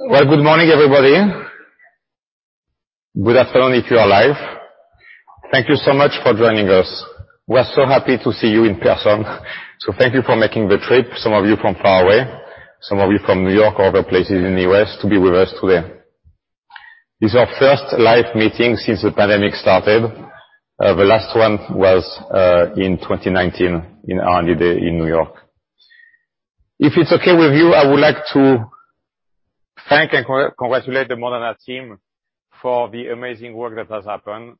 Well, good morning, everybody. Good afternoon if you are live. Thank you so much for joining us. We are so happy to see you in person, so thank you for making the trip, some of you from far away, some of you from New York or other places in the U.S. to be with us today. This is our first live meeting since the pandemic started. The last one was in 2019 in R&D in New York. If it's okay with you, I would like to thank and congratulate the Moderna team for the amazing work that has happened.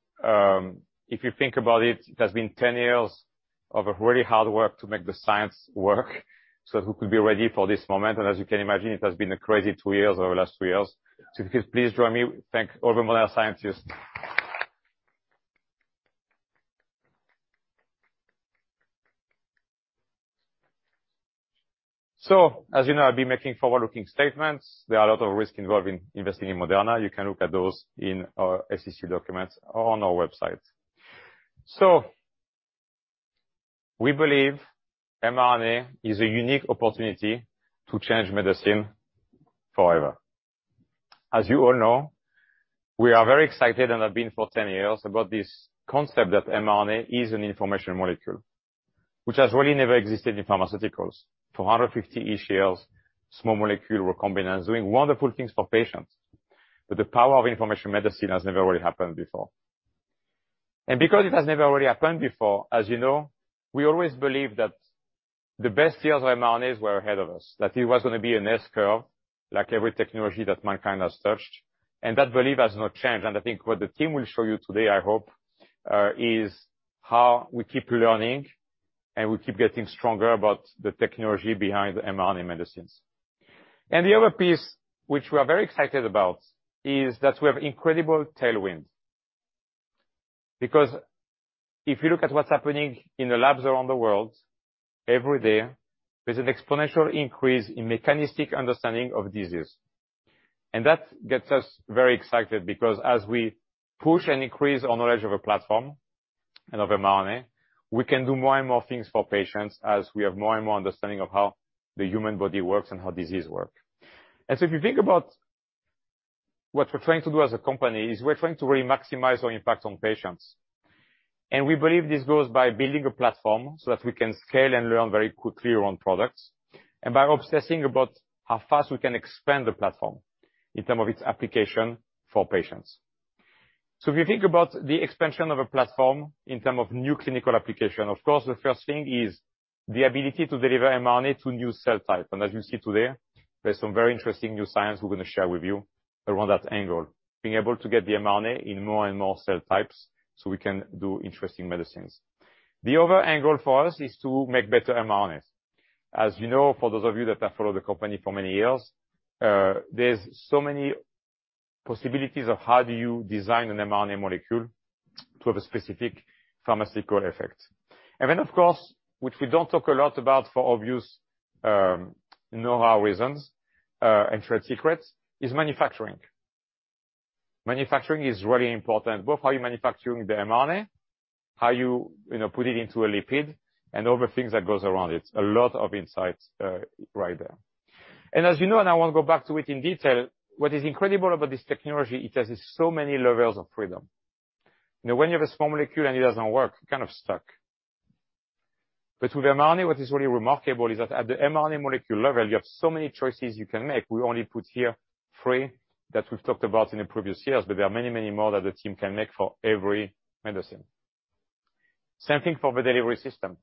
If you think about it has been 10 years of a really hard work to make the science work so we could be ready for this moment. As you can imagine, it has been a crazy two years over the last three years. Please join me. Thank all the Moderna scientists. As you know, I'll be making forward-looking statements. There are a lot of risks involving investing in Moderna. You can look at those in our SEC documents or on our website. We believe mRNA is a unique opportunity to change medicine forever. As you all know, we are very excited, and have been for 10 years, about this concept that mRNA is an information molecule which has really never existed in pharmaceuticals. For 150-ish years, small molecule recombinant doing wonderful things for patients, but the power of information medicine has never really happened before. Because it has never really happened before, as you know, we always believe that the best years of mRNAs were ahead of us, that it was gonna be an S-curve like every technology that mankind has touched. That belief has not changed. I think what the team will show you today, I hope, is how we keep learning and we keep getting stronger about the technology behind mRNA medicines. The other piece which we are very excited about is that we have incredible tailwinds. Because if you look at what's happening in the labs around the world every day, there's an exponential increase in mechanistic understanding of disease. That gets us very excited because as we push and increase our knowledge of a platform and of mRNA, we can do more and more things for patients as we have more and more understanding of how the human body works and how disease work. If you think about what we're trying to do as a company, is we're trying to really maximize our impact on patients. We believe this goes by building a platform so that we can scale and learn very quickly around products, and by obsessing about how fast we can expand the platform in terms of its application for patients. If you think about the expansion of a platform in terms of new clinical application, of course, the first thing is the ability to deliver mRNA to new cell type. As you see today, there's some very interesting new science we're gonna share with you around that angle. Being able to get the mRNA in more and more cell types, so we can do interesting medicines. The other angle for us is to make better mRNAs. As you know, for those of you that have followed the company for many years, there's so many possibilities of how do you design an mRNA molecule to have a specific pharmaceutical effect. Of course, which we don't talk a lot about for obvious, know-how reasons, and trade secrets, is manufacturing. Manufacturing is really important. Both how you manufacturing the mRNA, how you know, put it into a lipid and all the things that goes around it. A lot of insights, right there. As you know, and I won't go back to it in detail, what is incredible about this technology, it has so many levels of freedom. You know, when you have a small molecule and it doesn't work, you're kind of stuck. With mRNA, what is really remarkable is that at the mRNA molecule level, you have so many choices you can make. We only put here three that we've talked about in the previous years, but there are many, many more that the team can make for every medicine. Same thing for the delivery system.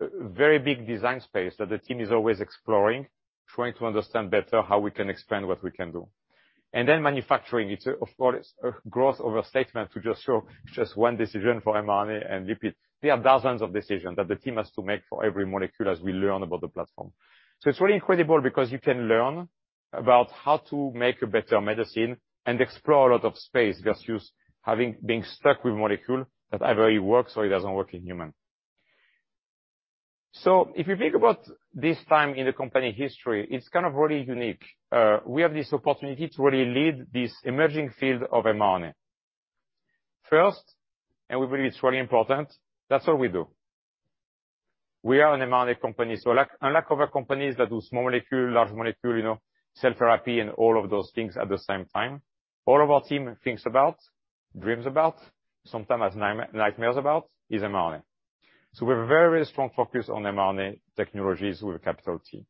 Very big design space that the team is always exploring, trying to understand better how we can expand what we can do. Manufacturing, it's, of course, a gross overstatement to just show one decision for mRNA and lipid. There are thousands of decisions that the team has to make for every molecule as we learn about the platform. It's really incredible because you can learn about how to make a better medicine and explore a lot of space versus being stuck with molecule that either it works or it doesn't work in human. If you think about this time in the company history, it's kind of really unique. We have this opportunity to really lead this emerging field of mRNA. First, we believe it's very important, that's all we do. We are an mRNA company. Like, unlike other companies that do small molecule, large molecule, you know, cell therapy and all of those things at the same time, all of our team thinks about, dreams about, sometimes nightmares about, is mRNA. We have a very strong focus on mRNA technologies with a capital T.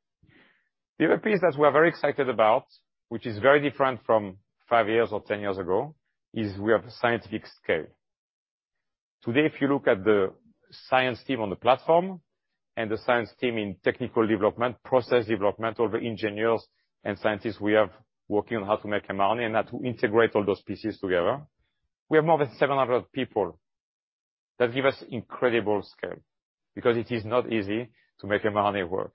The other piece that we are very excited about, which is very different from five years or 10 years ago, is we have a scientific scale. Today, if you look at the science team on the platform and the science team in technical development, process development, all the engineers and scientists we have working on how to make mRNA and how to integrate all those pieces together, we have more than 700 people. That give us incredible scale because it is not easy to make mRNA work.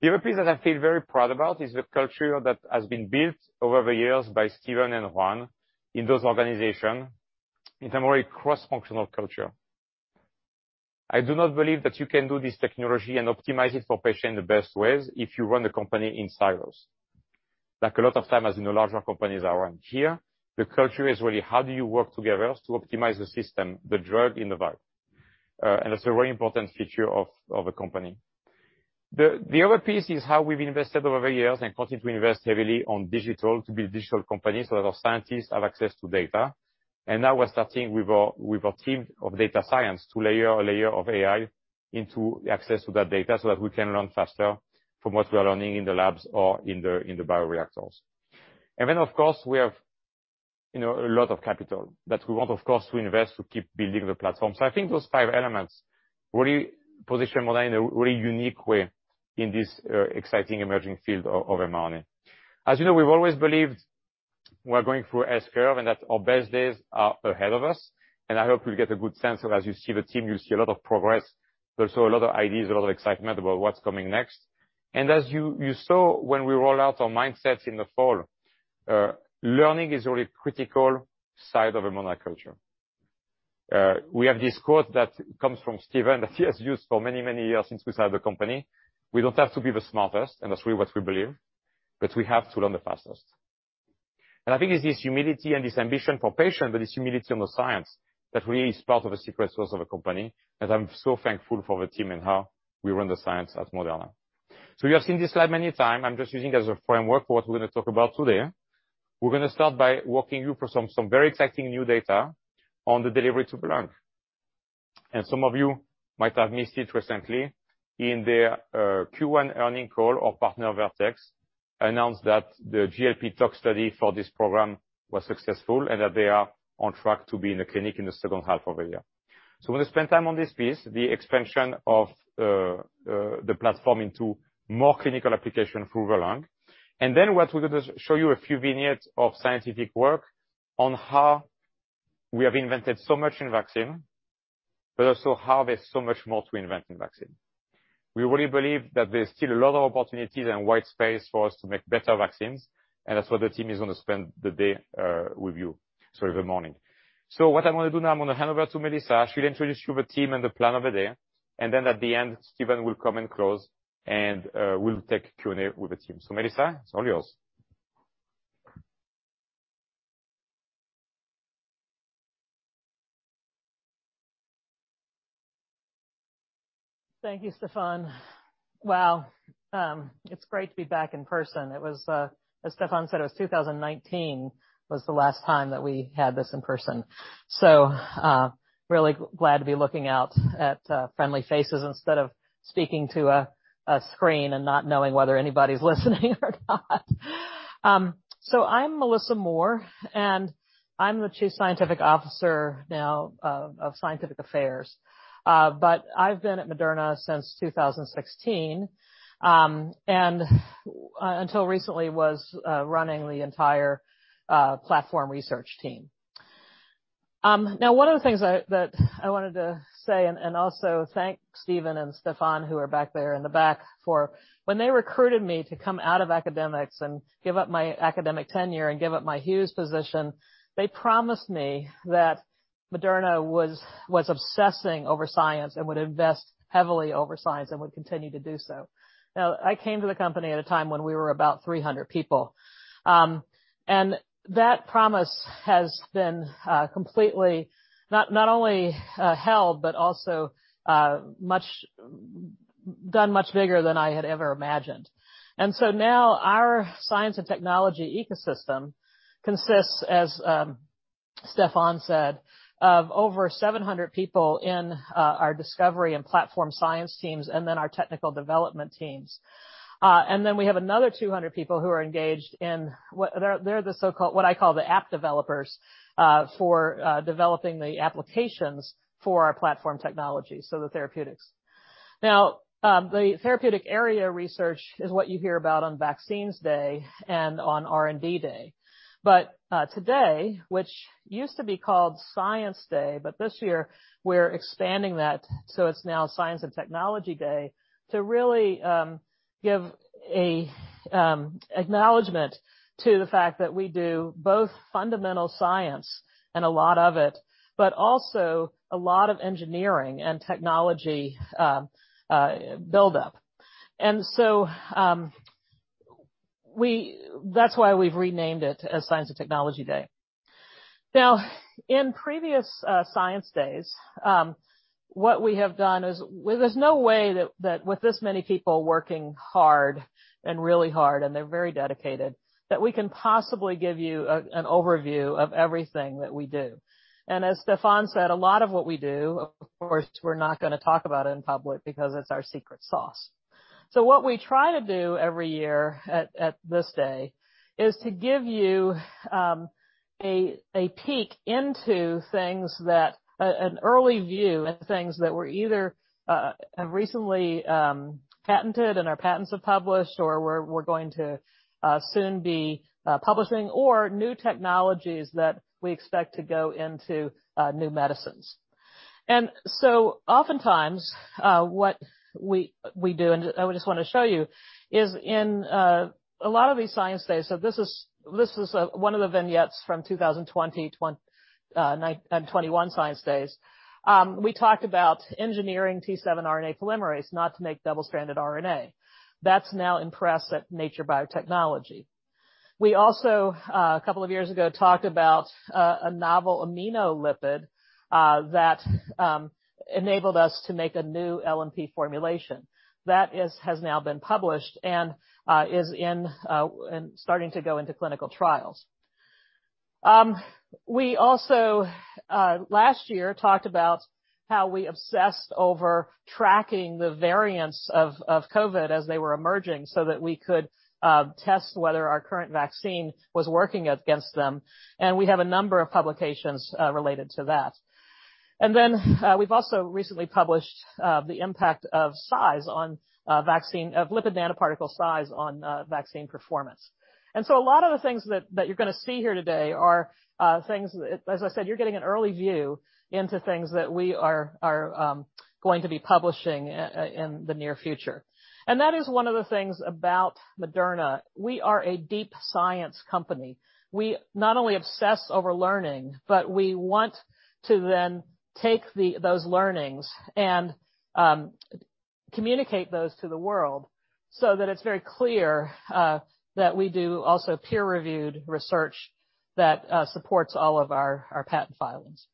The other piece that I feel very proud about is the culture that has been built over the years by Stephen and Juan in those organizations, in a more cross-functional culture. I do not believe that you can do this technology and optimize it for patients in the best ways if you run the company in silos. Like a lot of times as in the larger companies around here, the culture is really how do you work together to optimize the system, the drug in the vial. And it's a very important feature of a company. The other piece is how we've invested over the years and continue to invest heavily on digital to build digital companies so that our scientists have access to data. Now we're starting with a team of data science to layer AI into access to that data so that we can learn faster from what we are learning in the labs or in the bioreactors. Then of course, we have, you know, a lot of capital that we want, of course, to invest to keep building the platform. I think those five elements really position Moderna in a really unique way in this exciting emerging field of mRNA. As you know, we've always believed we're going through S-curve and that our best days are ahead of us, and I hope you'll get a good sense of as you see the team, you see a lot of progress. There's also a lot of ideas, a lot of excitement about what's coming next. As you saw when we roll out our mindsets in the fall, learning is a really critical side of a Moderna culture. We have this quote that comes from Stephen that he has used for many, many years since we started the company. "We don't have to be the smartest," and that's really what we believe, "but we have to learn the fastest." I think it's this humility and this ambition for patient, but this humility on the science that really is part of the secret sauce of a company, and I'm so thankful for the team and how we run the science at Moderna. You have seen this slide many a time. I'm just using it as a framework for what we're gonna talk about today. We're gonna start by walking you through some very exciting new data on the delivery to the lung. Some of you might have missed it recently in their Q1 earnings call, our partner Vertex announced that the GLP tox study for this program was successful and that they are on track to be in a clinic in the second half of the year. We're gonna spend time on this piece, the expansion of the platform into more clinical application through the lung. What we're gonna show you a few vignettes of scientific work on how we have invented so much in vaccine, but also how there's so much more to invent in vaccine. We really believe that there's still a lot of opportunities and white space for us to make better vaccines, and that's what the team is gonna spend the day with you, sorry, the morning. What I'm gonna do now, I'm gonna hand over to Melissa. She'll introduce you the team and the plan of the day. And then at the end, Stephen will come and close, and we'll take Q&A with the team. Melissa, it's all yours. Thank you, Stéphane. Wow, it's great to be back in person. It was, as Stéphane said, it was 2019, was the last time that we had this in person. Really glad to be looking out at, friendly faces instead of speaking to a screen and not knowing whether anybody's listening or not. I'm Melissa Moore, and I'm the Chief Scientific Officer now of Scientific Affairs. I've been at Moderna since 2016, and until recently was running the entire platform research team. Now one of the things that I wanted to say and also thank Stephen and Stéphane, who are back there in the back, for when they recruited me to come out of academics and give up my academic tenure and give up my Hughes position, they promised me that Moderna was obsessing over science and would invest heavily over science and would continue to do so. Now, I came to the company at a time when we were about 300 people. That promise has been completely not only held, but also done much bigger than I had ever imagined. Now our science and technology ecosystem consists, as Stéphane said, of over 700 people in our discovery and platform science teams, and then our technical development teams. We have another 200 people who are engaged in. They're the so-called, what I call the app developers, for developing the applications for our platform technology, so the therapeutics. The therapeutic area research is what you hear about on Vaccines Day and on R&D Day. Today, which used to be called Science Day, but this year we're expanding that, so it's now Science and Technology Day, to really give a acknowledgement to the fact that we do both fundamental science and a lot of it, but also a lot of engineering and technology build-up. That's why we've renamed it as Science and Technology Day. Now, in previous Science Days, what we have done is there's no way that with this many people working hard and really hard, and they're very dedicated, that we can possibly give you an overview of everything that we do. As Stéphane said, a lot of what we do, of course, we're not gonna talk about it in public because it's our secret sauce. What we try to do every year at this day is to give you a peek into things that an early view at things that we're either have recently patented and our patents have published or we're going to soon be publishing or new technologies that we expect to go into new medicines. Oftentimes, what we do, and I just wanna show you, is in a lot of these science days. This is one of the vignettes from 2021 science days. We talked about engineering T7 RNA polymerase not to make double-stranded RNA. That's now published in Nature Biotechnology. We also, a couple of years ago, talked about a novel aminolipid that enabled us to make a new LNP formulation. That has now been published and is starting to go into clinical trials. We also, last year, talked about how we obsessed over tracking the variants of COVID as they were emerging so that we could test whether our current vaccine was working against them. We have a number of publications related to that. We've also recently published the impact of lipid nanoparticle size on vaccine performance. A lot of the things that you're gonna see here today are things, as I said, you're getting an early view into things that we are going to be publishing in the near future. That is one of the things about Moderna. We are a deep science company. We not only obsess over learning, but we want to then take those learnings and communicate those to the world so that it's very clear that we do also peer-reviewed research that supports all of our patent filings.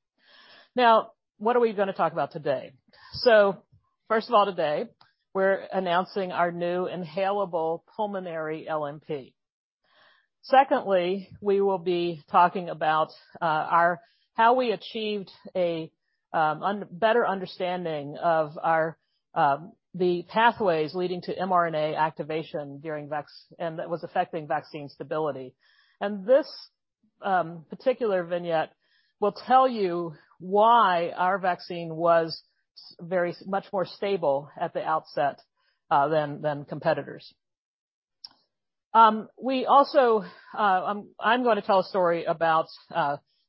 Now, what are we gonna talk about today? First of all, today, we're announcing our new inhalable pulmonary LNP. We will be talking about how we achieved a better understanding of the pathways leading to mRNA activation during vaccination and that was affecting vaccine stability. This particular vignette will tell you why our vaccine was very much more stable at the outset than competitors. We also, I'm gonna tell a story about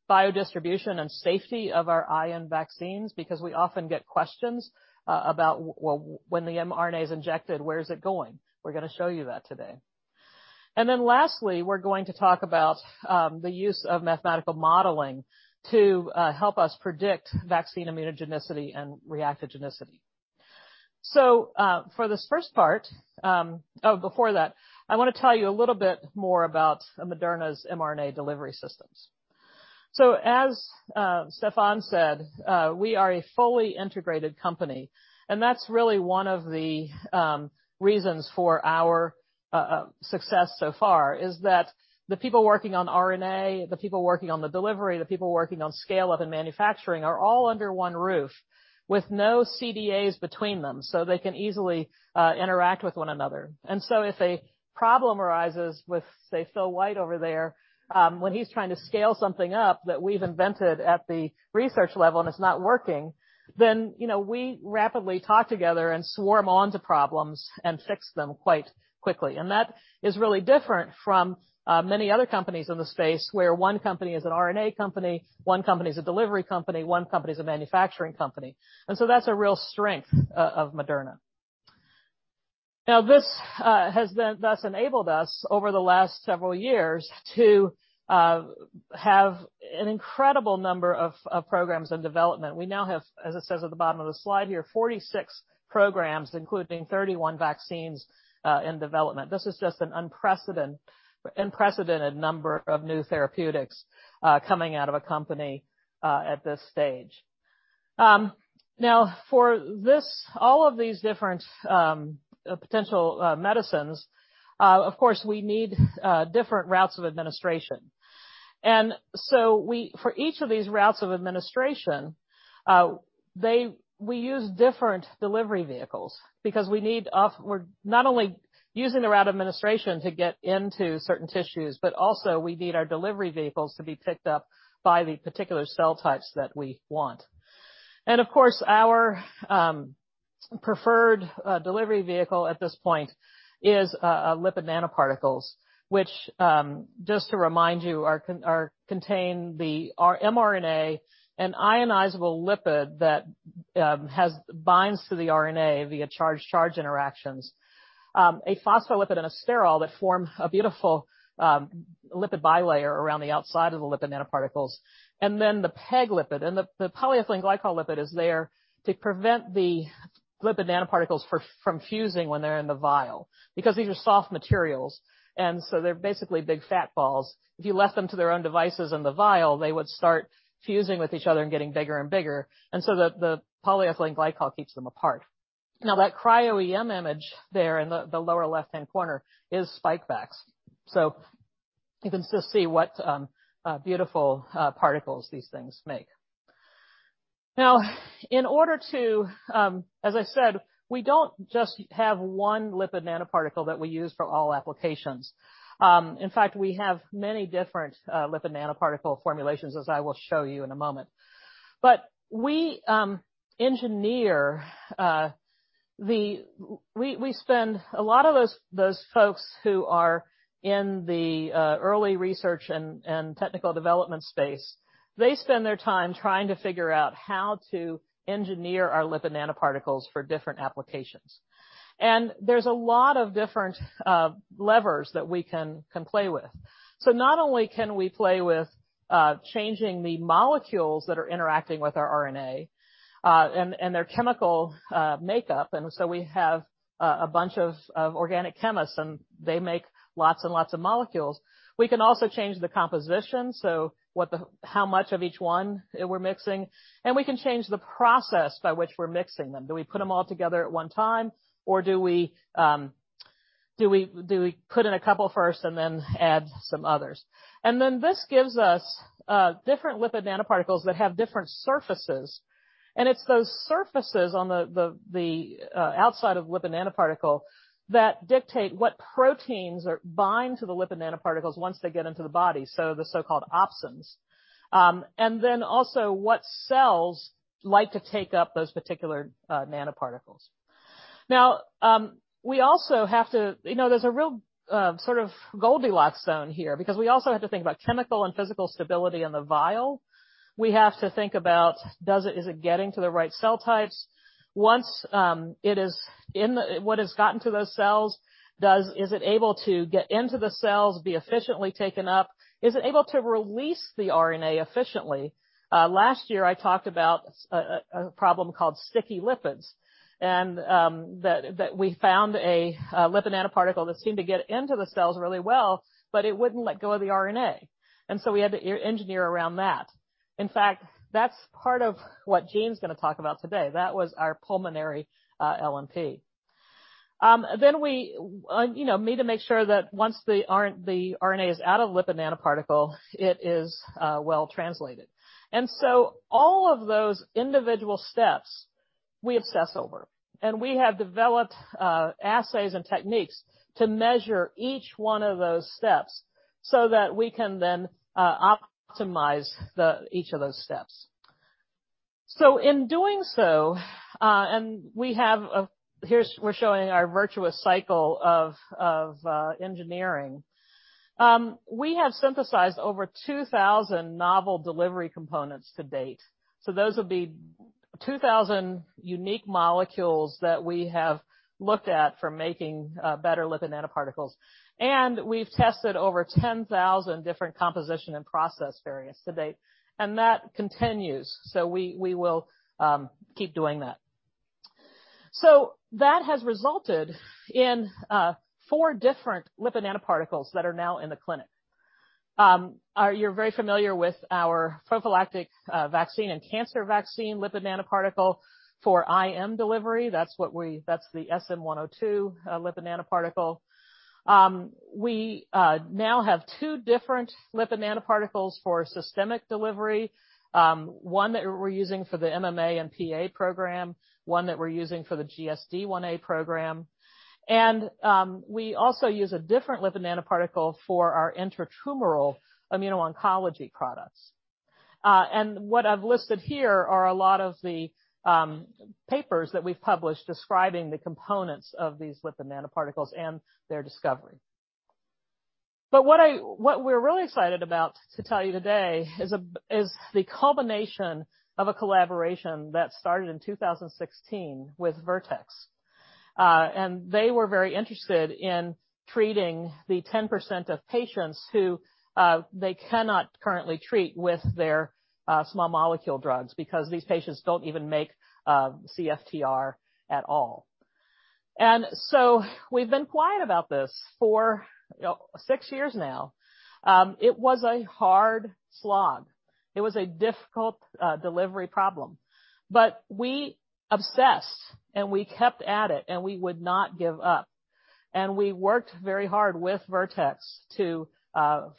biodistribution and safety of our IM vaccines because we often get questions about when the mRNA is injected, where is it going. We're gonna show you that today. Lastly, we're going to talk about the use of mathematical modeling to help us predict vaccine immunogenicity and reactogenicity. For this first part. Oh, before that, I wanna tell you a little bit more about Moderna's mRNA delivery systems. As Stéphane said, we are a fully integrated company, and that's really one of the reasons for our success so far, is that the people working on RNA, the people working on the delivery, the people working on scale-up and manufacturing are all under one roof with no CDAs between them, so they can easily interact with one another. If a problem arises with, say, Phil White over there, when he's trying to scale something up that we've invented at the research level and it's not working, then you know, we rapidly talk together and swarm onto problems and fix them quite quickly. That is really different from many other companies in the space where one company is an RNA company, one company is a delivery company, one company is a manufacturing company. That's a real strength of Moderna. Now, this has thus enabled us over the last several years to have an incredible number of programs in development. We now have, as it says at the bottom of the slide here, 46 programs, including 31 vaccines, in development. This is just an unprecedented number of new therapeutics coming out of a company at this stage. Now for all of these different potential medicines, of course, we need different routes of administration. For each of these routes of administration, we use different delivery vehicles because we're not only using the route administration to get into certain tissues, but also we need our delivery vehicles to be picked up by the particular cell types that we want. Of course, our preferred delivery vehicle at this point is lipid nanoparticles, which just to remind you are mRNA, an ionizable lipid that binds to the RNA via charge-charge interactions, a phospholipid and a sterol that form a beautiful lipid bilayer around the outside of the lipid nanoparticles, and then the PEG lipid. The polyethylene glycol lipid is there to prevent the lipid nanoparticles from fusing when they're in the vial because these are soft materials, and so they're basically big fat balls. If you left them to their own devices in the vial, they would start fusing with each other and getting bigger and bigger. The polyethylene glycol keeps them apart. Now that cryo-EM image there in the lower left-hand corner is Spikevax. You can just see what beautiful particles these things make. Now, in order to, as I said, we don't just have one lipid nanoparticle that we use for all applications. In fact, we have many different lipid nanoparticle formulations, as I will show you in a moment. We spend a lot of those folks who are in the early research and technical development space. They spend their time trying to figure out how to engineer our lipid nanoparticles for different applications. There's a lot of different levers that we can play with. Not only can we play with changing the molecules that are interacting with our RNA and their chemical makeup. We have a bunch of organic chemists, and they make lots and lots of molecules. We can also change the composition, so how much of each one that we're mixing, and we can change the process by which we're mixing them. Do we put them all together at one time, or do we put in a couple first and then add some others? Then this gives us different lipid nanoparticles that have different surfaces. It's those surfaces on the outside of the lipid nanoparticle that dictate what proteins bind to the lipid nanoparticles once they get into the body, so the so-called opsonins, and then also what cells like to take up those particular nanoparticles. Now, we also have to, you know, there's a real sort of Goldilocks zone here because we also have to think about chemical and physical stability in the vial. We have to think about, is it getting to the right cell types? Once it is in the cells, what has gotten to those cells, is it able to get into the cells, be efficiently taken up? Is it able to release the RNA efficiently? Last year, I talked about a problem called sticky lipids. That we found a lipid nanoparticle that seemed to get into the cells really well, but it wouldn't let go of the RNA. We had to engineer around that. In fact, that's part of what Jean's gonna talk about today. That was our pulmonary LNP. Then you know, we need to make sure that once the RNA is out of lipid nanoparticle, it is well translated. All of those individual steps we obsess over, and we have developed assays and techniques to measure each one of those steps so that we can then optimize each of those steps. In doing so, we have we're showing our virtuous cycle of engineering. We have synthesized over 2,000 novel delivery components to date. Those would be 2,000 unique molecules that we have looked at for making better lipid nanoparticles. We've tested over 10,000 different composition and process variants to date. That continues. We will keep doing that. That has resulted in four different lipid nanoparticles that are now in the clinic. You're very familiar with our prophylactic vaccine and cancer vaccine lipid nanoparticle for IM delivery. That's the SM-102 lipid nanoparticle. We now have two different lipid nanoparticles for systemic delivery, one that we're using for the MMA and PA program, one that we're using for the GSD 1a program. We also use a different lipid nanoparticle for our intratumoral immuno-oncology products. What I've listed here are a lot of the papers that we've published describing the components of these lipid nanoparticles and their discovery. What we're really excited about to tell you today is the culmination of a collaboration that started in 2016 with Vertex. They were very interested in treating the 10% of patients who they cannot currently treat with their small molecule drugs because these patients don't even make CFTR at all. We've been quiet about this for, you know, six years now. It was a hard slog. It was a difficult delivery problem. We obsessed, and we kept at it, and we would not give up. We worked very hard with Vertex to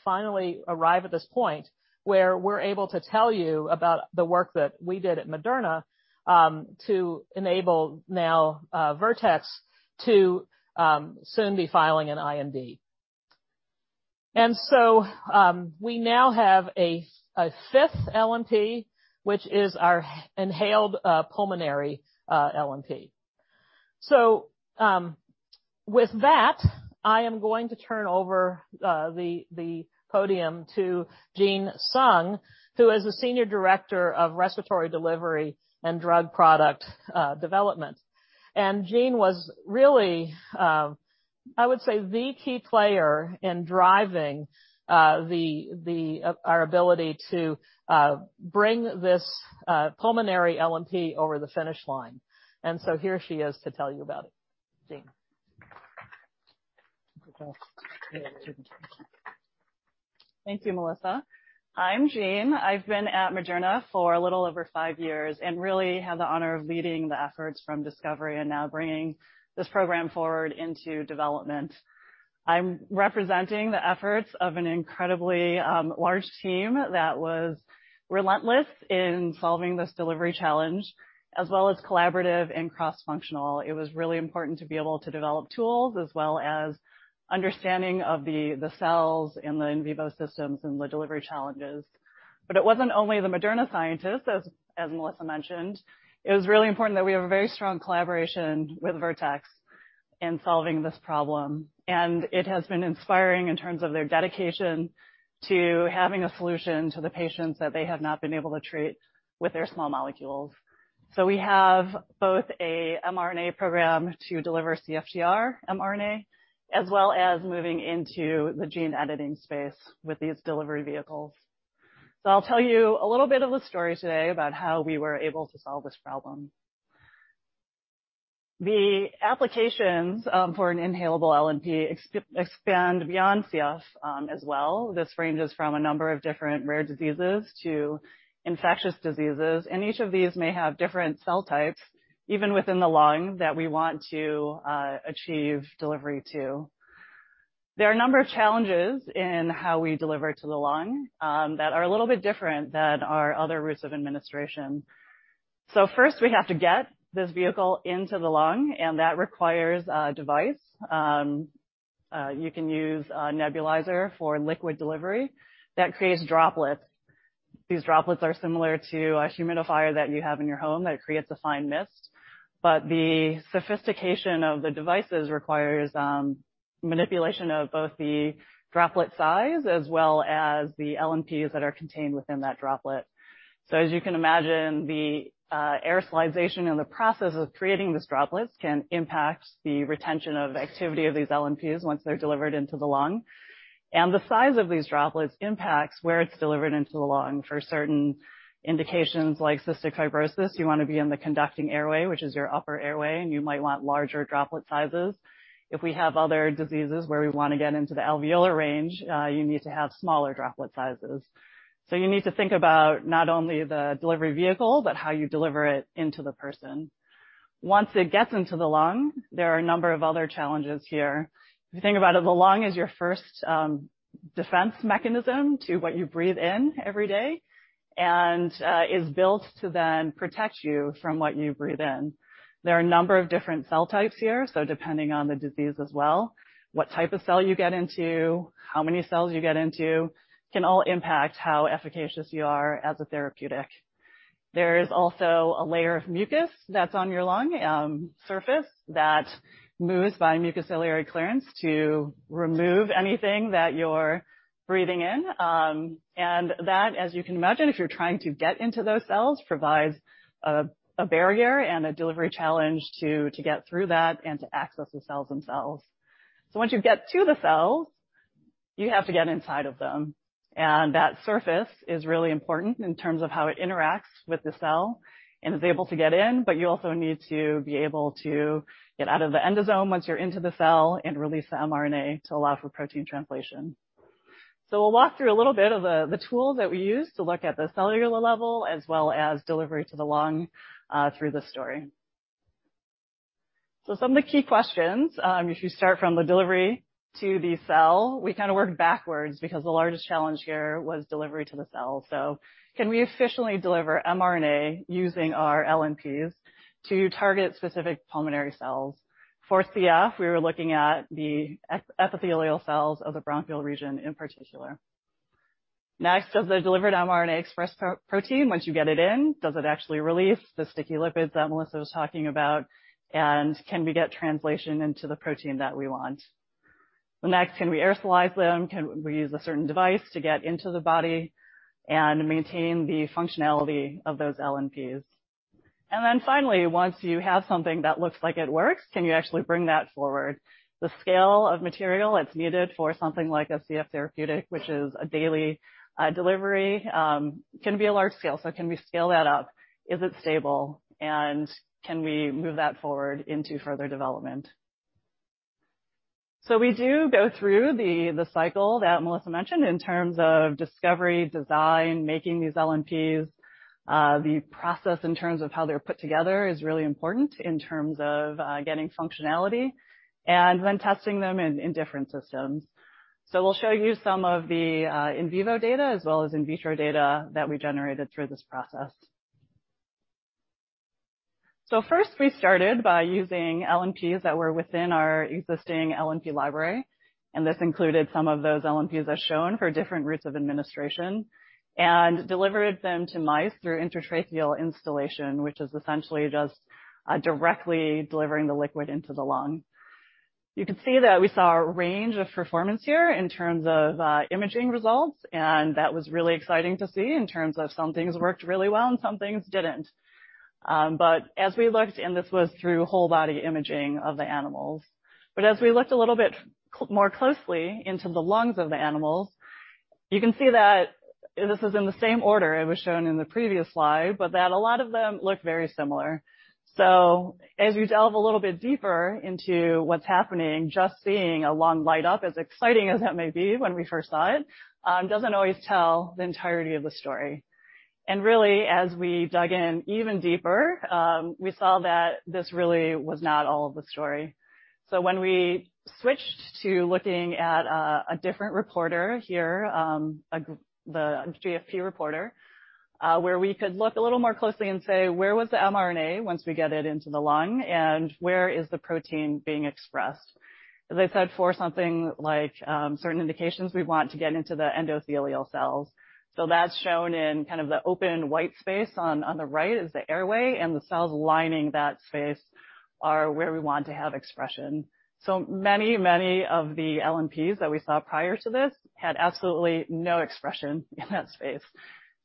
finally arrive at this point where we're able to tell you about the work that we did at Moderna to enable now Vertex to soon be filing an IND. We now have a fifth LNP, which is our inhaled pulmonary LNP. With that, I am going to turn over the podium to Jean Sung, who is the Senior Director of Respiratory Delivery and Drug Product Development. Jean was really, I would say, the key player in driving our ability to bring this pulmonary LNP over the finish line. Here she is to tell you about it. Jean. Thank you, Melissa. I'm Jean. I've been at Moderna for a little over five years and really had the honor of leading the efforts from discovery and now bringing this program forward into development. I'm representing the efforts of an incredibly large team that was relentless in solving this delivery challenge, as well as collaborative and cross-functional. It was really important to be able to develop tools as well as understanding of the cells and the in vivo systems and the delivery challenges. It wasn't only the Moderna scientists, as Melissa mentioned, it was really important that we have a very strong collaboration with Vertex in solving this problem. It has been inspiring in terms of their dedication to having a solution to the patients that they have not been able to treat with their small molecules. We have both a mRNA program to deliver CFTR mRNA, as well as moving into the gene editing space with these delivery vehicles. I'll tell you a little bit of a story today about how we were able to solve this problem. The applications for an inhalable LNP expand beyond CF as well. This ranges from a number of different rare diseases to infectious diseases, and each of these may have different cell types, even within the lung, that we want to achieve delivery to. There are a number of challenges in how we deliver to the lung that are a little bit different than our other routes of administration. First, we have to get this vehicle into the lung, and that requires a device. You can use a nebulizer for liquid delivery that creates droplets. These droplets are similar to a humidifier that you have in your home that creates a fine mist, but the sophistication of the devices requires manipulation of both the droplet size as well as the LNPs that are contained within that droplet. As you can imagine, the aerosolization in the process of creating these droplets can impact the retention of activity of these LNPs once they're delivered into the lung. The size of these droplets impacts where it's delivered into the lung. For certain indications like cystic fibrosis, you wanna be in the conducting airway, which is your upper airway, and you might want larger droplet sizes. If we have other diseases where we wanna get into the alveolar range, you need to have smaller droplet sizes. You need to think about not only the delivery vehicle, but how you deliver it into the person. Once it gets into the lung, there are a number of other challenges here. If you think about it, the lung is your first defense mechanism to what you breathe in every day and is built to then protect you from what you breathe in. There are a number of different cell types here, so depending on the disease as well, what type of cell you get into, how many cells you get into, can all impact how efficacious you are as a therapeutic. There is also a layer of mucus that's on your lung surface that moves by mucociliary clearance to remove anything that you're breathing in. That, as you can imagine, if you're trying to get into those cells, provides a barrier and a delivery challenge to get through that and to access the cells themselves. Once you get to the cells, you have to get inside of them, and that surface is really important in terms of how it interacts with the cell and is able to get in, but you also need to be able to get out of the endosome once you're into the cell and release the mRNA to allow for protein translation. We'll walk through a little bit of the tool that we use to look at the cellular level as well as delivery to the lung through this story. Some of the key questions, if you start from the delivery to the cell, we kinda worked backwards because the largest challenge here was delivery to the cell. Can we efficiently deliver mRNA using our LNPs to target specific pulmonary cells? For CF, we were looking at the epithelial cells of the bronchiole region in particular. Next, does the delivered mRNA express protein once you get it in? Does it actually release the sticky lipids that Melissa was talking about? And can we get translation into the protein that we want? The next, can we aerosolize them? Can we use a certain device to get into the body and maintain the functionality of those LNPs? Finally, once you have something that looks like it works, can you actually bring that forward? The scale of material that's needed for something like a CF therapeutic, which is a daily delivery, can be a large scale. Can we scale that up? Is it stable? Can we move that forward into further development? We do go through the cycle that Melissa mentioned in terms of discovery, design, making these LNPs. The process in terms of how they're put together is really important in terms of getting functionality and then testing them in different systems. We'll show you some of the in vivo data as well as in vitro data that we generated through this process. First, we started by using LNPs that were within our existing LNP library, and this included some of those LNPs as shown for different routes of administration, and delivered them to mice through intratracheal instillation, which is essentially just directly delivering the liquid into the lung. You can see that we saw a range of performance here in terms of imaging results, and that was really exciting to see in terms of some things worked really well and some things didn't. This was through whole body imaging of the animals. We looked a little bit more closely into the lungs of the animals. You can see that this is in the same order it was shown in the previous slide, but that a lot of them look very similar. As we delve a little bit deeper into what's happening, just seeing a lung light up, as exciting as that may be when we first saw it, doesn't always tell the entirety of the story. Really, as we dug in even deeper, we saw that this really was not all of the story. When we switched to looking at a different reporter here, the GFP reporter, where we could look a little more closely and say, "Where was the mRNA once we get it into the lung? And where is the protein being expressed?" As I said, for something like certain indications, we want to get into the epithelial cells. That's shown in kind of the open white space on the right is the airway, and the cells lining that space are where we want to have expression. Many of the LNPs that we saw prior to this had absolutely no expression in that space.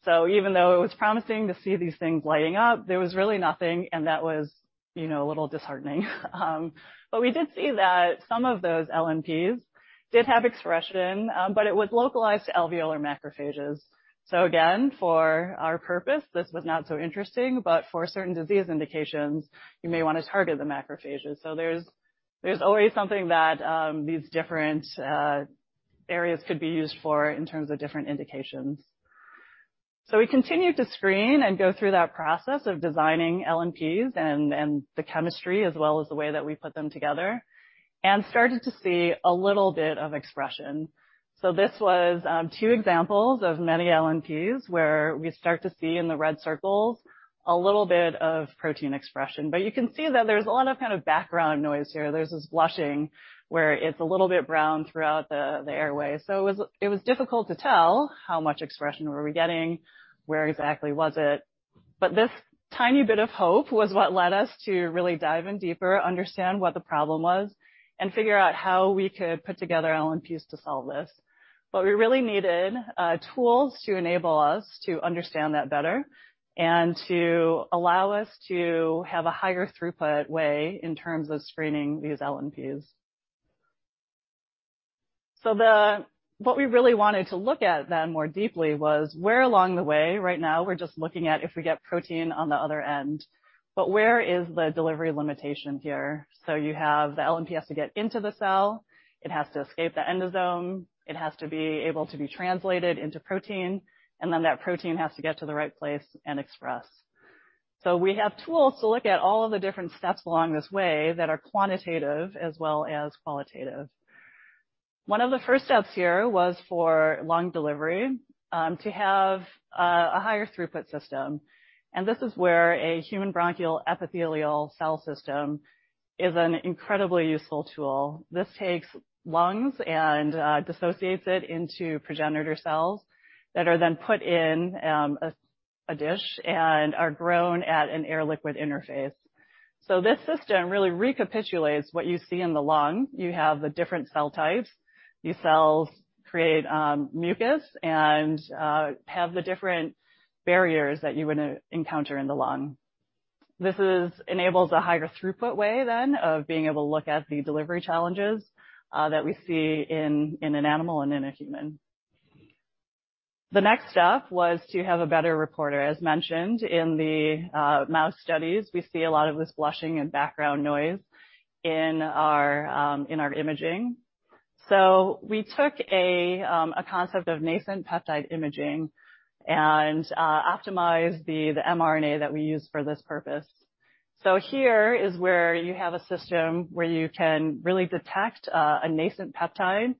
Even though it was promising to see these things lighting up, there was really nothing, and that was, you know, a little disheartening. But we did see that some of those LNPs did have expression, but it was localized to alveolar macrophages. Again, for our purpose, this was not so interesting, but for certain disease indications, you may wanna target the macrophages. There's always something that these different areas could be used for in terms of different indications. We continued to screen and go through that process of designing LNPs and the chemistry as well as the way that we put them together, and started to see a little bit of expression. This was two examples of many LNPs where we start to see in the red circles a little bit of protein expression. You can see that there's a lot of kind of background noise here. There's this blushing where it's a little bit brown throughout the airway. It was difficult to tell how much expression were we getting, where exactly was it? This tiny bit of hope was what led us to really dive in deeper, understand what the problem was, and figure out how we could put together LNPs to solve this. We really needed tools to enable us to understand that better and to allow us to have a higher throughput way in terms of screening these LNPs. What we really wanted to look at then more deeply was where along the way, right now we're just looking at if we get protein on the other end, but where is the delivery limitation here? You have the LNPs to get into the cell, it has to escape the endosome, it has to be able to be translated into protein, and then that protein has to get to the right place and express. We have tools to look at all of the different steps along this way that are quantitative as well as qualitative. One of the first steps here was for lung delivery to have a higher throughput system, and this is where a human bronchial epithelial cell system is an incredibly useful tool. This takes lungs and dissociates it into progenitor cells that are then put in a dish and are grown at an air-liquid interface. This system really recapitulates what you see in the lung. You have the different cell types. These cells create mucus and have the different barriers that you would encounter in the lung. This enables a higher throughput way then of being able to look at the delivery challenges that we see in an animal and in a human. The next step was to have a better reporter. As mentioned in the mouse studies, we see a lot of this blushing and background noise in our imaging. We took a concept of nascent peptide imaging and optimized the mRNA that we use for this purpose. Here is where you have a system where you can really detect a nascent peptide,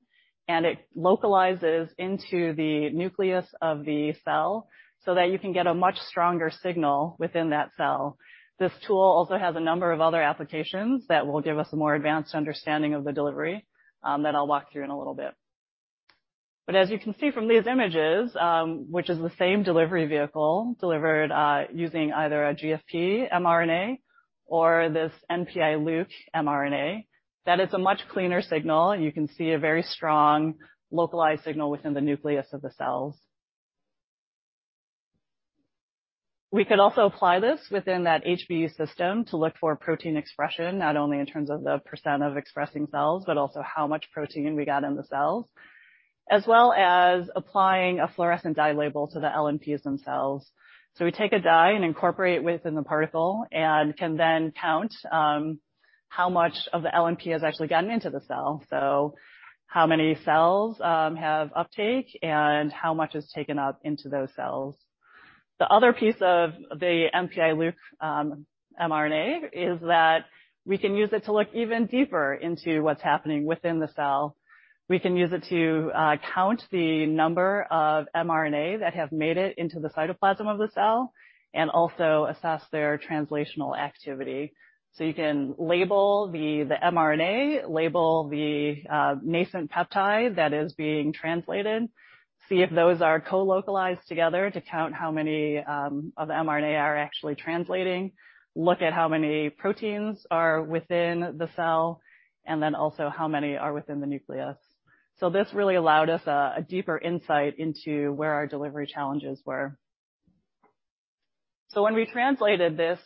and it localizes into the nucleus of the cell so that you can get a much stronger signal within that cell. This tool also has a number of other applications that will give us a more advanced understanding of the delivery that I'll walk through in a little bit. As you can see from these images, which is the same delivery vehicle delivered using either a GFP mRNA or this NPI-Luc mRNA, that is a much cleaner signal. You can see a very strong localized signal within the nucleus of the cells. We could also apply this within that HBE system to look for protein expression, not only in terms of the percent of expressing cells, but also how much protein we got in the cells, as well as applying a fluorescent dye label to the LNPs themselves. We take a dye and incorporate it within the particle and can then count how much of the LNP has actually gotten into the cell, so how many cells have uptake and how much is taken up into those cells. The other piece of the NPI-Luc mRNA is that we can use it to look even deeper into what's happening within the cell. We can use it to count the number of mRNA that have made it into the cytoplasm of the cell and also assess their translational activity. You can label the mRNA, label the nascent peptide that is being translated, see if those are co-localized together to count how many of the mRNA are actually translating, look at how many proteins are within the cell, and then also how many are within the nucleus. This really allowed us a deeper insight into where our delivery challenges were. When we translated this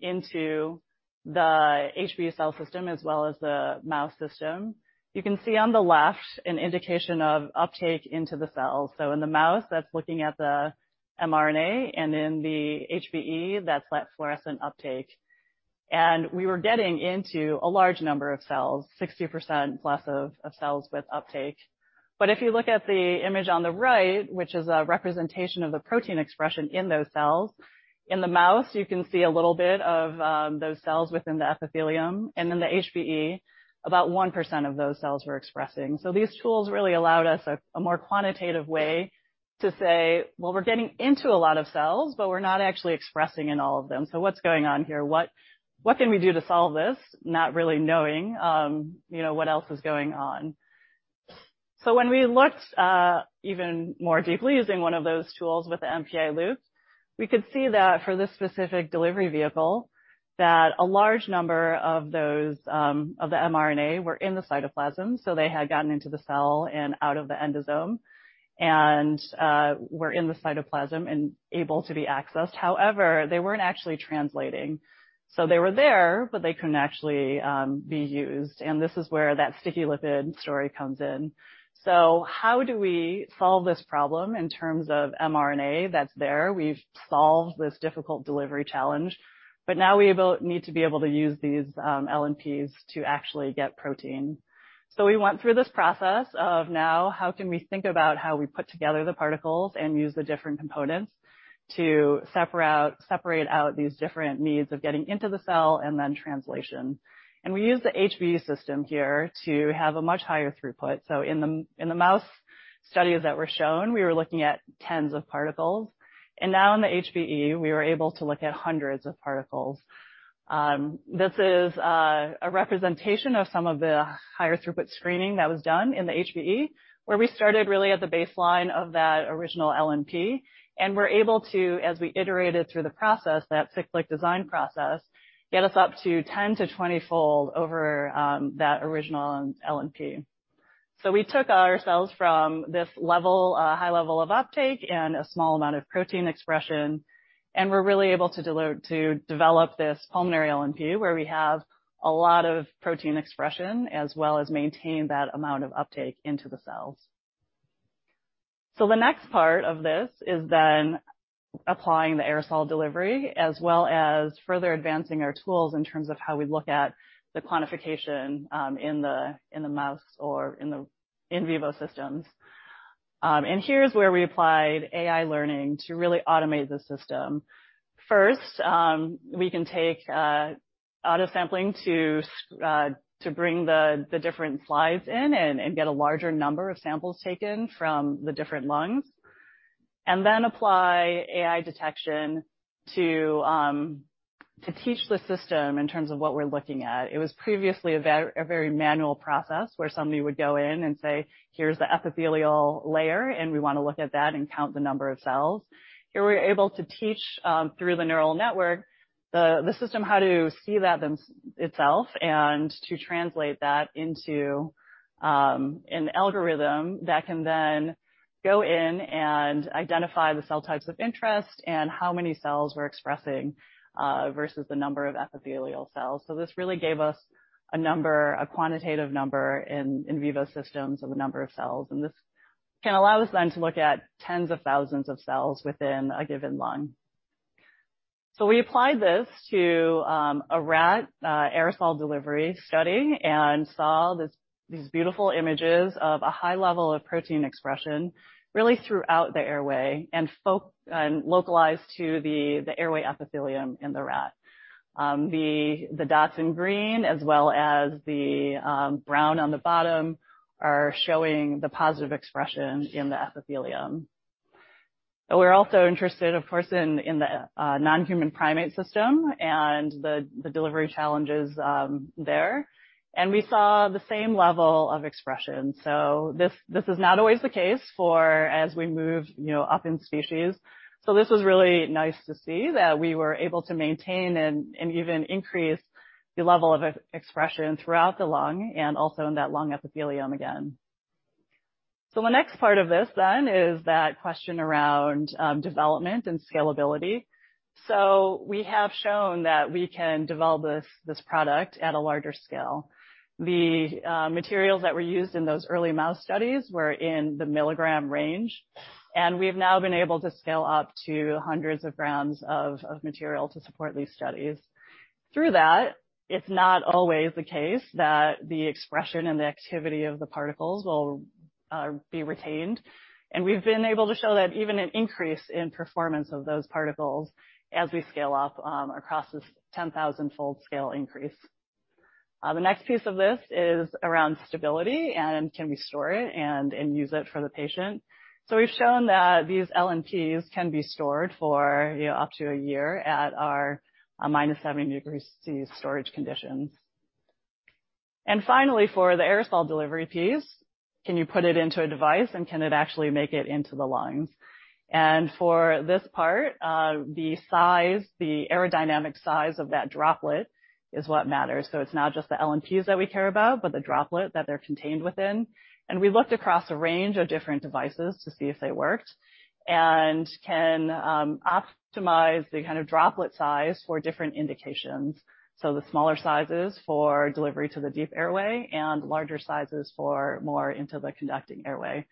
into the HBE cell system as well as the mouse system, you can see on the left an indication of uptake into the cell. In the mouse, that's looking at the mRNA, and in the HBE, that's that fluorescent uptake. We were getting into a large number of cells, 60%+ of cells with uptake. If you look at the image on the right, which is a representation of the protein expression in those cells, in the mouse you can see a little bit of those cells within the epithelium, and then the HBE, about 1% of those cells were expressing. These tools really allowed us a more quantitative way to say, "Well, we're getting into a lot of cells, but we're not actually expressing in all of them. So what's going on here? What can we do to solve this?" Not really knowing what else is going on. When we looked even more deeply using one of those tools with the NPI-Luc. We could see that for this specific delivery vehicle, that a large number of those of the mRNA were in the cytoplasm, so they had gotten into the cell and out of the endosome and were in the cytoplasm and able to be accessed. However, they weren't actually translating. They were there, but they couldn't actually be used, and this is where that sticky lipid story comes in. How do we solve this problem in terms of mRNA that's there? We've solved this difficult delivery challenge, but now we need to be able to use these LNPs to actually get protein. We went through this process of now how can we think about how we put together the particles and use the different components to separate out these different needs of getting into the cell and then translation. We use the HBE system here to have a much higher throughput. In the mouse studies that were shown, we were looking at tens of particles, and now in the HBE, we were able to look at hundreds of particles. This is a representation of some of the higher throughput screening that was done in the HBE, where we started really at the baseline of that original LNP, and we're able to, as we iterated through the process, that cyclic design process, get us up to 10-20 fold over that original LNP. We took ourselves from this level, high level of uptake and a small amount of protein expression, and we're really able to develop this pulmonary LNP where we have a lot of protein expression as well as maintain that amount of uptake into the cells. The next part of this is then applying the aerosol delivery as well as further advancing our tools in terms of how we look at the quantification, in the mouse or in the in vivo systems. Here's where we applied AI learning to really automate the system. First, we can take automated sampling to bring the different slides in and get a larger number of samples taken from the different lungs, and then apply AI detection to teach the system in terms of what we're looking at. It was previously a very manual process where somebody would go in and say, "Here's the epithelial layer, and we wanna look at that and count the number of cells." Here, we were able to teach through the neural network the system how to see that themselves and to translate that into an algorithm that can then go in and identify the cell types of interest and how many cells we're expressing versus the number of epithelial cells. This really gave us a number, a quantitative number in vivo systems of the number of cells, and this can allow us then to look at tens of thousands of cells within a given lung. We applied this to a rat aerosol delivery study and saw these beautiful images of a high level of protein expression really throughout the airway and localized to the airway epithelium in the rat. The dots in green as well as the brown on the bottom are showing the positive expression in the epithelium. We're also interested, of course, in the non-human primate system and the delivery challenges there. We saw the same level of expression. This is not always the case for as we move, you know, up in species. This was really nice to see that we were able to maintain and even increase the level of expression throughout the lung and also in that lung epithelium again. The next part of this then is that question around development and scalability. We have shown that we can develop this product at a larger scale. The materials that were used in those early mouse studies were in the milligram range, and we've now been able to scale up to hundreds of grams of material to support these studies. Through that, it's not always the case that the expression and the activity of the particles will be retained. We've been able to show that even an increase in performance of those particles as we scale up across this 10,000-fold scale increase. The next piece of this is around stability and can we store it and use it for the patient. We've shown that these LNPs can be stored for, you know, up to a year at our minus 70 degrees C storage conditions. Finally, for the aerosol delivery piece, can you put it into a device and can it actually make it into the lungs? For this part, the size, the aerodynamic size of that droplet is what matters. It's not just the LNPs that we care about, but the droplet that they're contained within. We looked across a range of different devices to see if they worked and can optimize the kind of droplet size for different indications. The smaller sizes for delivery to the deep airway and larger sizes for more into the conducting airway.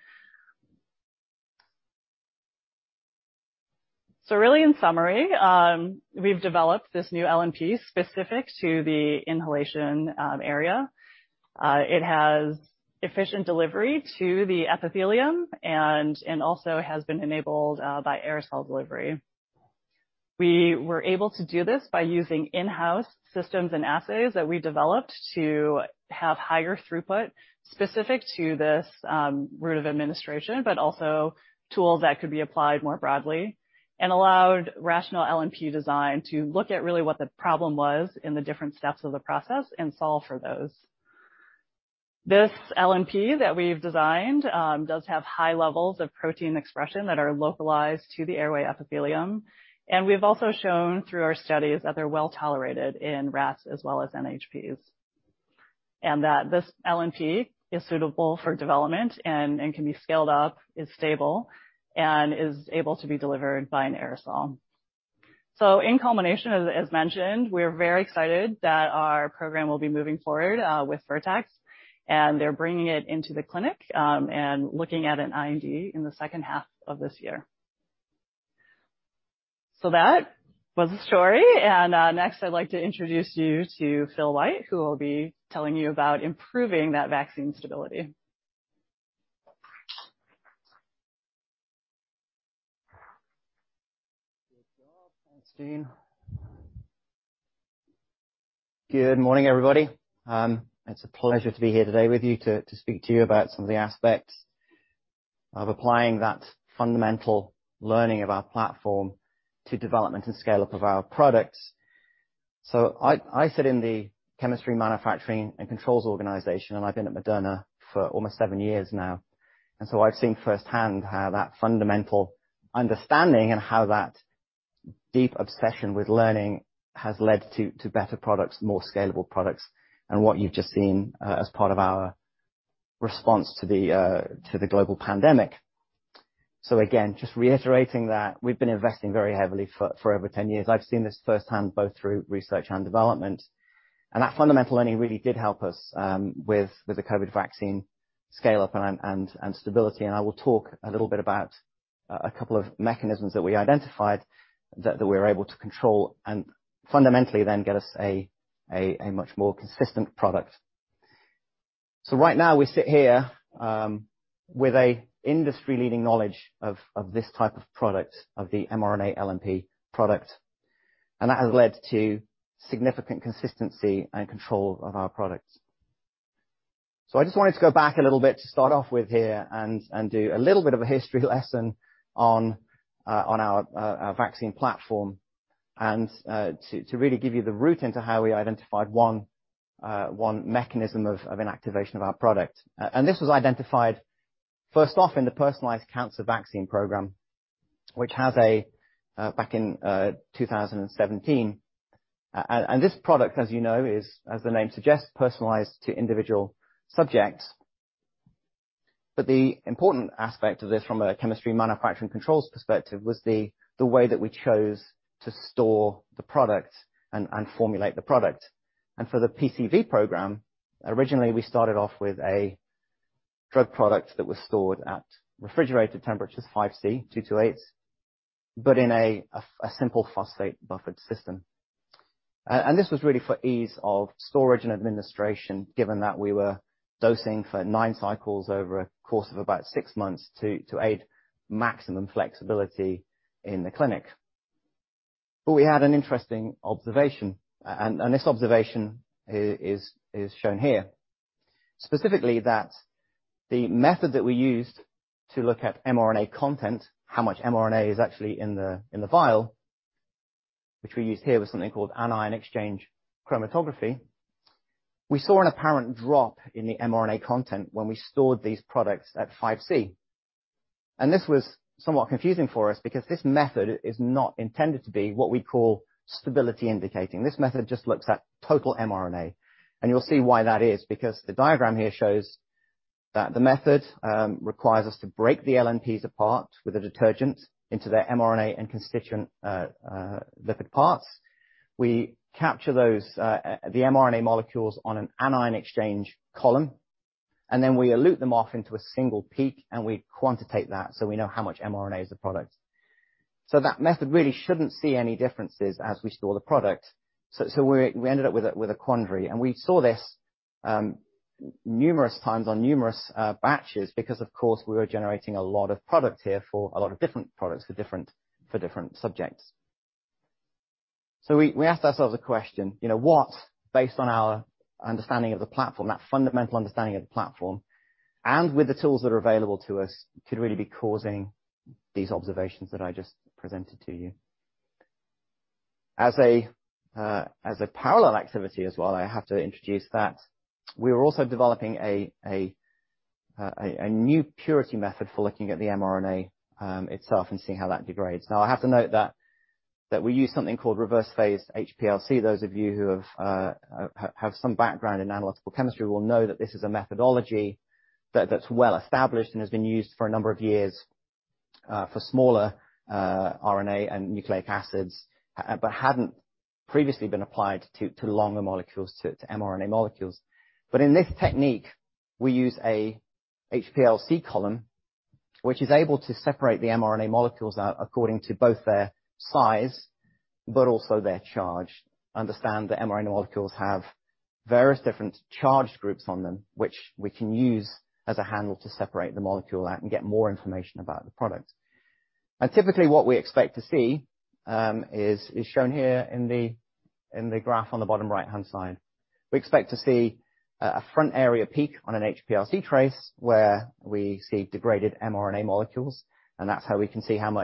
Really, in summary, we've developed this new LNP specific to the inhalation area. It has efficient delivery to the epithelium and also has been enabled by aerosol delivery. We were able to do this by using in-house systems and assays that we developed to have higher throughput specific to this route of administration, but also tools that could be applied more broadly and allowed rational LNP design to look at really what the problem was in the different steps of the process and solve for those. This LNP that we've designed does have high levels of protein expression that are localized to the airway epithelium. We've also shown through our studies that they're well-tolerated in rats as well as NHPs, and that this LNP is suitable for development and can be scaled up, is stable, and is able to be delivered by an aerosol. In culmination, as mentioned, we're very excited that our program will be moving forward with Vertex, and they're bringing it into the clinic and looking at an IND in the second half of this year. That was the story. Next I'd like to introduce you to Phil White, who will be telling you about improving that vaccine stability. Good job. Thanks, Jean. Good morning, everybody. It's a pleasure to be here today with you to speak to you about some of the aspects of applying that fundamental learning of our platform to development and scale-up of our products. I sit in the chemistry, manufacturing, and controls organization, and I've been at Moderna for almost seven years now. I've seen firsthand how that fundamental understanding and how that deep obsession with learning has led to better products, more scalable products, and what you've just seen as part of our response to the global pandemic. Just reiterating that we've been investing very heavily for over 10 years. I've seen this firsthand, both through research and development. That fundamental learning really did help us with the COVID vaccine scale-up and stability. I will talk a little bit about a couple of mechanisms that we identified that we were able to control, and fundamentally then get us a much more consistent product. Right now we sit here with an industry-leading knowledge of this type of product, of the mRNA LNP product, and that has led to significant consistency and control of our products. I just wanted to go back a little bit to start off with here and do a little bit of a history lesson on our vaccine platform and to really give you the route into how we identified one mechanism of inactivation of our product. This was identified first off in the personalized cancer vaccine program, which was back in 2017. This product, as you know, is, as the name suggests, personalized to individual subjects. The important aspect of this from a chemistry, manufacturing, and controls perspective was the way that we chose to store the product and formulate the product. For the PCV program, originally we started off with a drug product that was stored at refrigerated temperatures two to eight degrees Celsius, but in a simple phosphate buffered system. This was really for ease of storage and administration, given that we were dosing for nine cycles over a course of about six months to aid maximum flexibility in the clinic. We had an interesting observation, and this observation is shown here. Specifically, that the method that we used to look at mRNA content, how much mRNA is actually in the vial, which we used here, was something called anion exchange chromatography. We saw an apparent drop in the mRNA content when we stored these products at five degrees Celsius. This was somewhat confusing for us because this method is not intended to be what we call stability indicating. This method just looks at total mRNA. You'll see why that is, because the diagram here shows that the method requires us to break the LNPs apart with a detergent into their mRNA and constituent lipid parts. We capture those, the mRNA molecules on an anion exchange column, and then we elute them off into a single peak, and we quantitate that, so we know how much mRNA is the product. That method really shouldn't see any differences as we store the product. We ended up with a quandary, and we saw this numerous times on numerous batches because of course we were generating a lot of product here for a lot of different products for different subjects. We asked ourselves the question, you know, what, based on our understanding of the platform, that fundamental understanding of the platform, and with the tools that are available to us, could really be causing these observations that I just presented to you? As a parallel activity as well, I have to introduce that we were also developing a new purity method for looking at the mRNA itself and seeing how that degrades Now, I have to note that we use something called reverse phase HPLC. Those of you who have some background in analytical chemistry will know that this is a methodology that is well established and has been used for a number of years for smaller RNA and nucleic acids, but hadn't previously been applied to longer molecules, to mRNA molecules. In this technique, we use a HPLC column, which is able to separate the mRNA molecules out according to both their size but also their charge. Understand that mRNA molecules have various different charge groups on them, which we can use as a handle to separate the molecule out and get more information about the product. Typically, what we expect to see is shown here in the graph on the bottom right-hand side. We expect to see a front area peak on an HPLC trace where we see degraded mRNA molecules, and that's how we can see how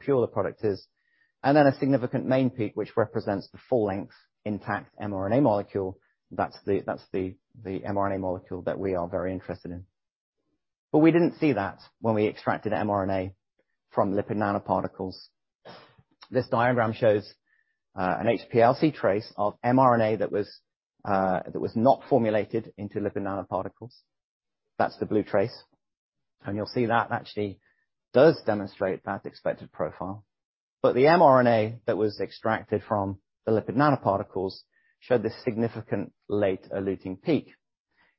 pure the product is, and then a significant main peak which represents the full length intact mRNA molecule. That's the mRNA molecule that we are very interested in. We didn't see that when we extracted mRNA from lipid nanoparticles. This diagram shows an HPLC trace of mRNA that was not formulated into lipid nanoparticles. That's the blue trace. And you'll see that actually does demonstrate that expected profile. The mRNA that was extracted from the lipid nanoparticles showed this significant late eluting peak.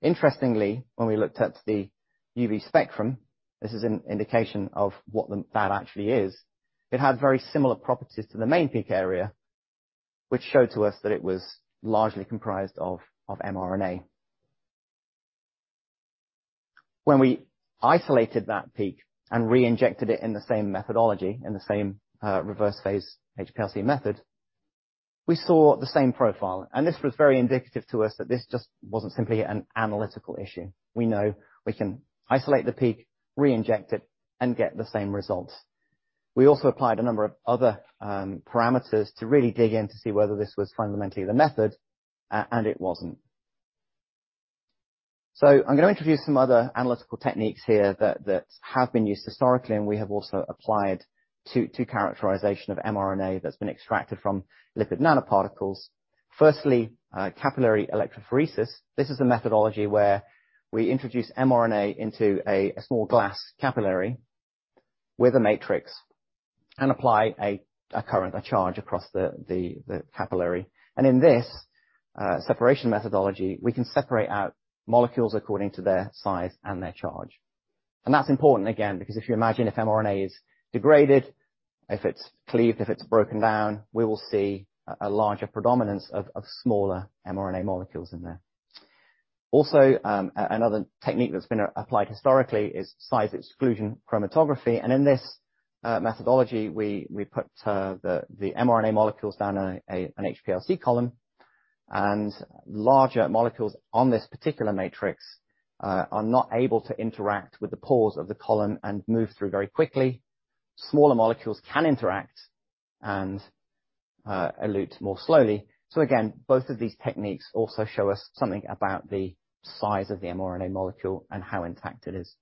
Interestingly, when we looked at the UV spectrum, this is an indication of what that actually is. It had very similar properties to the main peak area, which showed to us that it was largely comprised of mRNA. When we isolated that peak and reinjected it in the same methodology, in the same reverse phase HPLC method, we saw the same profile. This was very indicative to us that this just wasn't simply an analytical issue. We know we can isolate the peak, reinject it, and get the same results. We also applied a number of other parameters to really dig in to see whether this was fundamentally the method, and it wasn't. I'm gonna introduce some other analytical techniques here that have been used historically, and we have also applied to characterization of mRNA that's been extracted from lipid nanoparticles. Firstly, capillary electrophoresis. This is a methodology where we introduce mRNA into a small glass capillary with a matrix and apply a current, a charge across the capillary. In this separation methodology, we can separate out molecules according to their size and their charge. That's important, again, because if you imagine mRNA is degraded, if it's cleaved, if it's broken down, we will see a larger predominance of smaller mRNA molecules in there. Another technique that's been applied historically is size exclusion chromatography. In this methodology, we put the mRNA molecules down an HPLC column, and larger molecules on this particular matrix are not able to interact with the pores of the column and move through very quickly. Smaller molecules can interact and elute more slowly. Again, both of these techniques also show us something about the size of the mRNA molecule and how intact it is.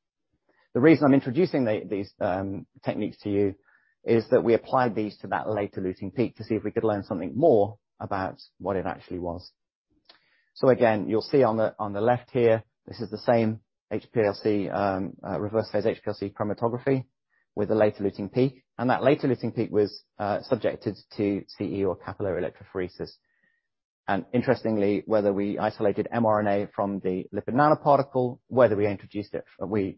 The reason I'm introducing these techniques to you is that we applied these to that late eluting peak to see if we could learn something more about what it actually was. Again, you'll see on the left here, this is the same HPLC reverse phase HPLC chromatography with a late eluting peak, and that late eluting peak was subjected to CE or capillary electrophoresis. Interestingly, whether we isolated mRNA from the lipid nanoparticle, we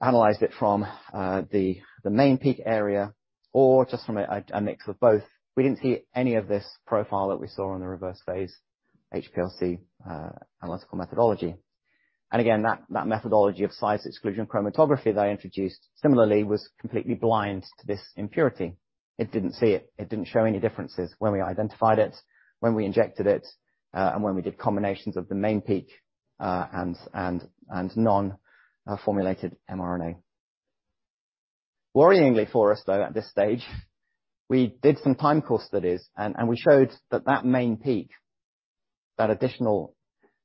analyzed it from the main peak area or just from a mix of both, we didn't see any of this profile that we saw on the reverse phase HPLC analytical methodology. Again, that methodology of size exclusion chromatography that I introduced similarly was completely blind to this impurity. It didn't see it. It didn't show any differences when we identified it, when we injected it, and when we did combinations of the main peak and non-formulated mRNA. Worryingly for us, though, at this stage, we did some time course studies and we showed that main peak, that additional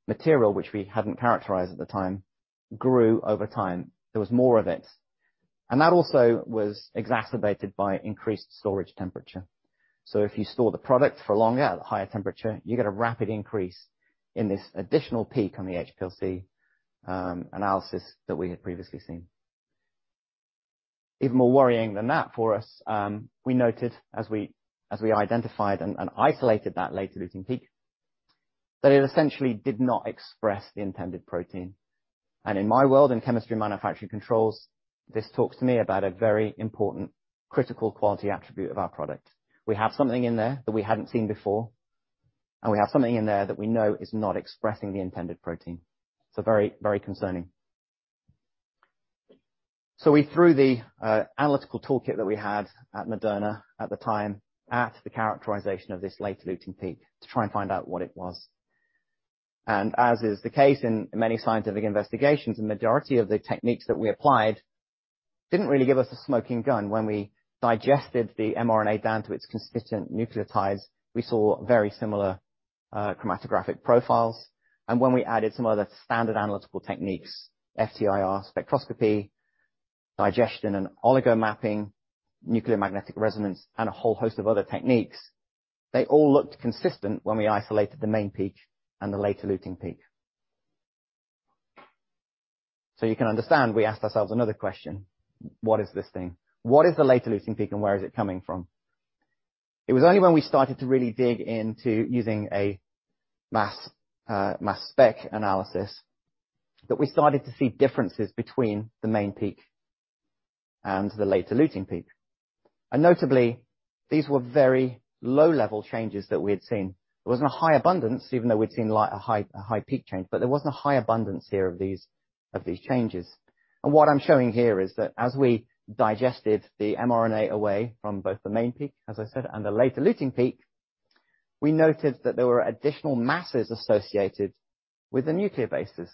material which we hadn't characterized at the time, grew over time. There was more of it. That also was exacerbated by increased storage temperature. If you store the product for longer at a higher temperature, you get a rapid increase in this additional peak on the HPLC analysis that we had previously seen. Even more worrying than that for us, we noted as we identified and isolated that late eluting peak, that it essentially did not express the intended protein. In my world, in chemistry manufacturing controls, this talks to me about a very important critical quality attribute of our product. We have something in there that we hadn't seen before, and we have something in there that we know is not expressing the intended protein. Very, very concerning. We threw the analytical toolkit that we had at Moderna at the time at the characterization of this late eluting peak to try and find out what it was. As is the case in many scientific investigations, the majority of the techniques that we applied didn't really give us a smoking gun. When we digested the mRNA down to its constituent nucleotides, we saw very similar chromatographic profiles. When we added some other standard analytical techniques, FTIR spectroscopy, digestion and oligo mapping, nuclear magnetic resonance, and a whole host of other techniques, they all looked consistent when we isolated the main peak and the late eluting peak. You can understand, we asked ourselves another question, "What is this thing? What is the late eluting peak and where is it coming from?" It was only when we started to really dig into using a mass spec analysis that we started to see differences between the main peak and the late eluting peak. Notably, these were very low-level changes that we had seen. There wasn't a high abundance, even though we'd seen like a high peak change, but there wasn't a high abundance here of these changes. What I'm showing here is that as we digested the mRNA away from both the main peak, as I said, and the late eluting peak, we noted that there were additional masses associated with the nucleic bases,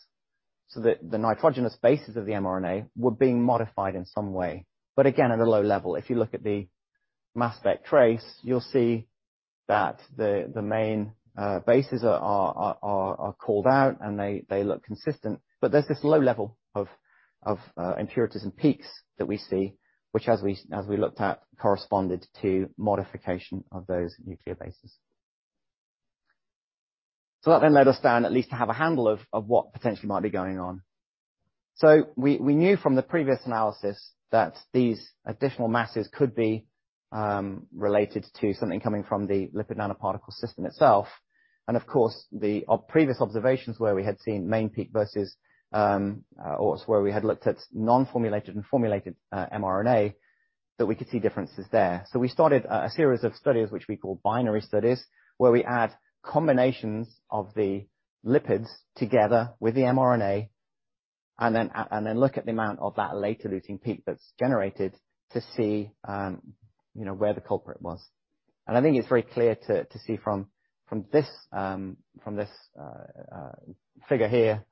so that the nitrogenous bases of the mRNA were being modified in some way, but again, at a low level. If you look at the mass spec trace, you'll see that the main bases are called out and they look consistent, but there's this low level of impurities and peaks that we see which as we looked at, corresponded to modification of those nuclear bases. That then led us down at least to have a handle of what potentially might be going on. We knew from the previous analysis that these additional masses could be related to something coming from the lipid nanoparticle system itself. Of course, the previous observations where we had seen main peak versus or where we had looked at non-formulated and formulated mRNA, that we could see differences there. We started a series of studies which we call binary studies, where we add combinations of the lipids together with the mRNA and then look at the amount of that late eluting peak that's generated to see you know where the culprit was. I think it's very clear to see from this figure here,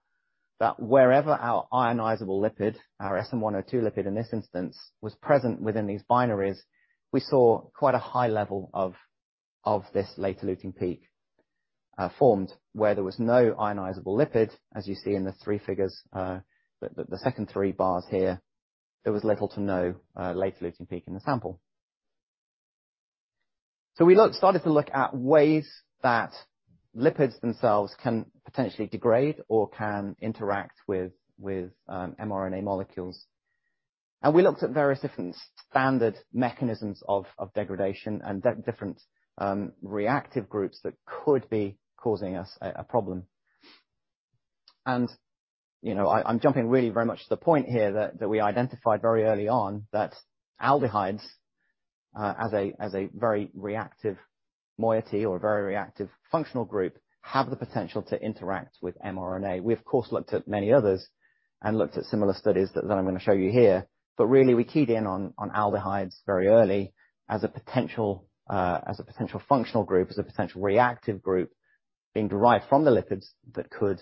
that wherever our ionizable lipid, our SM-102 lipid in this instance, was present within these binaries, we saw quite a high level of this late eluting peak formed where there was no ionizable lipid, as you see in the three figures, the second three bars here, there was little to no late eluting peak in the sample. We started to look at ways that lipids themselves can potentially degrade or can interact with mRNA molecules. We looked at various different standard mechanisms of degradation and different reactive groups that could be causing us a problem. You know, I'm jumping really very much to the point here that we identified very early on that aldehydes, as a very reactive moiety or a very reactive functional group, have the potential to interact with mRNA. We of course looked at many others and looked at similar studies that I'm gonna show you here, but really we keyed in on aldehydes very early as a potential functional group, as a potential reactive group being derived from the lipids that could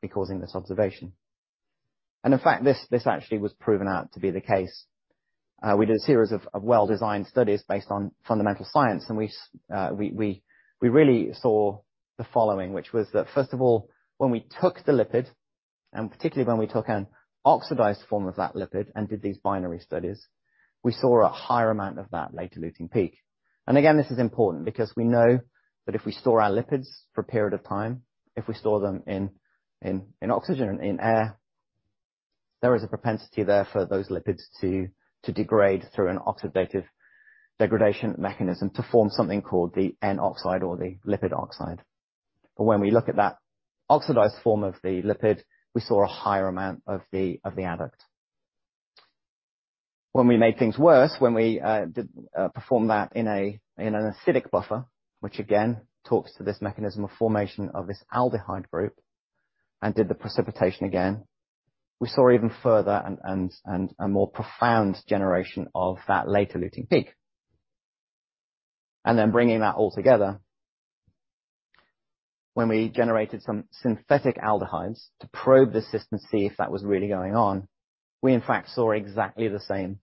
be causing this observation. In fact, this actually was proven out to be the case. We did a series of well-designed studies based on fundamental science, and we really saw the following, which was that, first of all, when we took the lipid, and particularly when we took an oxidized form of that lipid and did these binary studies, we saw a higher amount of that late eluting peak. Again, this is important because we know that if we store our lipids for a period of time, if we store them in oxygen, in air, there is a propensity there for those lipids to degrade through an oxidative degradation mechanism to form something called the N-oxide or the lipid oxide. When we look at that oxidized form of the lipid, we saw a higher amount of the adduct. When we made things worse, when we did perform that in an acidic buffer, which again talks to this mechanism of formation of this aldehyde group and did the precipitation again, we saw even further and a more profound generation of that late eluting peak. Bringing that all together, when we generated some synthetic aldehydes to probe the system to see if that was really going on, we in fact saw exactly the same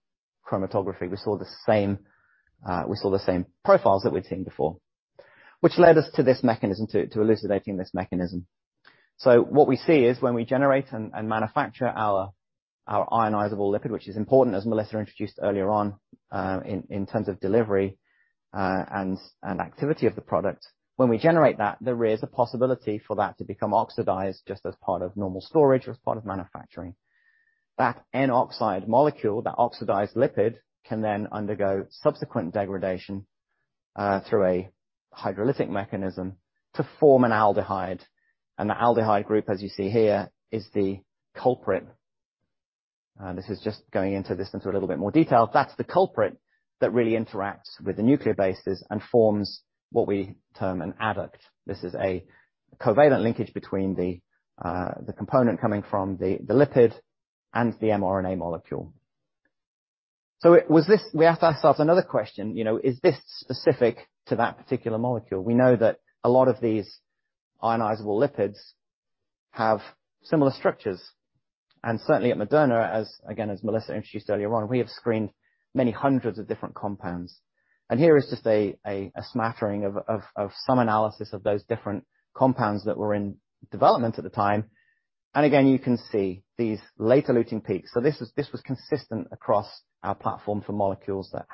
chromatography. We saw the same profiles that we'd seen before, which led us to this mechanism, to elucidating this mechanism. What we see is when we generate and manufacture our ionizable lipid, which is important as Melissa introduced earlier on, in terms of delivery, and activity of the product, when we generate that, there is a possibility for that to become oxidized just as part of normal storage or as part of manufacturing. That N-oxide molecule, that oxidized lipid, can then undergo subsequent degradation, through a hydrolytic mechanism to form an aldehyde. The aldehyde group, as you see here, is the culprit. This is just going into a little bit more detail. That's the culprit that really interacts with the nuclear bases and forms what we term an adduct. This is a covalent linkage between the component coming from the lipid and the mRNA molecule. It was this. We asked ourselves another question, you know, is this specific to that particular molecule? We know that a lot of these ionizable lipids have similar structures. Certainly at Moderna, as again, as Melissa introduced earlier on, we have screened many hundreds of different compounds. Here is just a smattering of some analysis of those different compounds that were in development at the time. Again, you can see these late eluting peaks. This was consistent across our platform for molecules that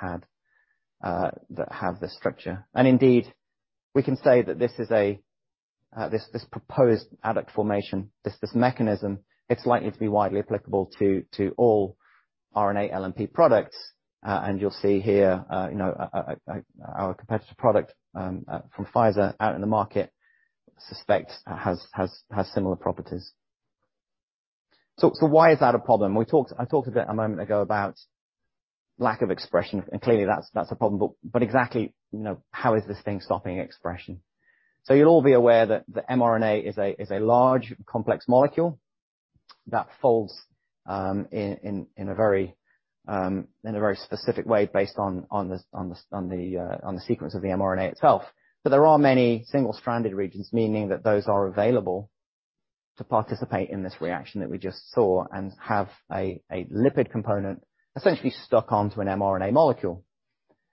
have this structure. Indeed, we can say that this is this proposed adduct formation, this mechanism, it's likely to be widely applicable to all RNA LNP products. You'll see here, you know, our competitive product aspect from Pfizer out in the market has similar properties. Why is that a problem? I talked a bit a moment ago about lack of expression, and clearly that's a problem, but exactly, you know, how is this thing stopping expression? You'll all be aware that the mRNA is a large complex molecule that folds in a very specific way based on the sequence of the mRNA itself. But there are many single-stranded regions, meaning that those are available to participate in this reaction that we just saw and have a lipid component essentially stuck onto an mRNA molecule.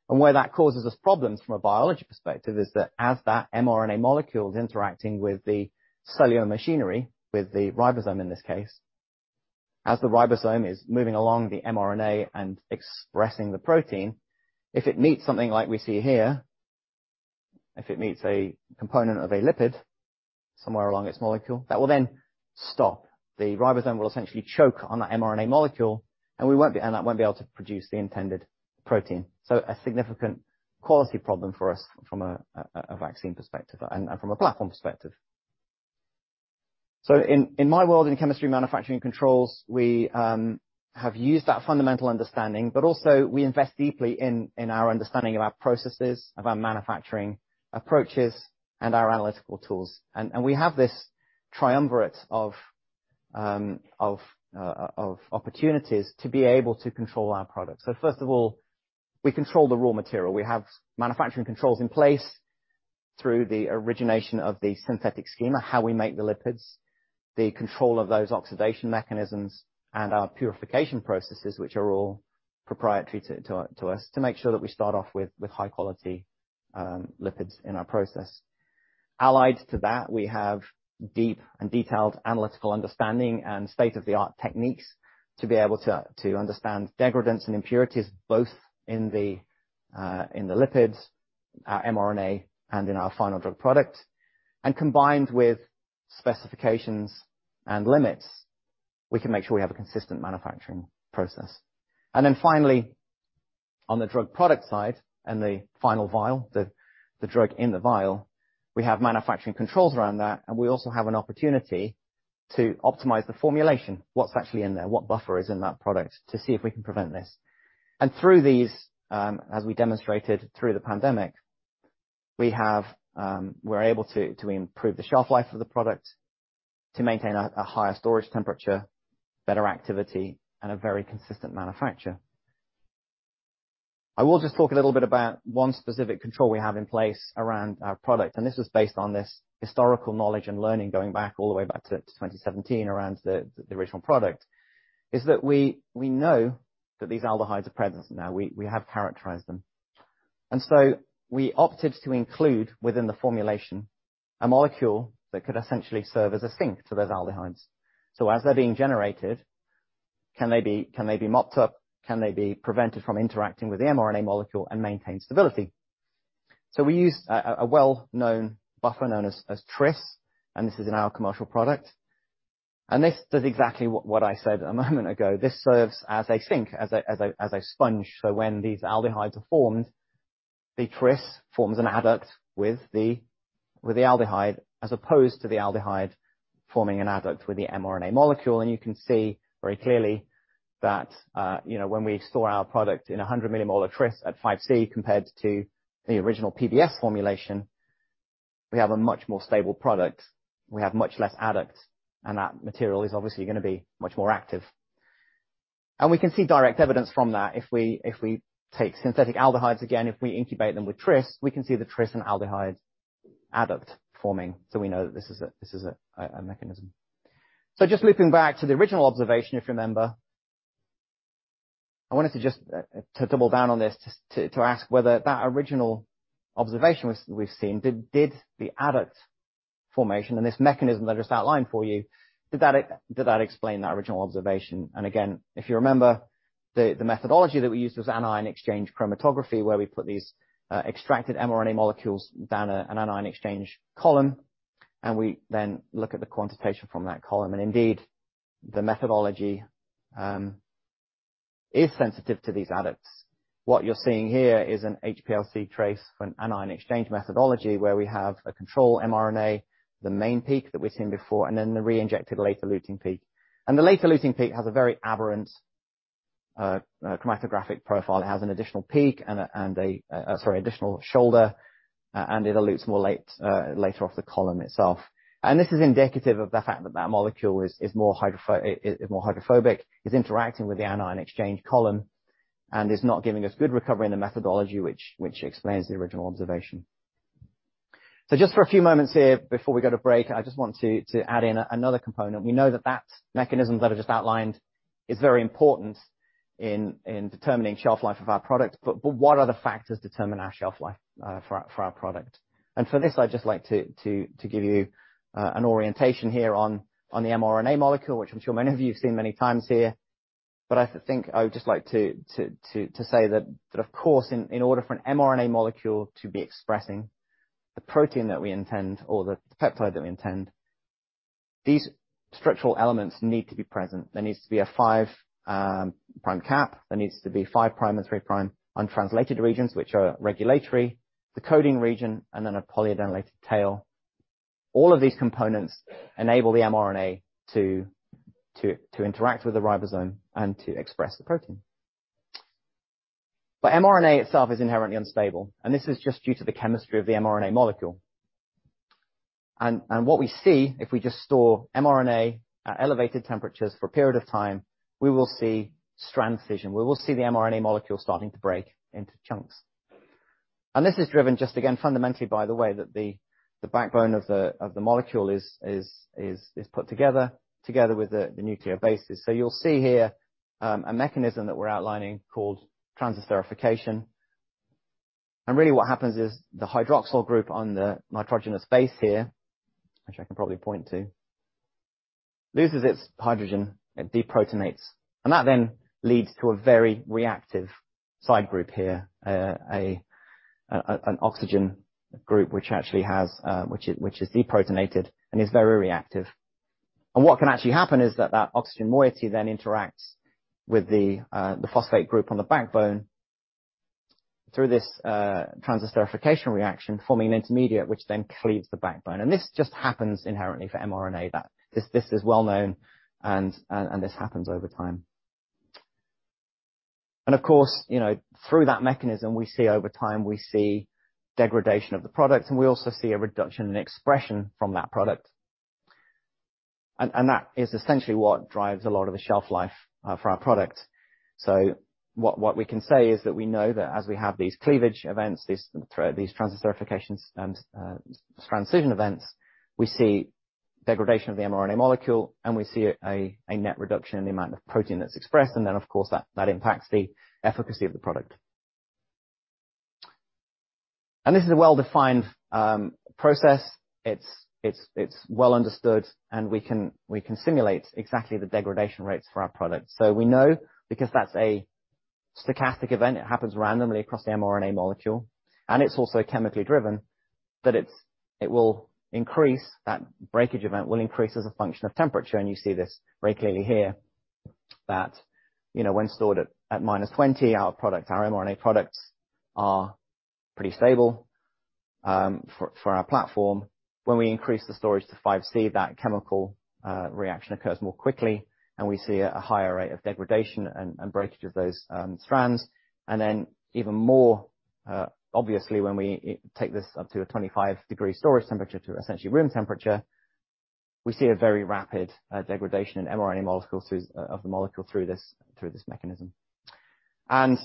Where that causes us problems from a biology perspective is that as that mRNA molecule is interacting with the cellular machinery, with the ribosome in this case, as the ribosome is moving along the mRNA and expressing the protein, if it meets something like we see here, if it meets a component of a lipid somewhere along its molecule, that will then stop. The ribosome will essentially choke on that mRNA molecule and that won't be able to produce the intended protein. A significant quality problem for us from a vaccine perspective and from a platform perspective. In my world, in chemistry, manufacturing, and controls, we have used that fundamental understanding, but also we invest deeply in our understanding of our processes, of our manufacturing approaches and our analytical tools. We have this triumvirate of opportunities to be able to control our products. First of all, we control the raw material. We have manufacturing controls in place through the origination of the synthetic schema, how we make the lipids, the control of those oxidation mechanisms, and our purification processes, which are all proprietary to us to make sure that we start off with high quality lipids in our process. Allied to that, we have deep and detailed analytical understanding and state-of-the-art techniques to be able to understand degradants and impurities both in the lipids, our mRNA, and in our final drug product. Combined with specifications and limits, we can make sure we have a consistent manufacturing process. Finally, on the drug product side and the final vial, the drug in the vial, we have manufacturing controls around that, and we also have an opportunity to optimize the formulation, what's actually in there, what buffer is in that product to see if we can prevent this. Through these, as we demonstrated through the pandemic, we have, we're able to improve the shelf life of the product, to maintain a higher storage temperature, better activity, and a very consistent manufacture. I will just talk a little bit about one specific control we have in place around our product, and this is based on this historical knowledge and learning going back all the way to 2017 around the original product, is that we know that these aldehydes are present now. We have characterized them. We opted to include within the formulation a molecule that could essentially serve as a sink to those aldehydes. As they're being generated, can they be mopped up? Can they be prevented from interacting with the mRNA molecule and maintain stability? We use a well-known buffer known as Tris, and this is in our commercial product. This does exactly what I said a moment ago. This serves as a sink, as a sponge for when these aldehydes are formed, the Tris forms an adduct with the aldehyde, as opposed to the aldehyde forming an adduct with the mRNA molecule. You can see very clearly that, you know, when we store our product in 100 millimolar Tris at five degrees Celsius compared to the original PBS formulation, we have a much more stable product. We have much less adduct, and that material is obviously gonna be much more active. We can see direct evidence from that if we take synthetic aldehydes again, if we incubate them with Tris, we can see the Tris and aldehydes adduct forming, so we know that this is a mechanism. Just looping back to the original observation, if you remember, I wanted to double down on this to ask whether that original observation was the adduct formation and this mechanism that I just outlined for you. Did that explain that original observation? Again, if you remember the methodology that we used was anion exchange chromatography, where we put these extracted mRNA molecules down an anion exchange column, and we then look at the quantitation from that column. Indeed, the methodology is sensitive to these adducts. What you're seeing here is an HPLC trace for an anion exchange methodology where we have a control mRNA, the main peak that we've seen before, and then the reinjected later eluting peak. The later eluting peak has a very aberrant chromatographic profile. It has an additional peak and an additional shoulder, and it elutes later off the column itself. This is indicative of the fact that that molecule is more hydropho... It is more hydrophobic, is interacting with the anion exchange column, and is not giving us good recovery in the methodology which explains the original observation. Just for a few moments here, before we go to break, I just want to add in another component. We know that mechanism that I just outlined is very important in determining shelf life of our product, but what other factors determine our shelf life for our product? For this, I'd just like to give you an orientation here on the mRNA molecule, which I'm sure many of you have seen many times here. I think I would just like to say that of course, in order for an mRNA molecule to be expressing the protein that we intend or the peptide that we intend, these structural elements need to be present. There needs to be a five prime cap. There needs to be five prime and three prime untranslated regions, which are regulatory, the coding region, and then a polyadenylated tail. All of these components enable the mRNA to interact with the ribosome and to express the protein. mRNA itself is inherently unstable, and this is just due to the chemistry of the mRNA molecule. What we see if we just store mRNA at elevated temperatures for a period of time, we will see strand scission. We will see the mRNA molecule starting to break into chunks. This is driven just again, fundamentally, by the way that the backbone of the molecule is put together with the nucleic bases. You'll see here a mechanism that we're outlining called transesterification. Really what happens is the hydroxyl group on the nitrogenous base here, which I can probably point to, loses its hydrogen, it deprotonates, and that then leads to a very reactive side group here, an oxygen group, which is deprotonated and is very reactive. What can actually happen is that oxygen moiety then interacts with the phosphate group on the backbone through this transesterification reaction, forming an intermediate which then cleaves the backbone. This just happens inherently for mRNA that this is well known and this happens over time. Of course, you know, through that mechanism we see over time degradation of the product, and we also see a reduction in expression from that product. That is essentially what drives a lot of the shelf life for our product. What we can say is that we know that as we have these cleavage events, these transesterification and transition events, we see degradation of the mRNA molecule, and we see a net reduction in the amount of protein that's expressed. Then of course, that impacts the efficacy of the product. This is a well-defined process. It's well understood, and we can simulate exactly the degradation rates for our product. We know because that's a stochastic event, it happens randomly across the mRNA molecule, and it's also chemically driven. It will increase, that breakage event will increase as a function of temperature, and you see this very clearly here, that, you know, when stored at -20, our product, our mRNA products are pretty stable for our platform. When we increase the storage to five degrees Celsius, that chemical reaction occurs more quickly, and we see a higher rate of degradation and breakage of those strands. Then even more obviously, when we take this up to a 25-degree storage temperature to essentially room temperature, we see a very rapid degradation in mRNA molecules through this mechanism.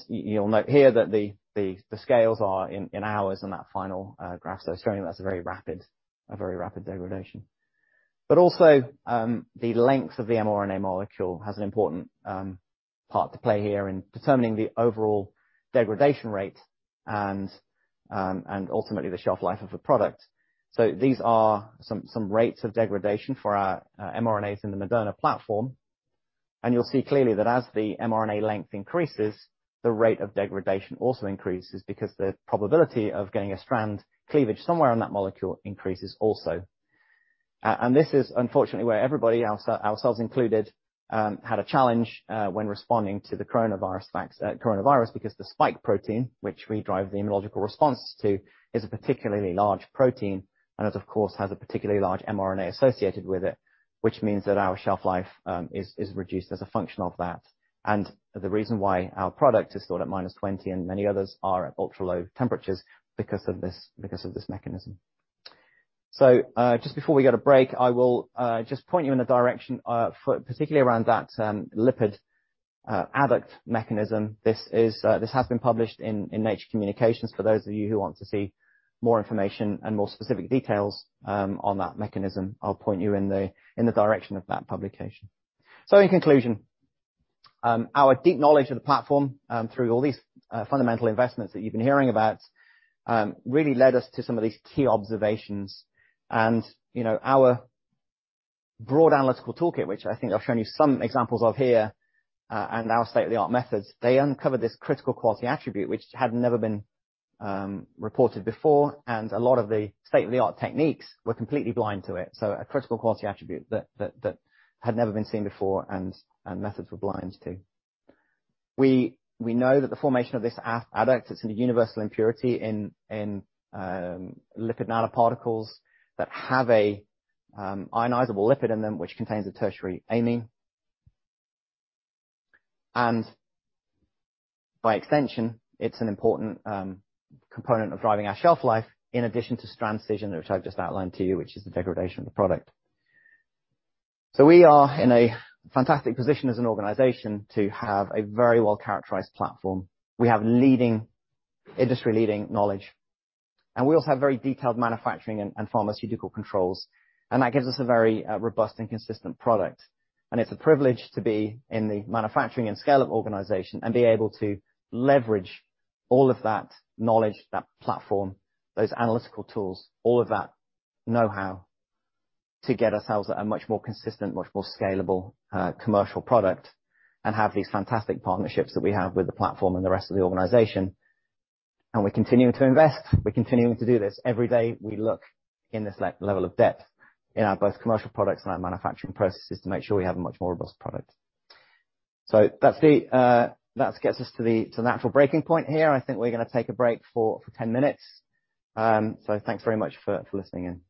You'll note here that the scales are in hours on that final graph. It's showing that's a very rapid degradation. Also, the length of the mRNA molecule has an important part to play here in determining the overall degradation rate and ultimately the shelf life of a product. These are some rates of degradation for our mRNAs in the Moderna platform. You'll see clearly that as the mRNA length increases, the rate of degradation also increases because the probability of getting a strand cleavage somewhere on that molecule increases also. This is unfortunately where everybody else, ourselves included, had a challenge when responding to the coronavirus, because the spike protein, which we drive the immunological responses to, is a particularly large protein, and of course, has a particularly large mRNA associated with it, which means that our shelf life is reduced as a function of that. The reason why our product is stored at -20 and many others are at ultra-low temperatures because of this, because of this mechanism. Just before we get a break, I will just point you in a direction for particularly around that lipid adduct mechanism. This has been published in Nature Communications. For those of you who want to see more information and more specific details on that mechanism, I'll point you in the direction of that publication. In conclusion, our deep knowledge of the platform through all these fundamental investments that you've been hearing about really led us to some of these key observations. You know, our broad analytical toolkit, which I think I've shown you some examples of here, and our state-of-the-art methods, they uncovered this critical quality attribute which had never been reported before, and a lot of the state-of-the-art techniques were completely blind to it. A critical quality attribute that had never been seen before and methods were blind to. We know that the formation of this adduct, it's a universal impurity in lipid nanoparticles that have an ionizable lipid in them which contains a tertiary amine. By extension, it's an important component of driving our shelf life, in addition to strand scission, which I've just outlined to you, which is the degradation of the product. We are in a fantastic position as an organization to have a very well-characterized platform. We have industry-leading knowledge, and we also have very detailed manufacturing and pharmaceutical controls, and that gives us a very robust and consistent product. It's a privilege to be in the manufacturing and scale-up organization and be able to leverage all of that knowledge, that platform, those analytical tools, all of that know-how to get ourselves a much more consistent, much more scalable, commercial product and have these fantastic partnerships that we have with the platform and the rest of the organization. We're continuing to invest. We're continuing to do this. Every day, we look in this level of depth in our both commercial products and our manufacturing processes to make sure we have a much more robust product. That's the that gets us to the natural breaking point here. I think we're gonna take a break for 10 minutes. Thanks very much for listening in.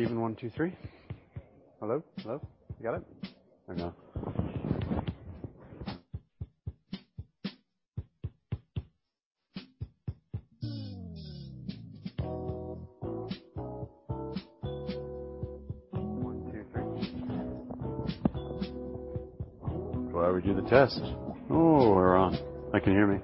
Stephen, one, two, three. Hello? Hello? You got it or no? one, two, three. That's why we do the test. Oh, we're on. Now you can hear me.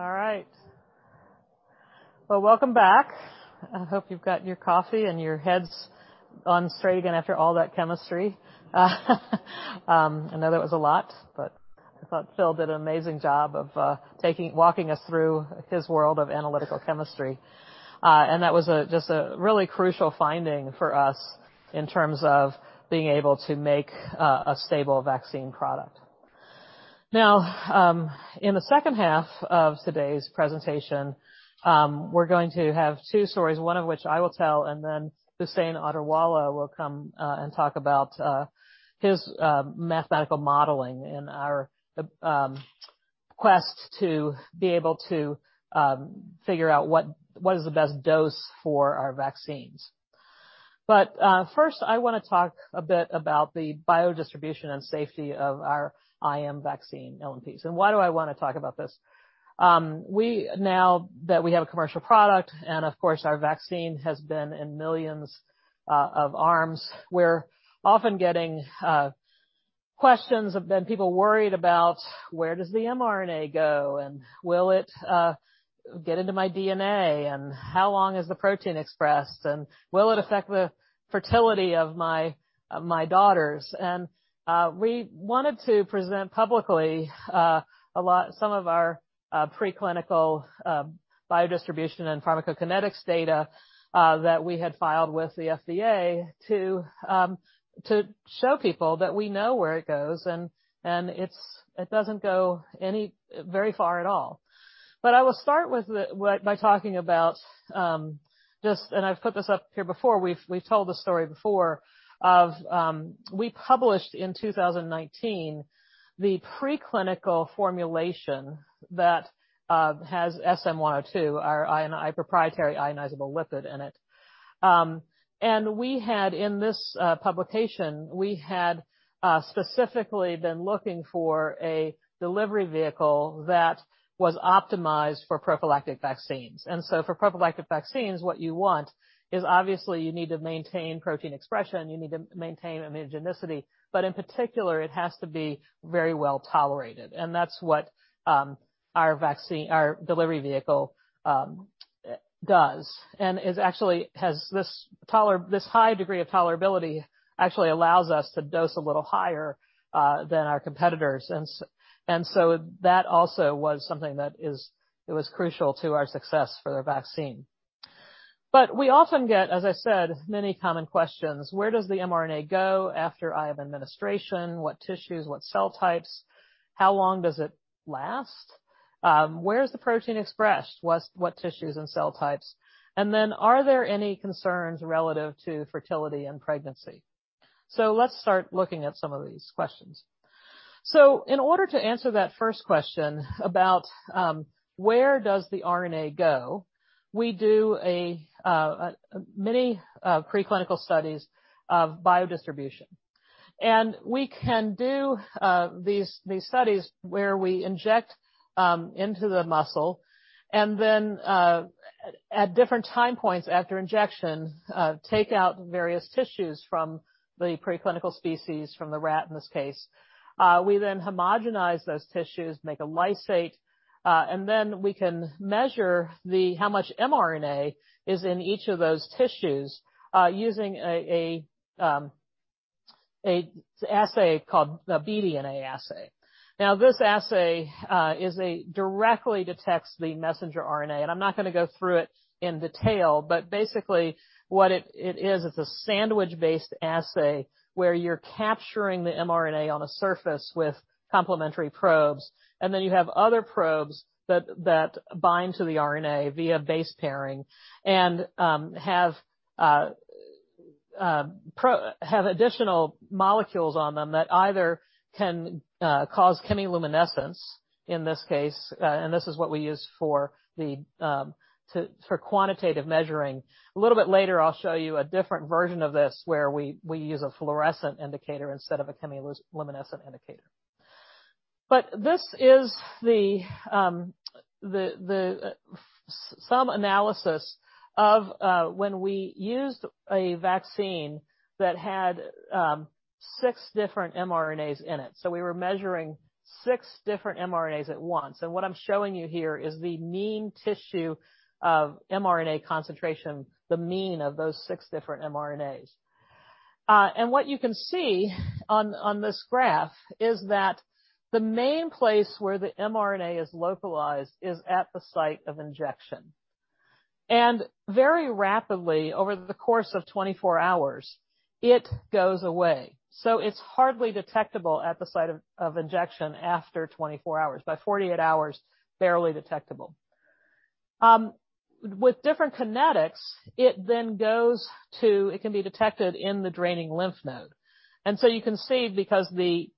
All right. Well, welcome back. I hope you've got your coffee and your head's on straight again after all that chemistry. I know that was a lot, but I thought Phil did an amazing job of walking us through his world of analytical chemistry. That was just a really crucial finding for us in terms of being able to make a stable vaccine product. Now, in the second half of today's presentation, we're going to have two stories, one of which I will tell, and then Husain Attarwala will come and talk about his mathematical modeling in our quest to be able to figure out what is the best dose for our vaccines. First I wanna talk a bit about the biodistribution and safety of our IM vaccine LNPs. Why do I wanna talk about this? Now that we have a commercial product, and of course, our vaccine has been in millions of arms, we're often getting questions from people worried about where does the mRNA go, and will it get into my DNA, and how long is the protein expressed, and will it affect the fertility of my daughters? We wanted to present publicly some of our preclinical biodistribution and pharmacokinetics data that we had filed with the FDA to show people that we know where it goes and it doesn't go very far at all. I will start by talking about what I've put this up here before. We've told this story before of we published in 2019 the preclinical formulation that has SM-102, our proprietary ionizable lipid in it. We had in this publication specifically been looking for a delivery vehicle that was optimized for prophylactic vaccines. For prophylactic vaccines, what you want is obviously you need to maintain protein expression, you need to maintain immunogenicity, but in particular it has to be very well tolerated. That's what our delivery vehicle does, and actually has this high degree of tolerability actually allows us to dose a little higher than our competitors. That also was something that is, it was crucial to our success for the vaccine. We often get, as I said, many common questions. Where does the mRNA go after IM administration? What tissues, what cell types? How long does it last? Where is the protein expressed? What tissues and cell types? Then are there any concerns relative to fertility and pregnancy? Let's start looking at some of these questions. In order to answer that first question about where does the RNA go, we do many preclinical studies of biodistribution. We can do these studies where we inject into the muscle and then at different time points after injection take out various tissues from the preclinical species, from the rat in this case. We then homogenize those tissues, make a lysate, and then we can measure how much mRNA is in each of those tissues, using a assay called a bDNA assay. Now this assay directly detects the messenger RNA. I'm not gonna go through it in detail, but basically what it is, it's a sandwich-based assay where you're capturing the mRNA on a surface with complementary probes, and then you have other probes that bind to the RNA via base pairing and have additional molecules on them that either can cause chemiluminescence in this case, and this is what we use for quantitative measuring. A little bit later, I'll show you a different version of this, where we use a fluorescent indicator instead of a chemiluminescent indicator. This is the some analysis of when we used a vaccine that had six different mRNAs in it. We were measuring six different mRNAs at once. What I'm showing you here is the mean tissue of mRNA concentration, the mean of those six different mRNAs. What you can see on this graph is that the main place where the mRNA is localized is at the site of injection. Very rapidly, over the course of 24 hours, it goes away. It's hardly detectable at the site of injection after 24 hours. By 48 hours, barely detectable. With different kinetics, it can be detected in the draining lymph node. You can see, because the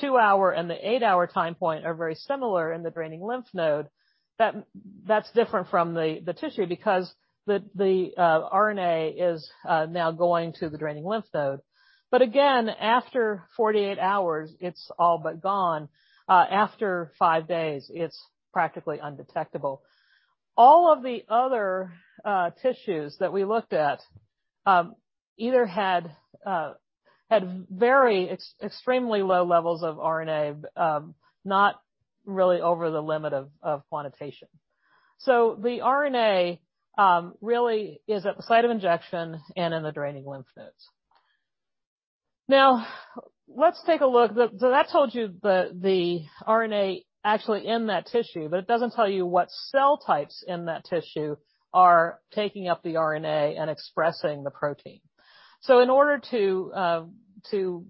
two-hour and the eight-hour time point are very similar in the draining lymph node, that's different from the tissue because the RNA is now going to the draining lymph node. Again, after 48 hours, it's all but gone. After days, it's practically undetectable. All of the other tissues that we looked at either had very extremely low levels of RNA, not really over the limit of quantitation. The RNA really is at the site of injection and in the draining lymph nodes. Now, let's take a look. That told you the RNA actually in that tissue, but it doesn't tell you what cell types in that tissue are taking up the RNA and expressing the protein. In order to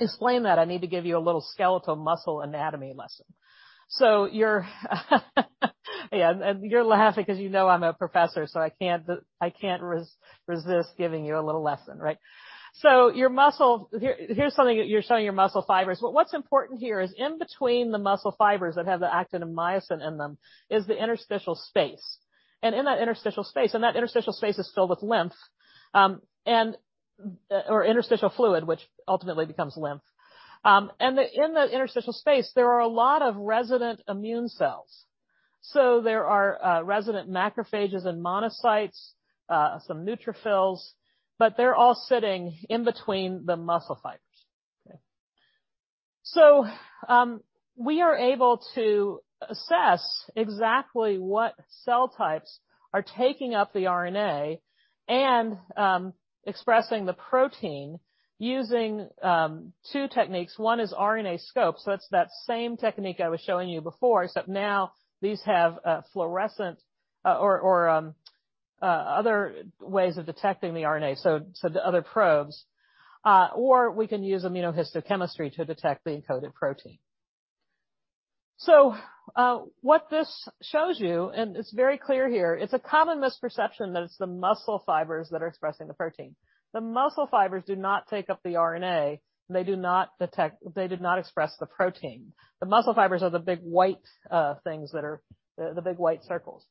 explain that, I need to give you a little skeletal muscle anatomy lesson. You're laughing 'cause you know I'm a professor, so I can't resist giving you a little lesson, right? Here's something. You're showing your muscle fibers. What's important here is in between the muscle fibers that have the actin and myosin in them is the interstitial space. In that interstitial space, that interstitial space is filled with lymph or interstitial fluid, which ultimately becomes lymph. In the interstitial space, there are a lot of resident immune cells. There are resident macrophages and monocytes, some neutrophils, but they're all sitting in between the muscle fibers. Okay. We are able to assess exactly what cell types are taking up the RNA and expressing the protein using two techniques. One is RNAscope, that's that same technique I was showing you before, except now these have a fluorescent or other ways of detecting the RNA, so the other probes. Or we can use immunohistochemistry to detect the encoded protein. What this shows you, and it's very clear here, it's a common misperception that it's the muscle fibers that are expressing the protein. The muscle fibers do not take up the RNA. They do not express the protein. The muscle fibers are the big white things that are the big white circles.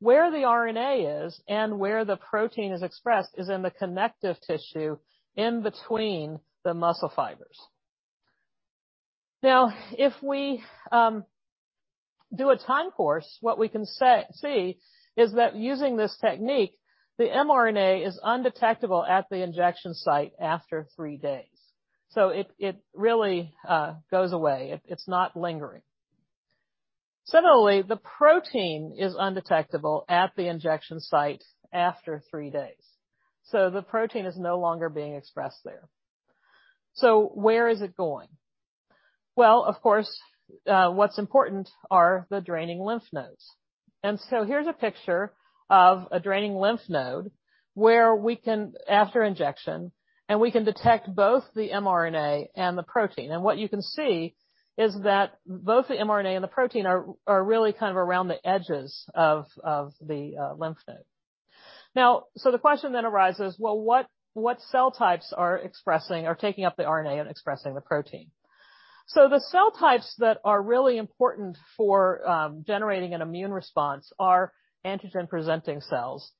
Where the RNA is and where the protein is expressed is in the connective tissue in between the muscle fibers. Now, if we do a time course, what we can see is that using this technique, the mRNA is undetectable at the injection site after three days. It really goes away. It is not lingering. Similarly, the protein is undetectable at the injection site after three days. The protein is no longer being expressed there. Where is it going? Of course, what is important are the draining lymph nodes. Here's a picture of a draining lymph node where we can after injection and we can detect both the mRNA and the protein. What you can see is that both the mRNA and the protein are really kind of around the edges of the lymph node. Now, the question then arises, what cell types are expressing or taking up the RNA and expressing the protein? The cell types that are really important for generating an immune response are antigen-presenting cells.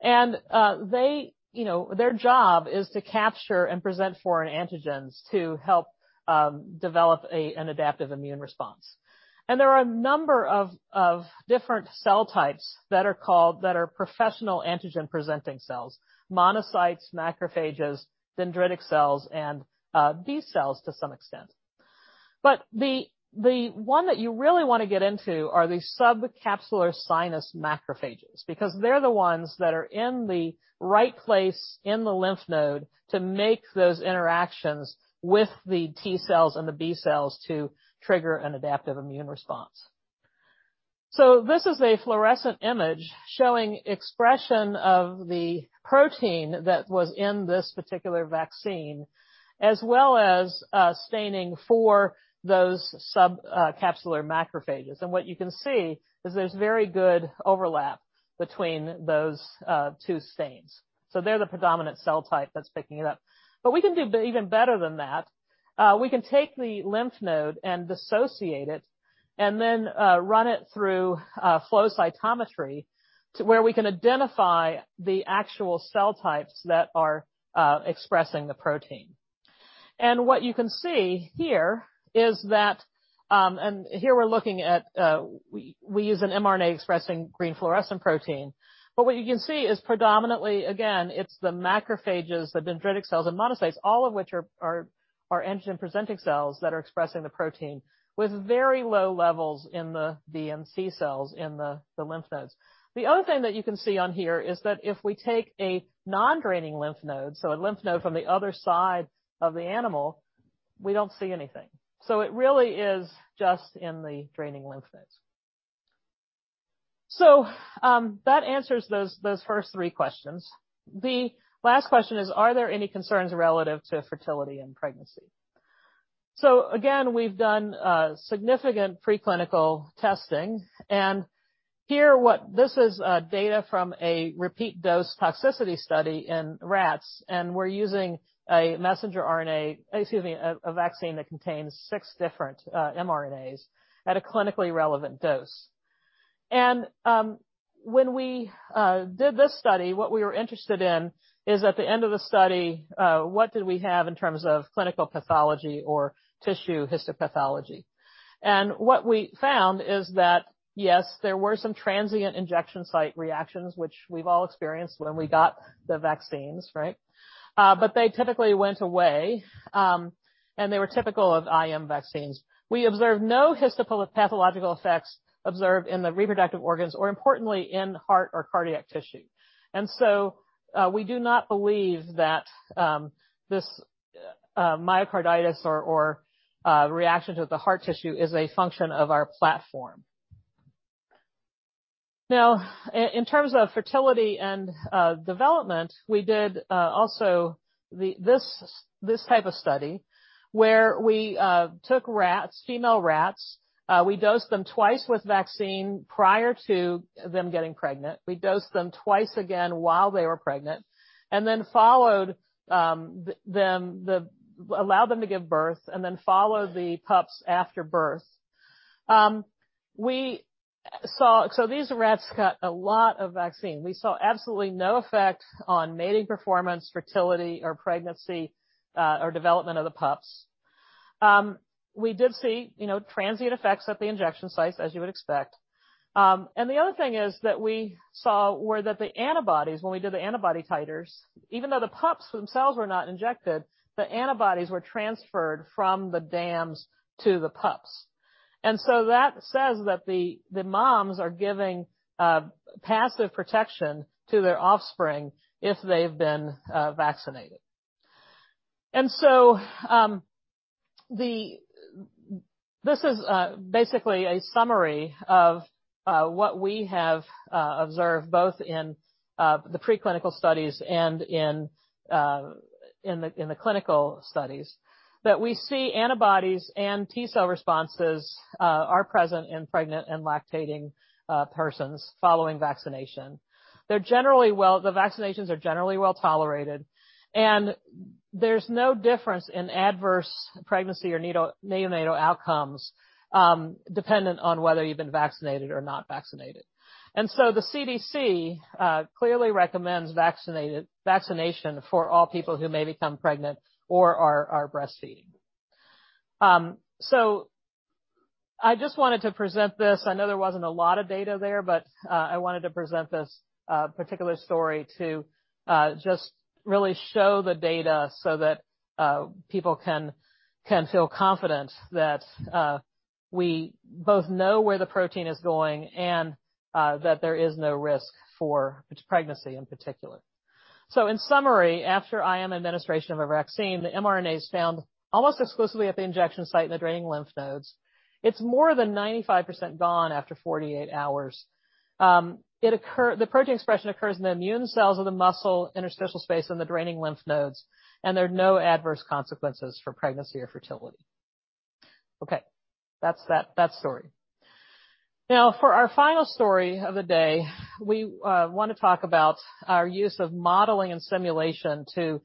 They, you know, their job is to capture and present foreign antigens to help develop an adaptive immune response. There are a number of different cell types that are called professional antigen-presenting cells: monocytes, macrophages, dendritic cells, and B-cells to some extent. The one that you really wanna get into are the subcapsular sinus macrophages, because they're the ones that are in the right place in the lymph node to make those interactions with the T-cells and the B-cells to trigger an adaptive immune response. This is a fluorescent image showing expression of the protein that was in this particular vaccine, as well as staining for those subcapsular macrophages. What you can see is there's very good overlap between those two stains. They're the predominant cell type that's picking it up. We can do even better than that. We can take the lymph node and dissociate it and then run it through flow cytometry to where we can identify the actual cell types that are expressing the protein. What you can see here is that, and here we're looking at, we use an mRNA expressing green fluorescent protein. What you can see is predominantly, again, it's the macrophages, the dendritic cells and monocytes, all of which are antigen-presenting cells that are expressing the protein with very low levels in the B and T cells in the lymph nodes. The other thing that you can see on here is that if we take a non-draining lymph node, so a lymph node from the other side of the animal. We don't see anything. It really is just in the draining lymph nodes. That answers those first three questions. The last question is, are there any concerns relative to fertility and pregnancy? We've done significant preclinical testing, and here, this is data from a repeat dose toxicity study in rats, and we're using a messenger RNA, excuse me, a vaccine that contains six different mRNAs at a clinically relevant dose. When we did this study, what we were interested in is, at the end of the study, what did we have in terms of clinical pathology or tissue histopathology? What we found is that, yes, there were some transient injection site reactions which we've all experienced when we got the vaccines, right. They typically went away, and they were typical of IM vaccines. We observed no histopathological effects observed in the reproductive organs or importantly, in heart or cardiac tissue. We do not believe that this myocarditis or reaction to the heart tissue is a function of our platform. Now, in terms of fertility and development, we did also this type of study where we took rats, female rats, we dosed them twice with vaccine prior to them getting pregnant. We dosed them twice again while they were pregnant and then followed them, allowed them to give birth and then followed the pups after birth. These rats got a lot of vaccine. We saw absolutely no effect on mating performance, fertility or pregnancy, or development of the pups. The other thing is that we saw that the antibodies, when we did the antibody titers, even though the pups themselves were not injected, the antibodies were transferred from the dams to the pups. That says that the moms are giving passive protection to their offspring if they've been vaccinated. This is basically a summary of what we have observed both in the preclinical studies and in the clinical studies, that we see antibodies and T-cell responses are present in pregnant and lactating persons following vaccination. The vaccinations are generally well-tolerated, and there's no difference in adverse pregnancy or neonatal outcomes dependent on whether you've been vaccinated or not vaccinated. The CDC clearly recommends vaccination for all people who may become pregnant or are breastfeeding. I just wanted to present this. I know there wasn't a lot of data there, but I wanted to present this particular story to just really show the data so that people can feel confident that we both know where the protein is going and that there is no risk for pregnancy in particular. In summary, after IM administration of a vaccine, the mRNA is found almost exclusively at the injection site in the draining lymph nodes. It's more than 95% gone after 48 hours. The protein expression occurs in the immune cells of the muscle, interstitial space, and the draining lymph nodes, and there are no adverse consequences for pregnancy or fertility. Okay, that's that story. Now for our final story of the day, we wanna talk about our use of modeling and simulation to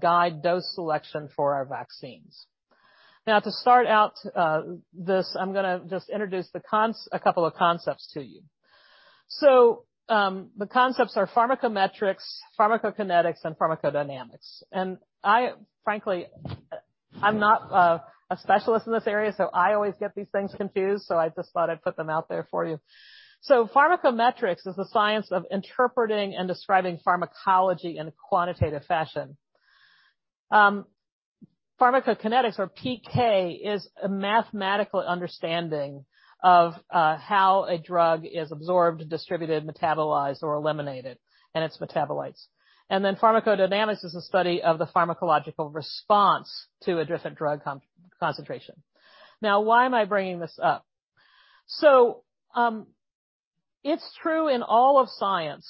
guide dose selection for our vaccines. Now, to start out, this, I'm gonna just introduce a couple of concepts to you. The concepts are pharmacometrics, pharmacokinetics, and pharmacodynamics. I frankly, I'm not a specialist in this area, so I always get these things confused, so I just thought I'd put them out there for you. Pharmacometrics is the science of interpreting and describing pharmacology in a quantitative fashion. Pharmacokinetics, or PK, is a mathematical understanding of how a drug is absorbed, distributed, metabolized, or eliminated, and its metabolites. Pharmacodynamics is the study of the pharmacological response to a different drug concentration. Now, why am I bringing this up? It's true in all of science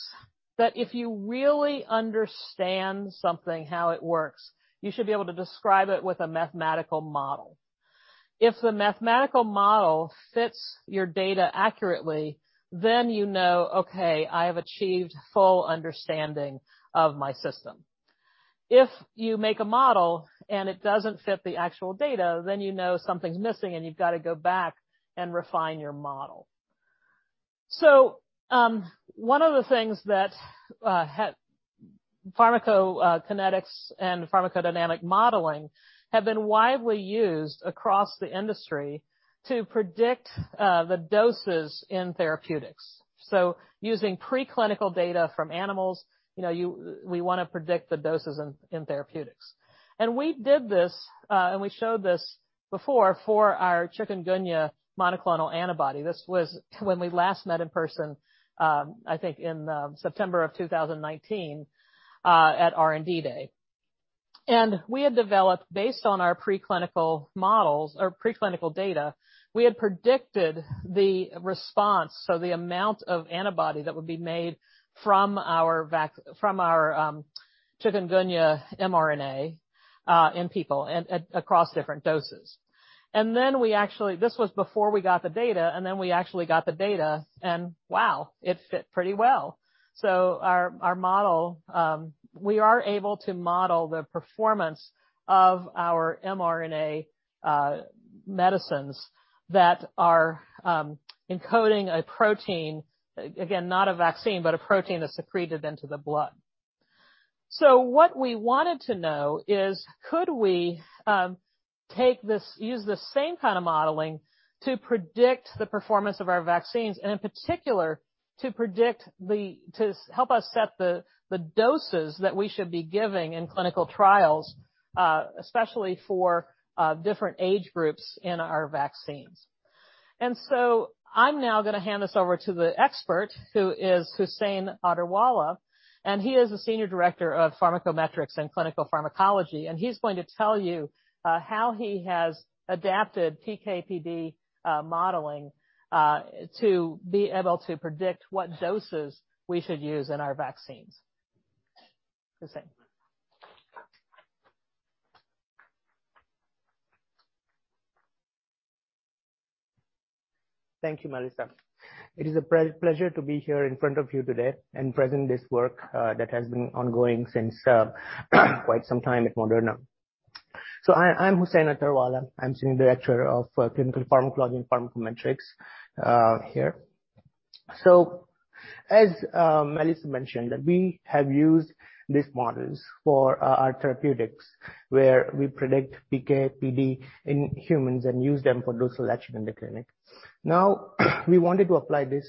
that if you really understand something, how it works, you should be able to describe it with a mathematical model. If the mathematical model fits your data accurately, then you know, okay, I have achieved full understanding of my system. If you make a model and it doesn't fit the actual data, then you know something's missing and you've got to go back and refine your model. One of the things that pharmacokinetics and pharmacodynamics modeling have been widely used across the industry to predict the doses in therapeutics. Using preclinical data from animals, you know, we wanna predict the doses in therapeutics. We did this, and we showed this before for our Chikungunya monoclonal antibody. This was when we last met in person, I think in September 2019, at R&D Day. We had developed, based on our preclinical models or preclinical data, we had predicted the response, so the amount of antibody that would be made from our chikungunya mRNA in people and across different doses. This was before we got the data. Then we actually got the data, and wow, it fit pretty well. Our model, we are able to model the performance of our mRNA medicines that are encoding a protein. Again, not a vaccine, but a protein that's secreted into the blood. What we wanted to know is, could we take this, use the same kind of modeling to predict the performance of our vaccines, and in particular, to predict the, to help us set the doses that we should be giving in clinical trials, especially for different age groups in our vaccines. I'm now gonna hand this over to the expert, who is Husain Attarwala, and he is the Senior Director of Clinical Pharmacology and Pharmacometrics. He's going to tell you how he has adapted PK/PD modeling to be able to predict what doses we should use in our vaccines. Husain. Thank you, Melissa. It is a pleasure to be here in front of you today and present this work that has been ongoing since quite some time at Moderna. I'm Husain Attarwala. I'm Senior Director of clinical pharmacology and pharmacometrics here. As Melissa mentioned, we have used these models for our therapeutics, where we predict PK/PD in humans and use them for dose selection in the clinic. Now, we wanted to apply this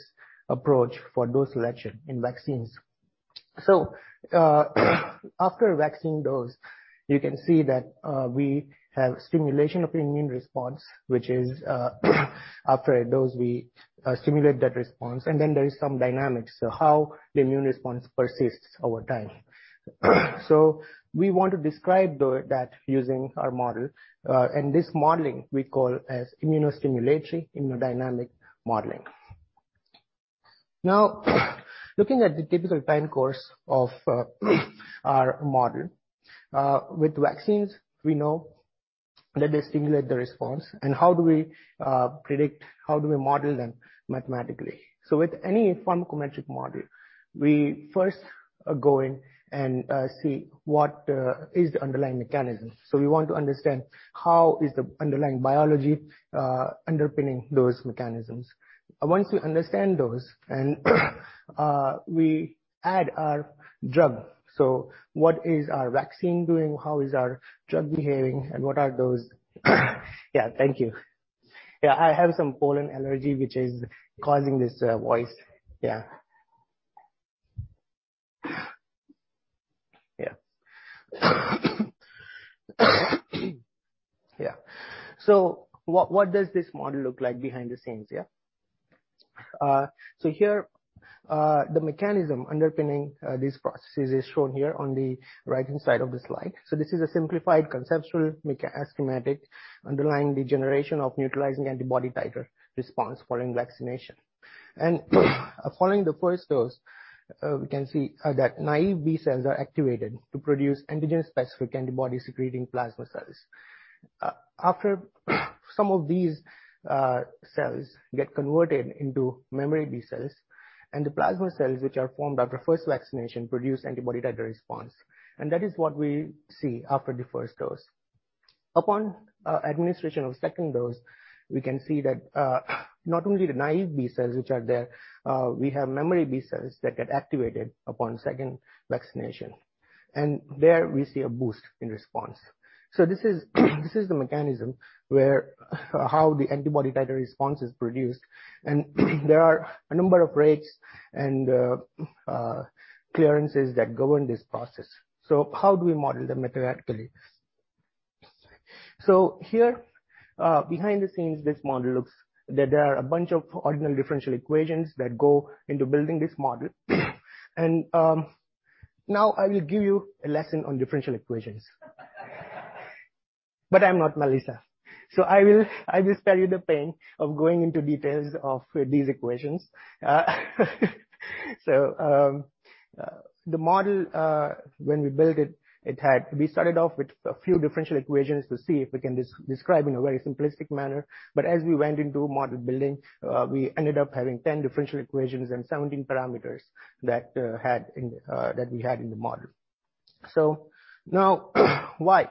approach for dose selection in vaccines. After a vaccine dose, you can see that we have stimulation of the immune response, which is after a dose, we stimulate that response. Then there is some dynamics, so how the immune response persists over time. We want to describe that using our model, and this modeling we call as immunostimulatory immunodynamic modeling. Now, looking at the typical time course of our model with vaccines, we know that they stimulate the response and how do we predict, how do we model them mathematically? With any pharmacometric model, we first go in and see what is the underlying mechanism. We want to understand how is the underlying biology underpinning those mechanisms. Once we understand those and we add our drug. What is our vaccine doing? How is our drug behaving, and what are those? Yeah, thank you. Yeah, I have some pollen allergy which is causing this voice. Yeah. Yeah. What does this model look like behind the scenes, yeah? Here, the mechanism underpinning these processes is shown here on the right-hand side of the slide. This is a simplified conceptual schematic underlying the generation of neutralizing antibody titer response following vaccination. Following the first dose, we can see that naive B cells are activated to produce antigen-specific antibodies secreting plasma cells. After some of these cells get converted into memory B cells, and the plasma cells, which are formed after first vaccination, produce antibody titer response. That is what we see after the first dose. Upon administration of second dose, we can see that not only the naive B cells which are there, we have memory B cells that get activated upon second vaccination. There we see a boost in response. This is the mechanism where how the antibody titer response is produced, and there are a number of rates and clearances that govern this process. How do we model them mathematically? Here, behind the scenes, this model looks like there are a bunch of ordinary differential equations that go into building this model. Now I will give you a lesson on differential equations. But I'm not Melissa, so I will spare you the pain of going into details of these equations. The model, when we built it had. We started off with a few differential equations to see if we can describe in a very simplistic manner. But as we went into model building, we ended up having 10 differential equations and 17 parameters that we had in the model. Now, why?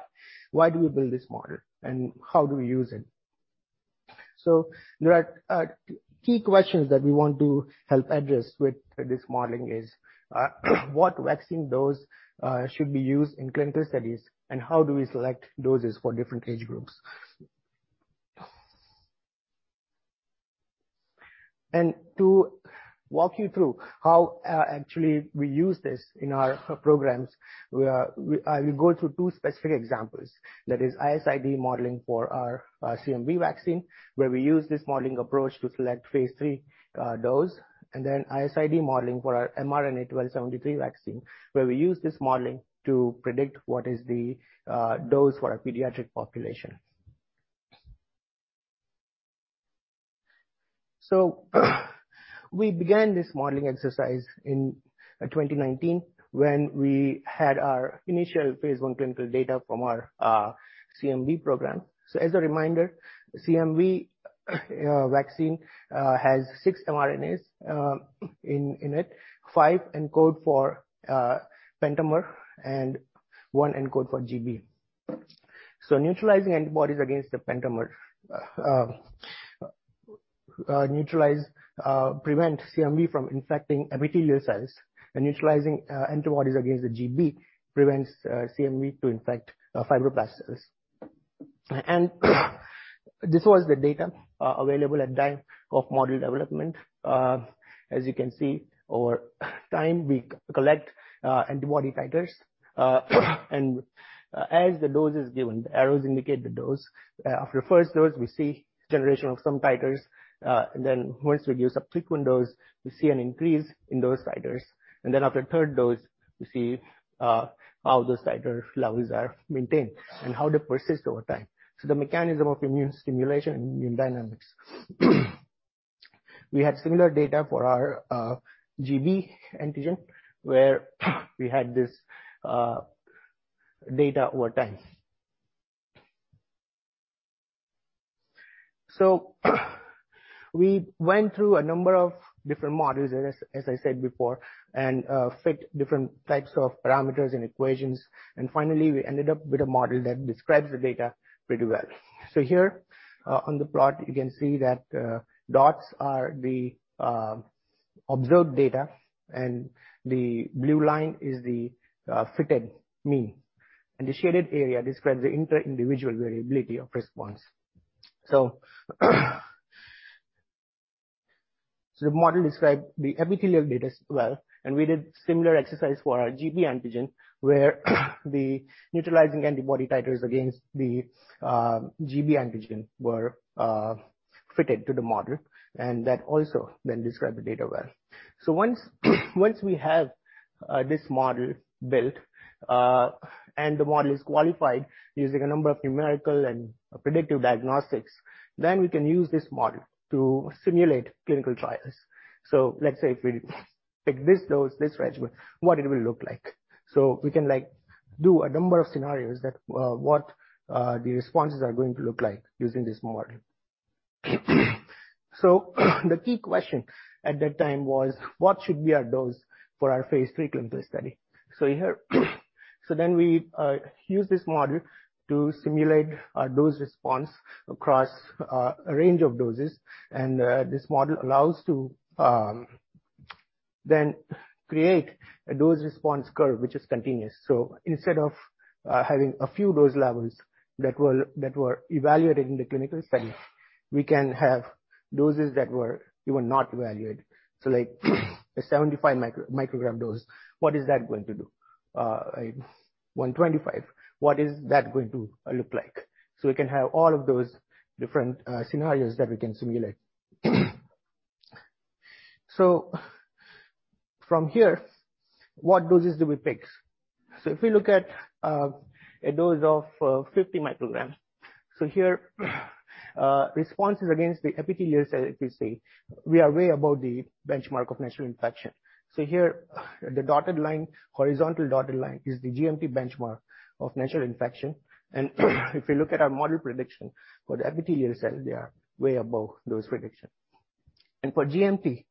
Why do we build this model, and how do we use it? There are key questions that we want to help address with this modeling. Is what vaccine dose should be used in clinical studies, and how do we select doses for different age groups? To walk you through how actually we use this in our programs, we go through two specific examples. That is IS/ID modeling for our CMV vaccine, where we use this modeling approach to select phase III dose, and then IS/ID modeling for our mRNA-1273 vaccine, where we use this modeling to predict what is the dose for a pediatric population. We began this modeling exercise in 2019 when we had our initial phase I clinical data from our CMV program. As a reminder, CMV vaccine has six mRNAs in it, five encode for pentamer, and one encode for GB. Neutralizing antibodies against the pentamer neutralize prevent CMV from infecting epithelial cells, and neutralizing antibodies against the GB prevents CMV to infect fibroblasts. This was the data available at time of model development. As you can see, over time, we collect antibody titers. As the dose is given, the arrows indicate the dose. After first dose, we see generation of some titers. Then once we give subsequent dose, we see an increase in those titers. After third dose, we see how those titer levels are maintained and how they persist over time. The mechanism of immune stimulation and immune dynamics. We had similar data for our GB antigen, where we had this data over time. We went through a number of different models, as I said before, and fit different types of parameters and equations. Finally, we ended up with a model that describes the data pretty well. Here, on the plot, you can see that dots are the observed data and the blue line is the fitted mean, and the shaded area describes the inter-individual variability of response. The model described the epithelial data as well, and we did similar exercise for our GB antigen, where the neutralizing antibody titers against the GB antigen were fitted to the model, and that also then described the data well. Once we have this model built and the model is qualified using a number of numerical and predictive diagnostics, then we can use this model to simulate clinical trials. Let's say if we take this dose, this regimen, what it will look like. We can, like, do a number of scenarios that the responses are going to look like using this model. The key question at that time was: What should be our dose for our phase III clinical study? Here, then we use this model to simulate our dose response across a range of doses. This model allows to then create a dose response curve which is continuous. Instead of having a few dose levels that were evaluated in the clinical studies, we can have doses that were not evaluated. Like, a 75 microgram dose, what is that going to do? A 125, what is that going to look like? We can have all of those different scenarios that we can simulate. From here, what doses do we pick? If we look at a dose of 50 micrograms. Here, responses against the epithelial cell, as you see, we are way above the benchmark of natural infection. Here, the dotted line, horizontal dotted line is the GMT benchmark of natural infection. If you look at our model prediction for the epithelial cell, they are way above those prediction. For GMT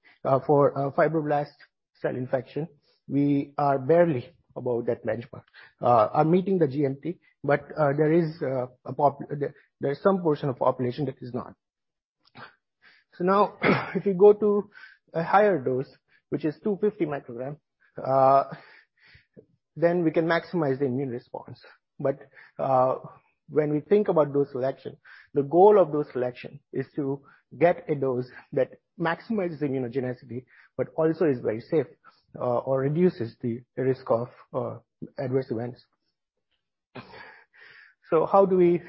for fibroblast cell infection, we are barely above that benchmark. We are meeting the GMT, but there is some portion of population that is not. Now if you go to a higher dose, which is 250 micrograms, then we can maximize the immune response. When we think about dose selection, the goal of dose selection is to get a dose that maximizes immunogenicity but also is very safe or reduces the risk of adverse events. How do we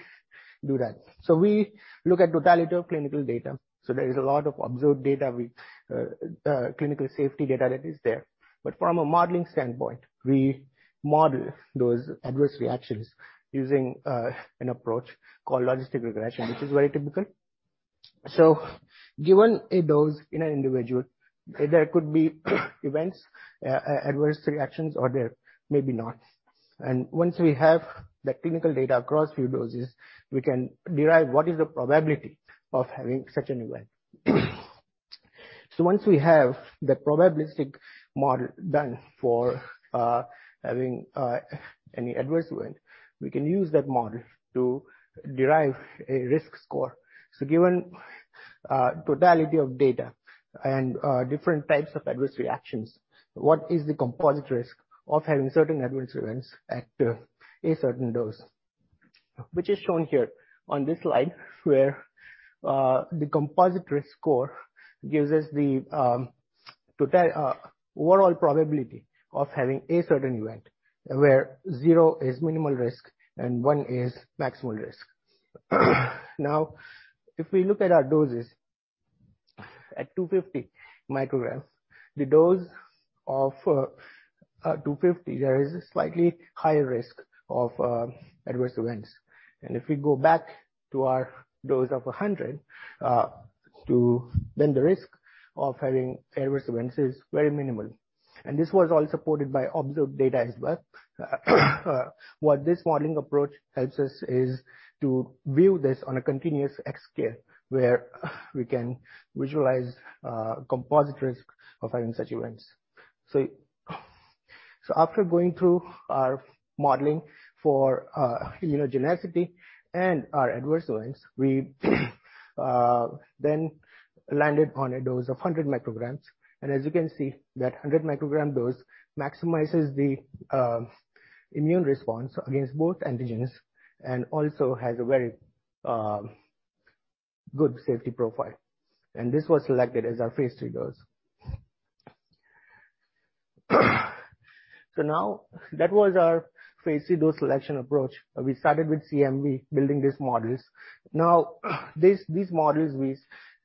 do that? We look at totality of clinical data. There is a lot of observed data with clinical safety data that is there. From a modeling standpoint, we model those adverse reactions using an approach called logistic regression, which is very typical. Given a dose in an individual, there could be events, adverse reactions, or there may be not. Once we have the clinical data across few doses, we can derive what is the probability of having such an event. Once we have the probabilistic model done for having any adverse event, we can use that model to derive a risk score. Given totality of data and different types of adverse reactions, what is the composite risk of having certain adverse events at a certain dose? Which is shown here on this slide, where the composite risk score gives us the total overall probability of having a certain event, where zero is minimal risk and one is maximal risk. Now, if we look at our doses at 250 micrograms, the dose of 250, there is a slightly higher risk of adverse events. If we go back to our dose of 100, then the risk of having adverse events is very minimal. This was all supported by observed data as well. What this modeling approach helps us is to view this on a continuous X scale, where we can visualize composite risk of having such events. After going through our modeling for immunogenicity and our adverse events, we then landed on a dose of 100 micrograms. As you can see, that 100 micrograms dose maximizes the immune response against both antigens and also has a very good safety profile. This was selected as our phase III dose. Now that was our phase II dose selection approach. We started with CMV building these models. These models we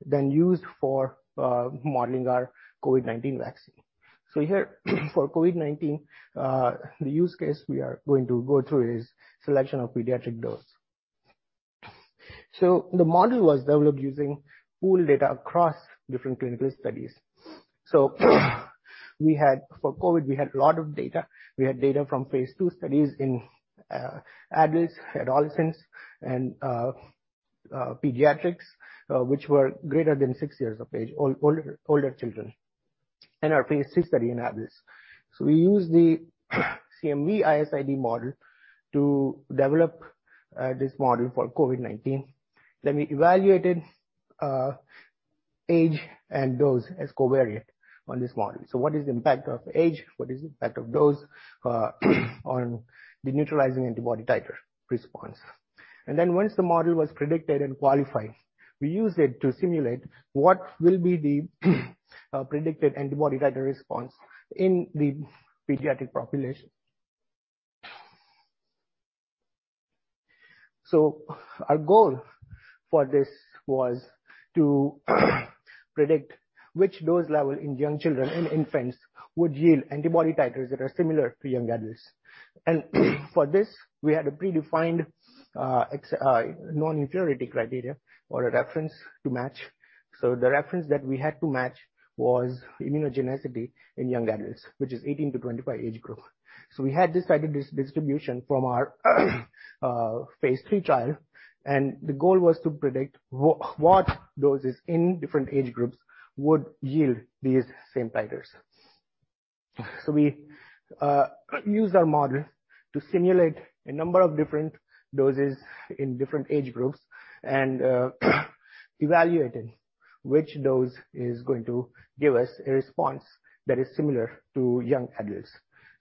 then used for modeling our COVID-19 vaccine. Here for COVID-19, the use case we are going to go through is selection of pediatric dose. The model was developed using pooled data across different clinical studies. For COVID, we had a lot of data. We had data from phase II studies in adults, adolescents, and pediatrics, which were greater than six years of age, older children. And our phase III study in adults. We used the CMV IS/ID model to develop this model for COVID-19. We evaluated age and dose as covariate on this model. What is the impact of age, what is the impact of dose, on the neutralizing antibody titer response? Once the model was predicted and qualified, we used it to simulate what will be the predicted antibody titer response in the pediatric population. Our goal for this was to predict which dose level in young children and infants would yield antibody titers that are similar to young adults. For this, we had a predefined non-inferiority criteria or a reference to match. The reference that we had to match was immunogenicity in young adults, which is 18-25 age group. We had this type of distribution from our phase III trial, and the goal was to predict what doses in different age groups would yield these same titers. We used our model to simulate a number of different doses in different age groups and evaluated which dose is going to give us a response that is similar to young adults.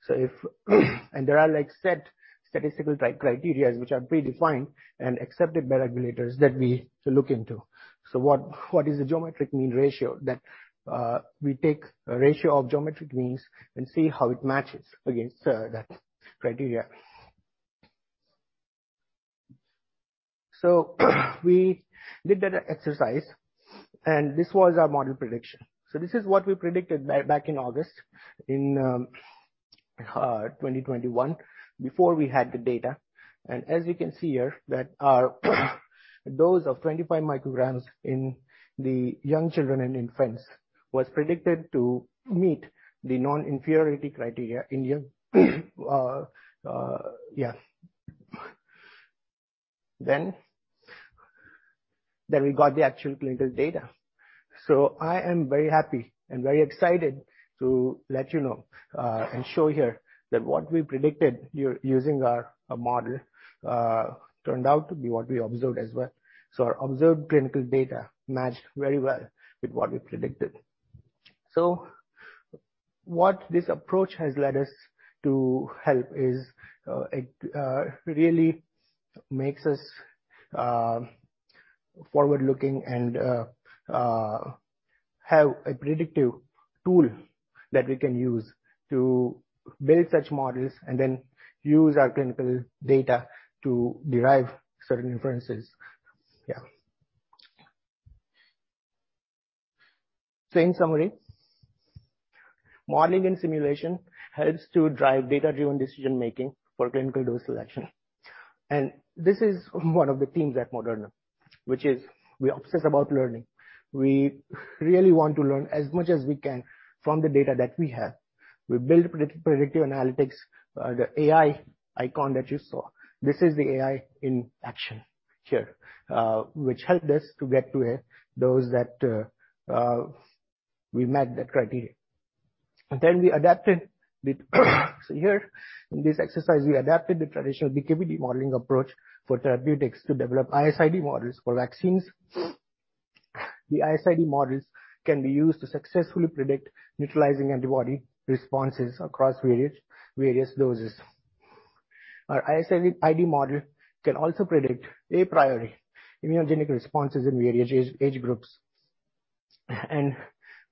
There are like set statistical three criteria which are predefined and accepted by regulators that we look into. What is the geometric mean ratio that we take a ratio of geometric means and see how it matches against that criteria. We did that exercise, and this was our model prediction. This is what we predicted back in August, in 2021, before we had the data. You can see here that our dose of 25 micrograms in the young children and infants was predicted to meet the non-inferiority criteria in young. We got the actual clinical data. I am very happy and very excited to let you know and show here that what we predicted using our model turned out to be what we observed as well. Our observed clinical data matched very well with what we predicted. What this approach has led us to is it really makes us forward-looking and have a predictive tool that we can use to build such models and then use our clinical data to derive certain inferences. Yeah. In summary, modeling and simulation helps to drive data-driven decision making for clinical dose selection. This is one of the themes at Moderna, which is we obsess about learning. We really want to learn as much as we can from the data that we have. We build predictive analytics. The AI icon that you saw, this is the AI in action here, which helped us to get to a dose that we met that criteria. Here in this exercise, we adapted the traditional PK/PD modeling approach for therapeutics to develop IS/ID models for vaccines. The IS/ID models can be used to successfully predict neutralizing antibody responses across various doses. Our IS/ID model can also predict a priori immunogenic responses in various age groups.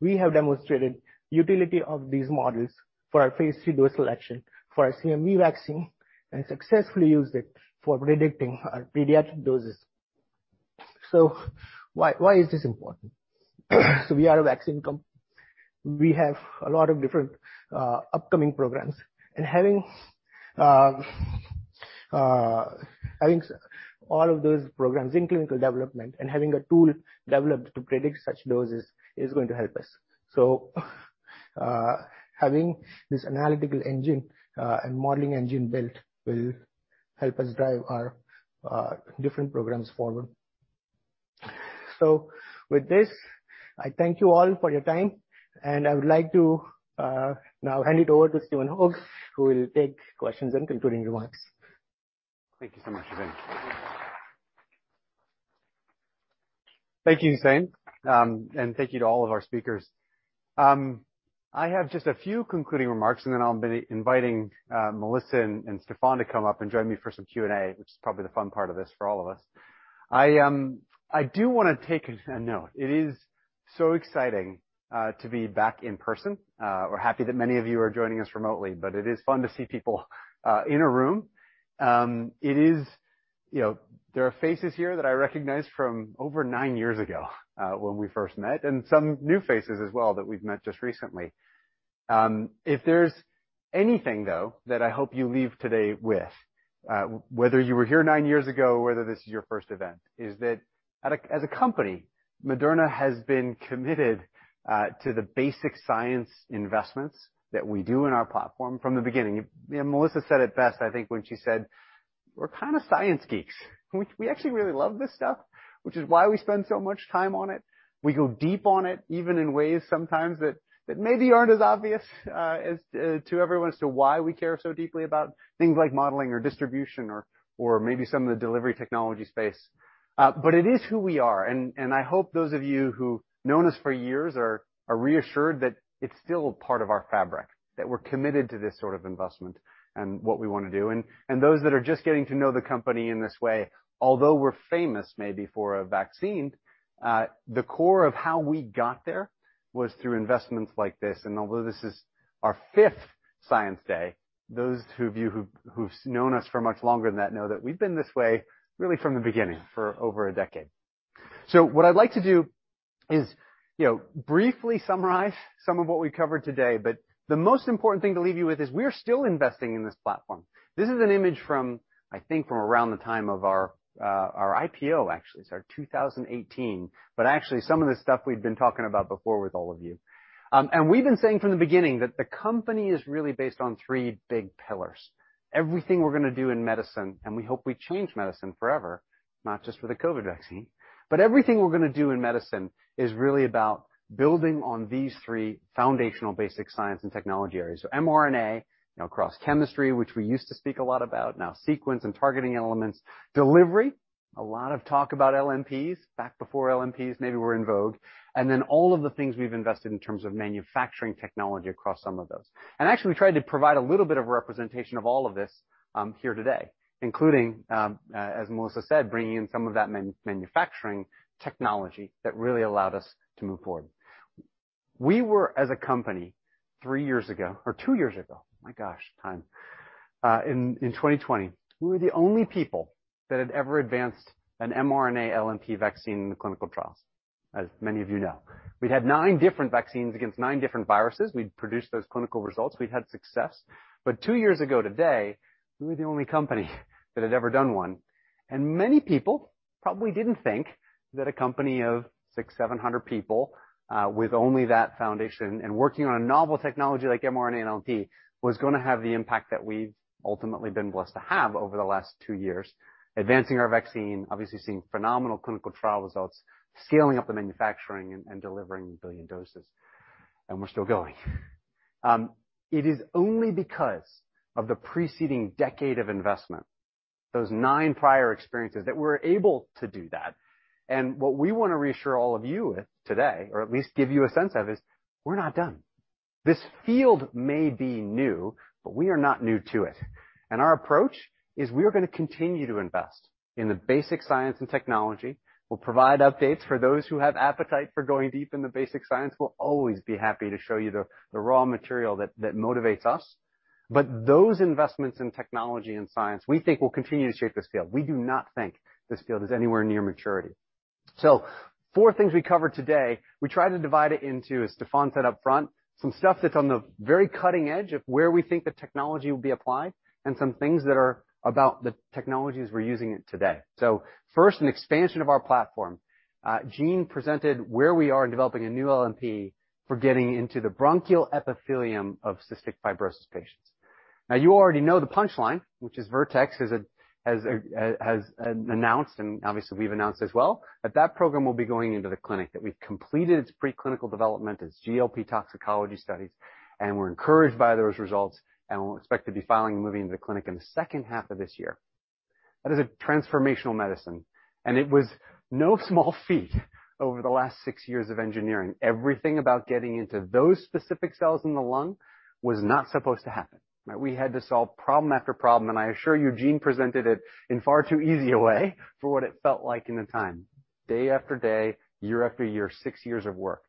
We have demonstrated utility of these models for our phase III dose selection for our CMV vaccine, and successfully used it for predicting our pediatric doses. Why is this important? We are a vaccine comp... We have a lot of different upcoming programs, and having all of those programs in clinical development and having a tool developed to predict such doses is going to help us. Having this analytical engine and modeling engine built will help us drive our different programs forward. With this, I thank you all for your time, and I would like to now hand it over to Stephen Hoge, who will take questions and concluding remarks. Thank you so much, Husain. Thank you to all of our speakers. I have just a few concluding remarks, and then I'll be inviting Melissa and Stéphane to come up and join me for some Q&A, which is probably the fun part of this for all of us. I do wanna take a note. It is so exciting to be back in person or happy that many of you are joining us remotely, but it is fun to see people in a room. It is, you know, there are faces here that I recognize from over nine years ago when we first met, and some new faces as well that we've met just recently. If there's anything, though, that I hope you leave today with, whether you were here nine years ago or whether this is your first event, is that as a company, Moderna has been committed to the basic science investments that we do in our platform from the beginning. Melissa said it best, I think, when she said, "We're kind of science geeks." We actually really love this stuff, which is why we spend so much time on it. We go deep on it, even in ways sometimes that maybe aren't as obvious as to everyone as to why we care so deeply about things like modeling or distribution or maybe some of the delivery technology space. It is who we are. I hope those of you who've known us for years are reassured that it's still a part of our fabric, that we're committed to this sort of investment and what we wanna do. Those that are just getting to know the company in this way, although we're famous maybe for a vaccine, the core of how we got there was through investments like this. Although this is our fifth science day, those two of you who've known us for much longer than that know that we've been this way really from the beginning for over a decade. What I'd like to do is, you know, briefly summarize some of what we covered today. The most important thing to leave you with is we're still investing in this platform. This is an image from, I think from around the time of our IPO, actually. It's our 2018, but actually some of the stuff we've been talking about before with all of you. We've been saying from the beginning that the company is really based on three big pillars. Everything we're gonna do in medicine, and we hope we change medicine forever, not just with a COVID vaccine, but everything we're gonna do in medicine is really about building on these three foundational basic science and technology areas. mRNA, you know, across chemistry, which we used to speak a lot about, now sequence and targeting elements, delivery, a lot of talk about LNPs back before LNPs, maybe were in vogue, and then all of the things we've invested in terms of manufacturing technology across some of those. Actually, we tried to provide a little bit of representation of all of this here today, including, as Melissa said, bringing in some of that manufacturing technology that really allowed us to move forward. We were as a company three years ago or two years ago, my gosh, time, in 2020, we were the only people that had ever advanced an mRNA LNP vaccine in the clinical trials, as many of you know. We'd had nine different vaccines against nine different viruses. We'd produced those clinical results. We'd had success. Two years ago today, we were the only company that had ever done one. Many people probably didn't think that a company of 600-700 people, with only that foundation and working on a novel technology like mRNA LNP was gonna have the impact that we've ultimately been blessed to have over the last two years, advancing our vaccine, obviously seeing phenomenal clinical trial results, scaling up the manufacturing and delivering 1 billion doses. We're still going. It is only because of the preceding decade of investment, those nine prior experiences, that we're able to do that. What we wanna reassure all of you with today, or at least give you a sense of, is we're not done. This field may be new, but we are not new to it. Our approach is we're gonna continue to invest in the basic science and technology. We'll provide updates for those who have appetite for going deep in the basic science. We'll always be happy to show you the raw material that motivates us. Those investments in technology and science, we think, will continue to shape this field. We do not think this field is anywhere near maturity. Four things we covered today, we try to divide it into, as Stéphane said up front, some stuff that's on the very cutting edge of where we think the technology will be applied, and some things that are about the technologies we're using it today. First, an expansion of our platform. Jean presented where we are in developing a new LNP for getting into the bronchial epithelium of cystic fibrosis patients. Now, you already know the punchline, which is Vertex has announced, and obviously we've announced as well, that program will be going into the clinic, that we've completed its preclinical development, its GLP toxicology studies, and we're encouraged by those results, and we'll expect to be filing and moving into the clinic in the second half of this year. That is a transformational medicine, and it was no small feat over the last six years of engineering. Everything about getting into those specific cells in the lung was not supposed to happen. We had to solve problem after problem, and I assure you, Jean presented it in far too easy a way for what it felt like in the time, day after day, year after year, six years of work.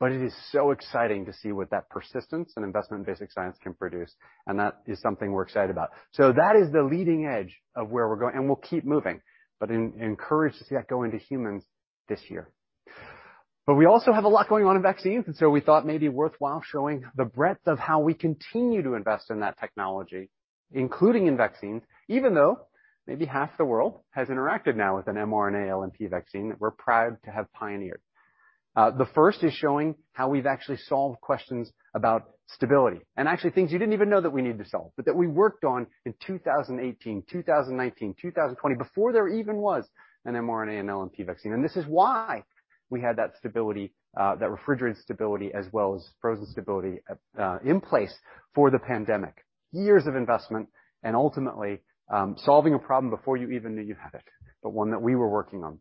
It is so exciting to see what that persistence and investment in basic science can produce, and that is something we're excited about. That is the leading edge of where we're going, and we'll keep moving. Encouraged to see that go into humans this year. We also have a lot going on in vaccines, and so we thought it may be worthwhile showing the breadth of how we continue to invest in that technology, including in vaccines, even though maybe half the world has interacted now with an mRNA LNP vaccine that we're proud to have pioneered. The first is showing how we've actually solved questions about stability and actually things you didn't even know that we need to solve, but that we worked on in 2018, 2019, 2020, before there even was an mRNA and LNP vaccine. This is why we had that stability, that refrigerant stability as well as frozen stability, in place for the pandemic. Years of investment and ultimately, solving a problem before you even knew you had it, but one that we were working on.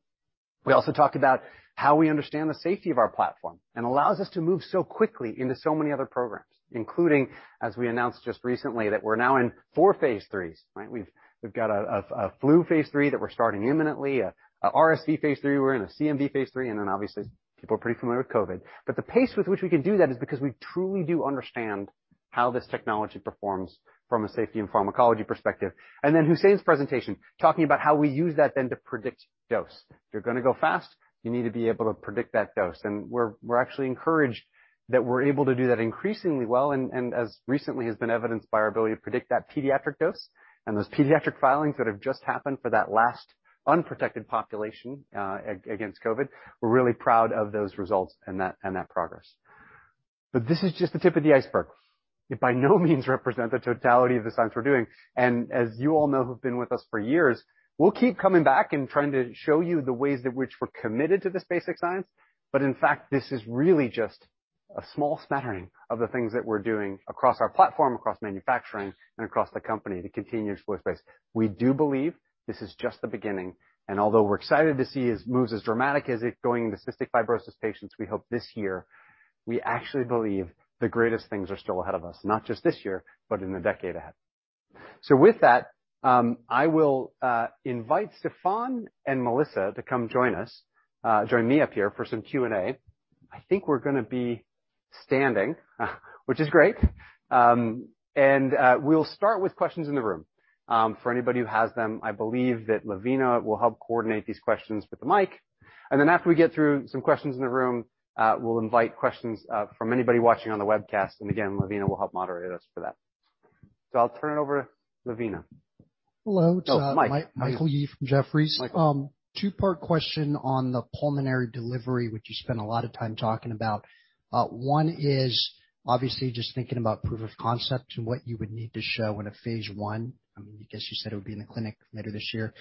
We also talked about how we understand the safety of our platform and allows us to move so quickly into so many other programs, including, as we announced just recently, that we're now in four phase IIIs, right? We've got a flu phase III that we're starting imminently, a RSV phase III, we're in a CMV phase III, and then obviously people are pretty familiar with COVID. The pace with which we can do that is because we truly do understand how this technology performs from a safety and pharmacology perspective. Husain's presentation talking about how we use that then to predict dose. If you're going to go fast, you need to be able to predict that dose. We're actually encouraged that we're able to do that increasingly well, and as recently has been evidenced by our ability to predict that pediatric dose and those pediatric filings that have just happened for that last unprotected population against COVID. We're really proud of those results and that progress. This is just the tip of the iceberg. It by no means represent the totality of the science we're doing. As you all know who've been with us for years, we'll keep coming back and trying to show you the ways that which we're committed to this basic science. In fact, this is really just a small smattering of the things that we're doing across our platform, across manufacturing, and across the company to continue to explore space. We do believe this is just the beginning, and although we're excited to see advances as dramatic as its going into cystic fibrosis patients, we hope this year we actually believe the greatest things are still ahead of us, not just this year, but in the decade ahead. With that, I will invite Stéphane and Melissa to come join us, join me up here for some Q&A. I think we're gonna be standing, which is great. We'll start with questions in the room for anybody who has them. I believe that Lavina will help coordinate these questions with the mic. Then after we get through some questions in the room, we'll invite questions from anybody watching on the webcast. Again, Lavina will help moderate us for that. I'll turn it over to Lavina. Hello. Oh, Mike. Michael Yee from Jefferies. Michael. Two-part question on the pulmonary delivery, which you spent a lot of time talking about. One is obviously just thinking about proof of concept and what you would need to show in a phase I. I mean, because you said it would be in the clinic later this year,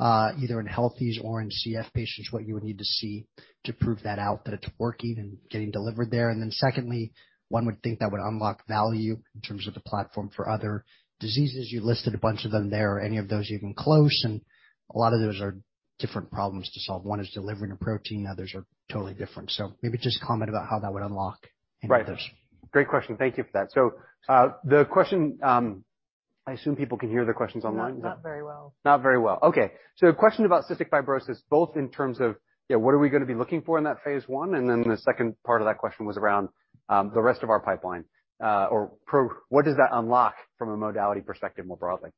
either in healthies or in CF patients, what you would need to see to prove that out that it's working and getting delivered there. Secondly, one would think that would unlock value in terms of the platform for other diseases. You listed a bunch of them there. Any of those even close? A lot of those are different problems to solve. One is delivering a protein, others are totally different. Maybe just comment about how that would unlock any of those. Right. Great question. Thank you for that. The question, I assume people can hear the questions online. Not very well. Not very well. Okay. Question about cystic fibrosis, both in terms of, you know, what are we gonna be looking for in that phase I? Then the second part of that question was around the rest of our pipeline, what does that unlock from a modality perspective more broadly?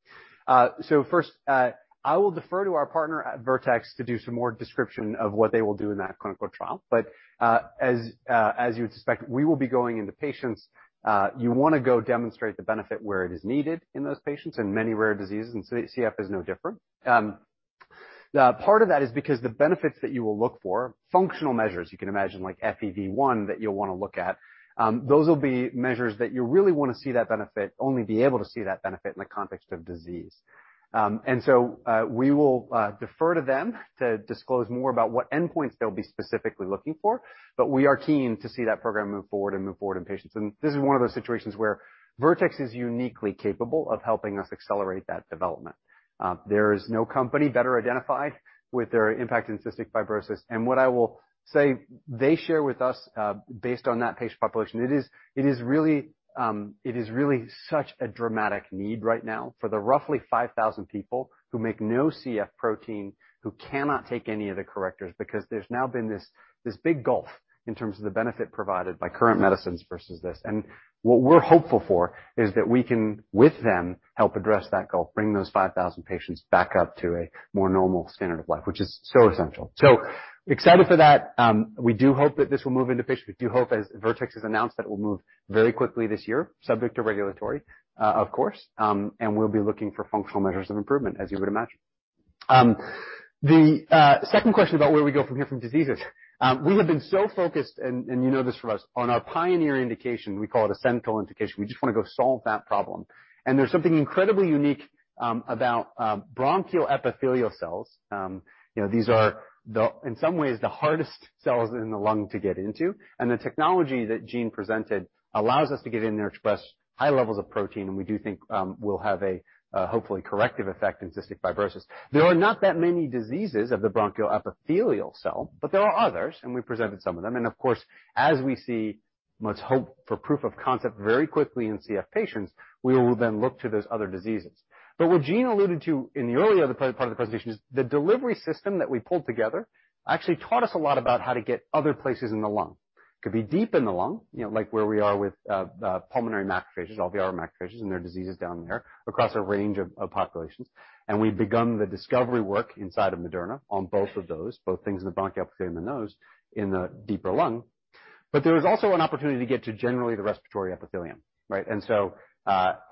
First, I will defer to our partner at Vertex to do some more description of what they will do in that clinical trial. As you would suspect, we will be going into patients. You wanna go demonstrate the benefit where it is needed in those patients in many rare diseases, and CF is no different. Part of that is because the benefits that you will look for, functional measures, you can imagine like FEV1 that you'll wanna look at, those will be measures that you really wanna see that benefit, only be able to see that benefit in the context of disease. We will defer to them to disclose more about what endpoints they'll be specifically looking for, but we are keen to see that program move forward and move forward in patients. This is one of those situations where Vertex is uniquely capable of helping us accelerate that development. There is no company better identified with their impact in cystic fibrosis. What I will say they share with us, based on that patient population, it is really such a dramatic need right now for the roughly 5,000 people who make no CF protein, who cannot take any of the correctors because there's now been this big gulf in terms of the benefit provided by current medicines versus this. What we're hopeful for is that we can, with them, help address that gulf, bring those 5,000 patients back up to a more normal standard of life, which is so essential. Excited for that. We do hope that this will move into patients. We do hope, as Vertex has announced, that it will move very quickly this year, subject to regulatory, of course. We'll be looking for functional measures of improvement, as you would imagine. The second question about where we go from here from diseases. We have been so focused, and you know this from us, on our pioneer indication, we call it a central indication. We just wanna go solve that problem. There's something incredibly unique about bronchial epithelial cells. You know, these are the in some ways, the hardest cells in the lung to get into. The technology that Jean presented allows us to get in there to express high levels of protein, and we do think will have a hopefully corrective effect in cystic fibrosis. There are not that many diseases of the bronchial epithelial cell, but there are others, and we presented some of them. Of course, as we see, let's hope for proof of concept very quickly in CF patients, we will then look to those other diseases. What Jean alluded to in the earlier part of the presentation is the delivery system that we pulled together actually taught us a lot about how to get other places in the lung. Could be deep in the lung, you know, like where we are with pulmonary macrophages, alveolar macrophages, and there are diseases down there across a range of populations. We've begun the discovery work inside of Moderna on both of those, both things in the bronchioles and the nose in the deeper lung. There is also an opportunity to get to generally the respiratory epithelium, right?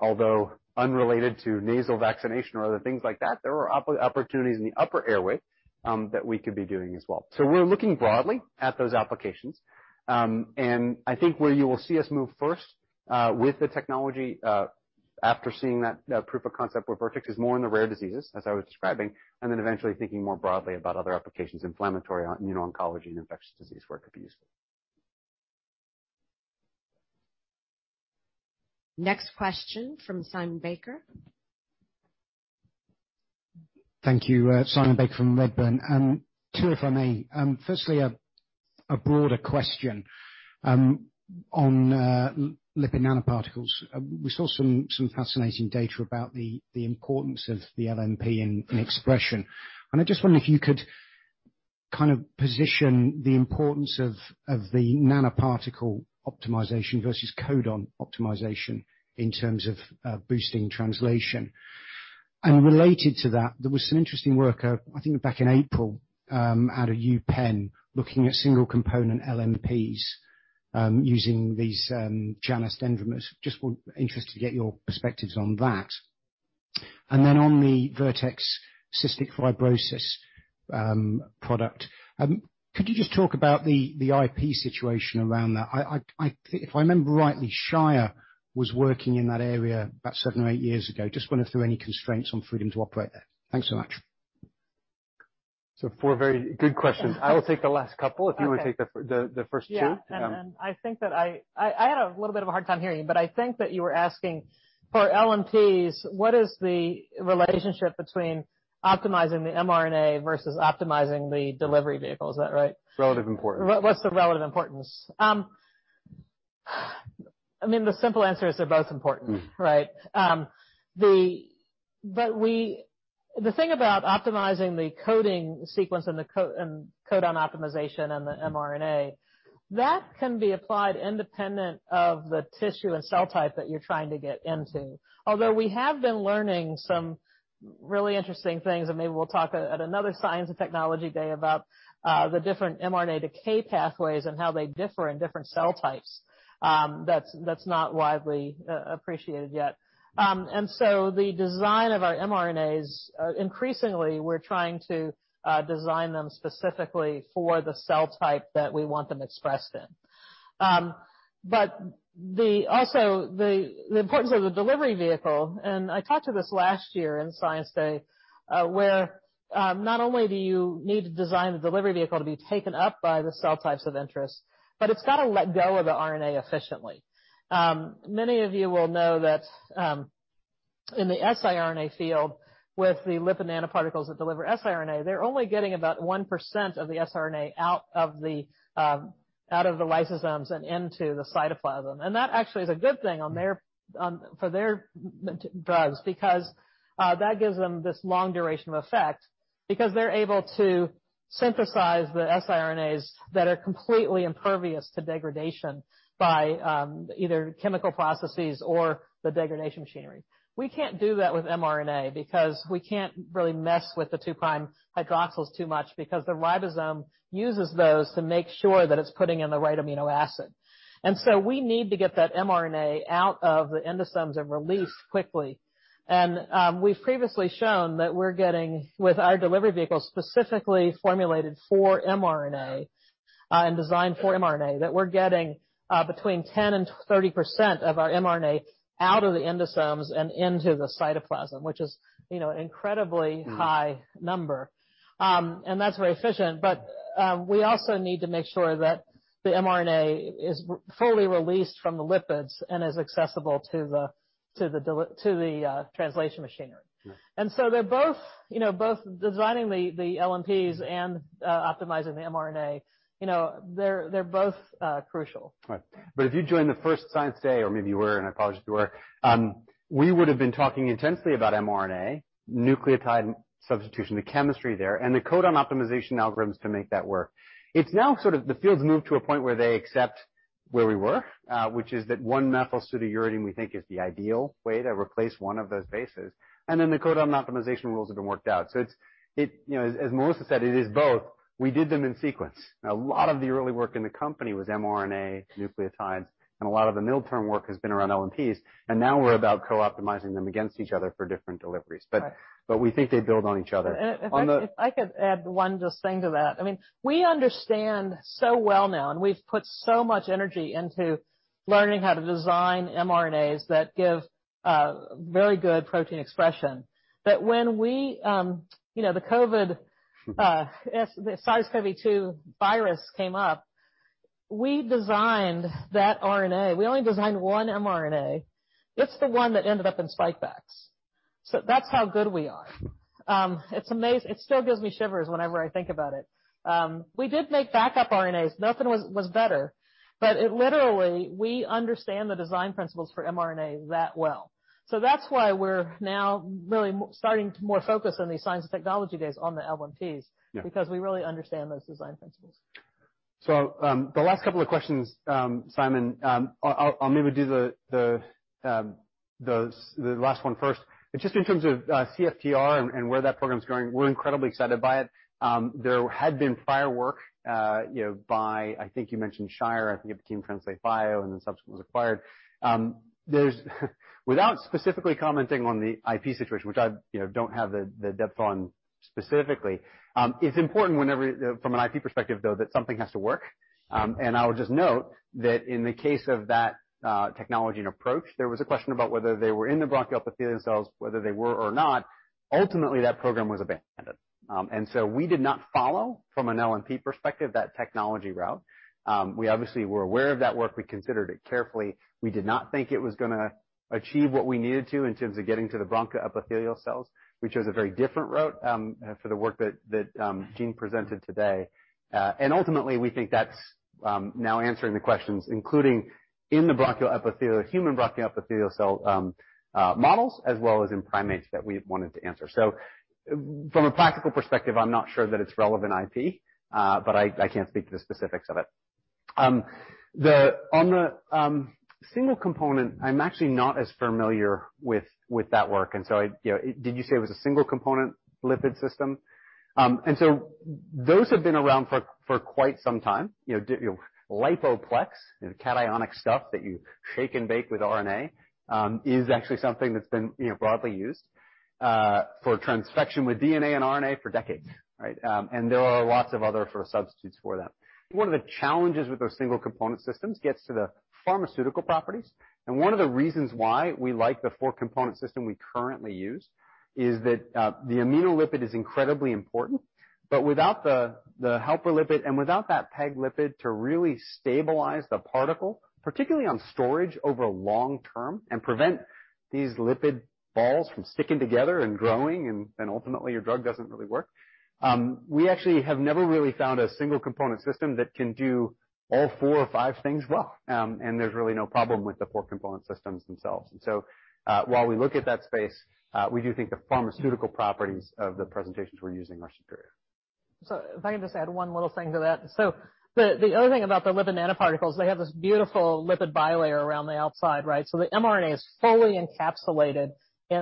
Although unrelated to nasal vaccination or other things like that, there are opportunities in the upper airway that we could be doing as well. We're looking broadly at those applications. I think where you will see us move first with the technology after seeing that proof of concept with Vertex is more in the rare diseases, as I was describing, and then eventually thinking more broadly about other applications, inflammatory, immuno-oncology, and infectious disease where it could be useful. Next question from Simon Baker. Thank you. Simon Baker from Redburn. Two, if I may. Firstly, a broader question on lipid nanoparticles. We saw some fascinating data about the importance of the LNP in expression. I just wonder if you could kind of position the importance of the nanoparticle optimization versus codon optimization in terms of boosting translation. Related to that, there was some interesting work, I think back in April, out of UPenn, looking at single component LNPs using these janus dendrimers. Just interested to get your perspectives on that. Then on the Vertex cystic fibrosis product, could you just talk about the IP situation around that? I think if I remember rightly, Shire was working in that area about seven or eight years ago. Just wonder if there are any constraints on freedom to operate there. Thanks so much. Four very good questions. I will take the last couple if you want to take the first two. Yeah. I think that I had a little bit of a hard time hearing you, but I think that you were asking for LNPs, what is the relationship between optimizing the mRNA versus optimizing the delivery vehicle? Is that right? Relative importance. What's the relative importance? I mean, the simple answer is they're both important. Mm-hmm. Right? The thing about optimizing the coding sequence and codon optimization and the mRNA, that can be applied independent of the tissue and cell type that you're trying to get into. Although we have been learning some really interesting things, and maybe we'll talk at another Science and Technology Day about the different mRNA decay pathways and how they differ in different cell types. That's not widely appreciated yet. The design of our mRNAs, increasingly, we're trying to design them specifically for the cell type that we want them expressed in. Also the importance of the delivery vehicle, and I talked to this last year in Science Day, where not only do you need to design the delivery vehicle to be taken up by the cell types of interest, but it's got to let go of the RNA efficiently. Many of you will know that, in the siRNA field, with the lipid nanoparticles that deliver siRNA, they're only getting about 1% of the siRNA out of the lysosomes and into the cytoplasm. That actually is a good thing for their drugs because that gives them this long duration of effect because they're able to synthesize the siRNAs that are completely impervious to degradation by either chemical processes or the degradation machinery. We can't do that with mRNA because we can't really mess with the two prime hydroxyls too much because the ribosome uses those to make sure that it's putting in the right amino acid. We need to get that mRNA out of the endosomes and released quickly. We've previously shown that with our delivery vehicles, specifically formulated for mRNA and designed for mRNA, we're getting between 10% and 30% of our mRNA out of the endosomes and into the cytoplasm, which is, you know, incredibly. Mm-hmm. High number. That's very efficient. We also need to make sure that the mRNA is fully released from the lipids and is accessible to the translation machinery. Yeah. and optimizing the mRNA. You know, they're both crucial. Right. If you joined the first Science Day, or maybe you were, and I apologize if you were, we would have been talking intensely about mRNA, nucleotide substitution, the chemistry there, and the codon optimization algorithms to make that work. It's now sort of the field's moved to a point where they accept where we were, which is that N1-methylpseudouridine, we think is the ideal way to replace one of those bases. Then the codon optimization rules have been worked out. It's, it, you know, as Melissa said, it is both. We did them in sequence. A lot of the early work in the company was mRNA nucleotides, and a lot of the midterm work has been around LNPs, and now we're about co-optimizing them against each other for different deliveries. Right. We think they build on each other. If I could add just one thing to that, I mean, we understand so well now, and we've put so much energy into learning how to design mRNAs that give very good protein expression. When we, you know, the COVID, the SARS-CoV-2 virus came up, we designed that RNA. We only designed one mRNA. That's the one that ended up in Spikevax. That's how good we are. It still gives me shivers whenever I think about it. We did make backup RNAs. Nothing was better, but it literally, we understand the design principles for mRNA that well. That's why we're now really starting to focus more on the science and technology days on the LNPs. Yeah. Because we really understand those design principles. The last couple of questions, Simon, I'll maybe do the last one first. Just in terms of CFTR and where that program's going, we're incredibly excited by it. There had been work, you know, by, I think you mentioned Shire, I think it became Translate Bio, and then subsequently was acquired. There's without specifically commenting on the IP situation, which I, you know, don't have the depth on specifically, it's important whenever, from an IP perspective, though, that something has to work. I would just note that in the case of that technology and approach, there was a question about whether they were in the bronchial epithelial cells, whether they were or not, ultimately, that program was abandoned. We did not follow from an LNP perspective that technology route. We obviously were aware of that work. We considered it carefully. We did not think it was gonna achieve what we needed to in terms of getting to the bronchial epithelial cells. We chose a very different route for the work that Jean presented today. Ultimately, we think that's now answering the questions, including in the bronchial epithelial, human bronchial epithelial cell models, as well as in primates that we wanted to answer. From a practical perspective, I'm not sure that it's relevant IP, but I can't speak to the specifics of it. On the single component, I'm actually not as familiar with that work, and you know, did you say it was a single component lipid system? Those have been around for quite some time. You know, Lipoplex, the cationic stuff that you shake and bake with RNA, is actually something that's been, you know, broadly used for transfection with DNA and RNA for decades, right? There are lots of other sort of substitutes for that. One of the challenges with those single component systems gets to the pharmaceutical properties, and one of the reasons why we like the four-component system we currently use is that, the ionizable lipid is incredibly important. Without the helper lipid and without that PEG lipid to really stabilize the particle, particularly on storage over long term and prevent these lipid balls from sticking together and growing and ultimately your drug doesn't really work. We actually have never really found a single component system that can do all four or five things well, and there's really no problem with the four-component systems themselves. While we look at that space, we do think the pharmaceutical properties of the presentations we're using are superior. If I can just add one little thing to that. The other thing about the lipid nanoparticles, they have this beautiful lipid bilayer around the outside, right? The mRNA is fully encapsulated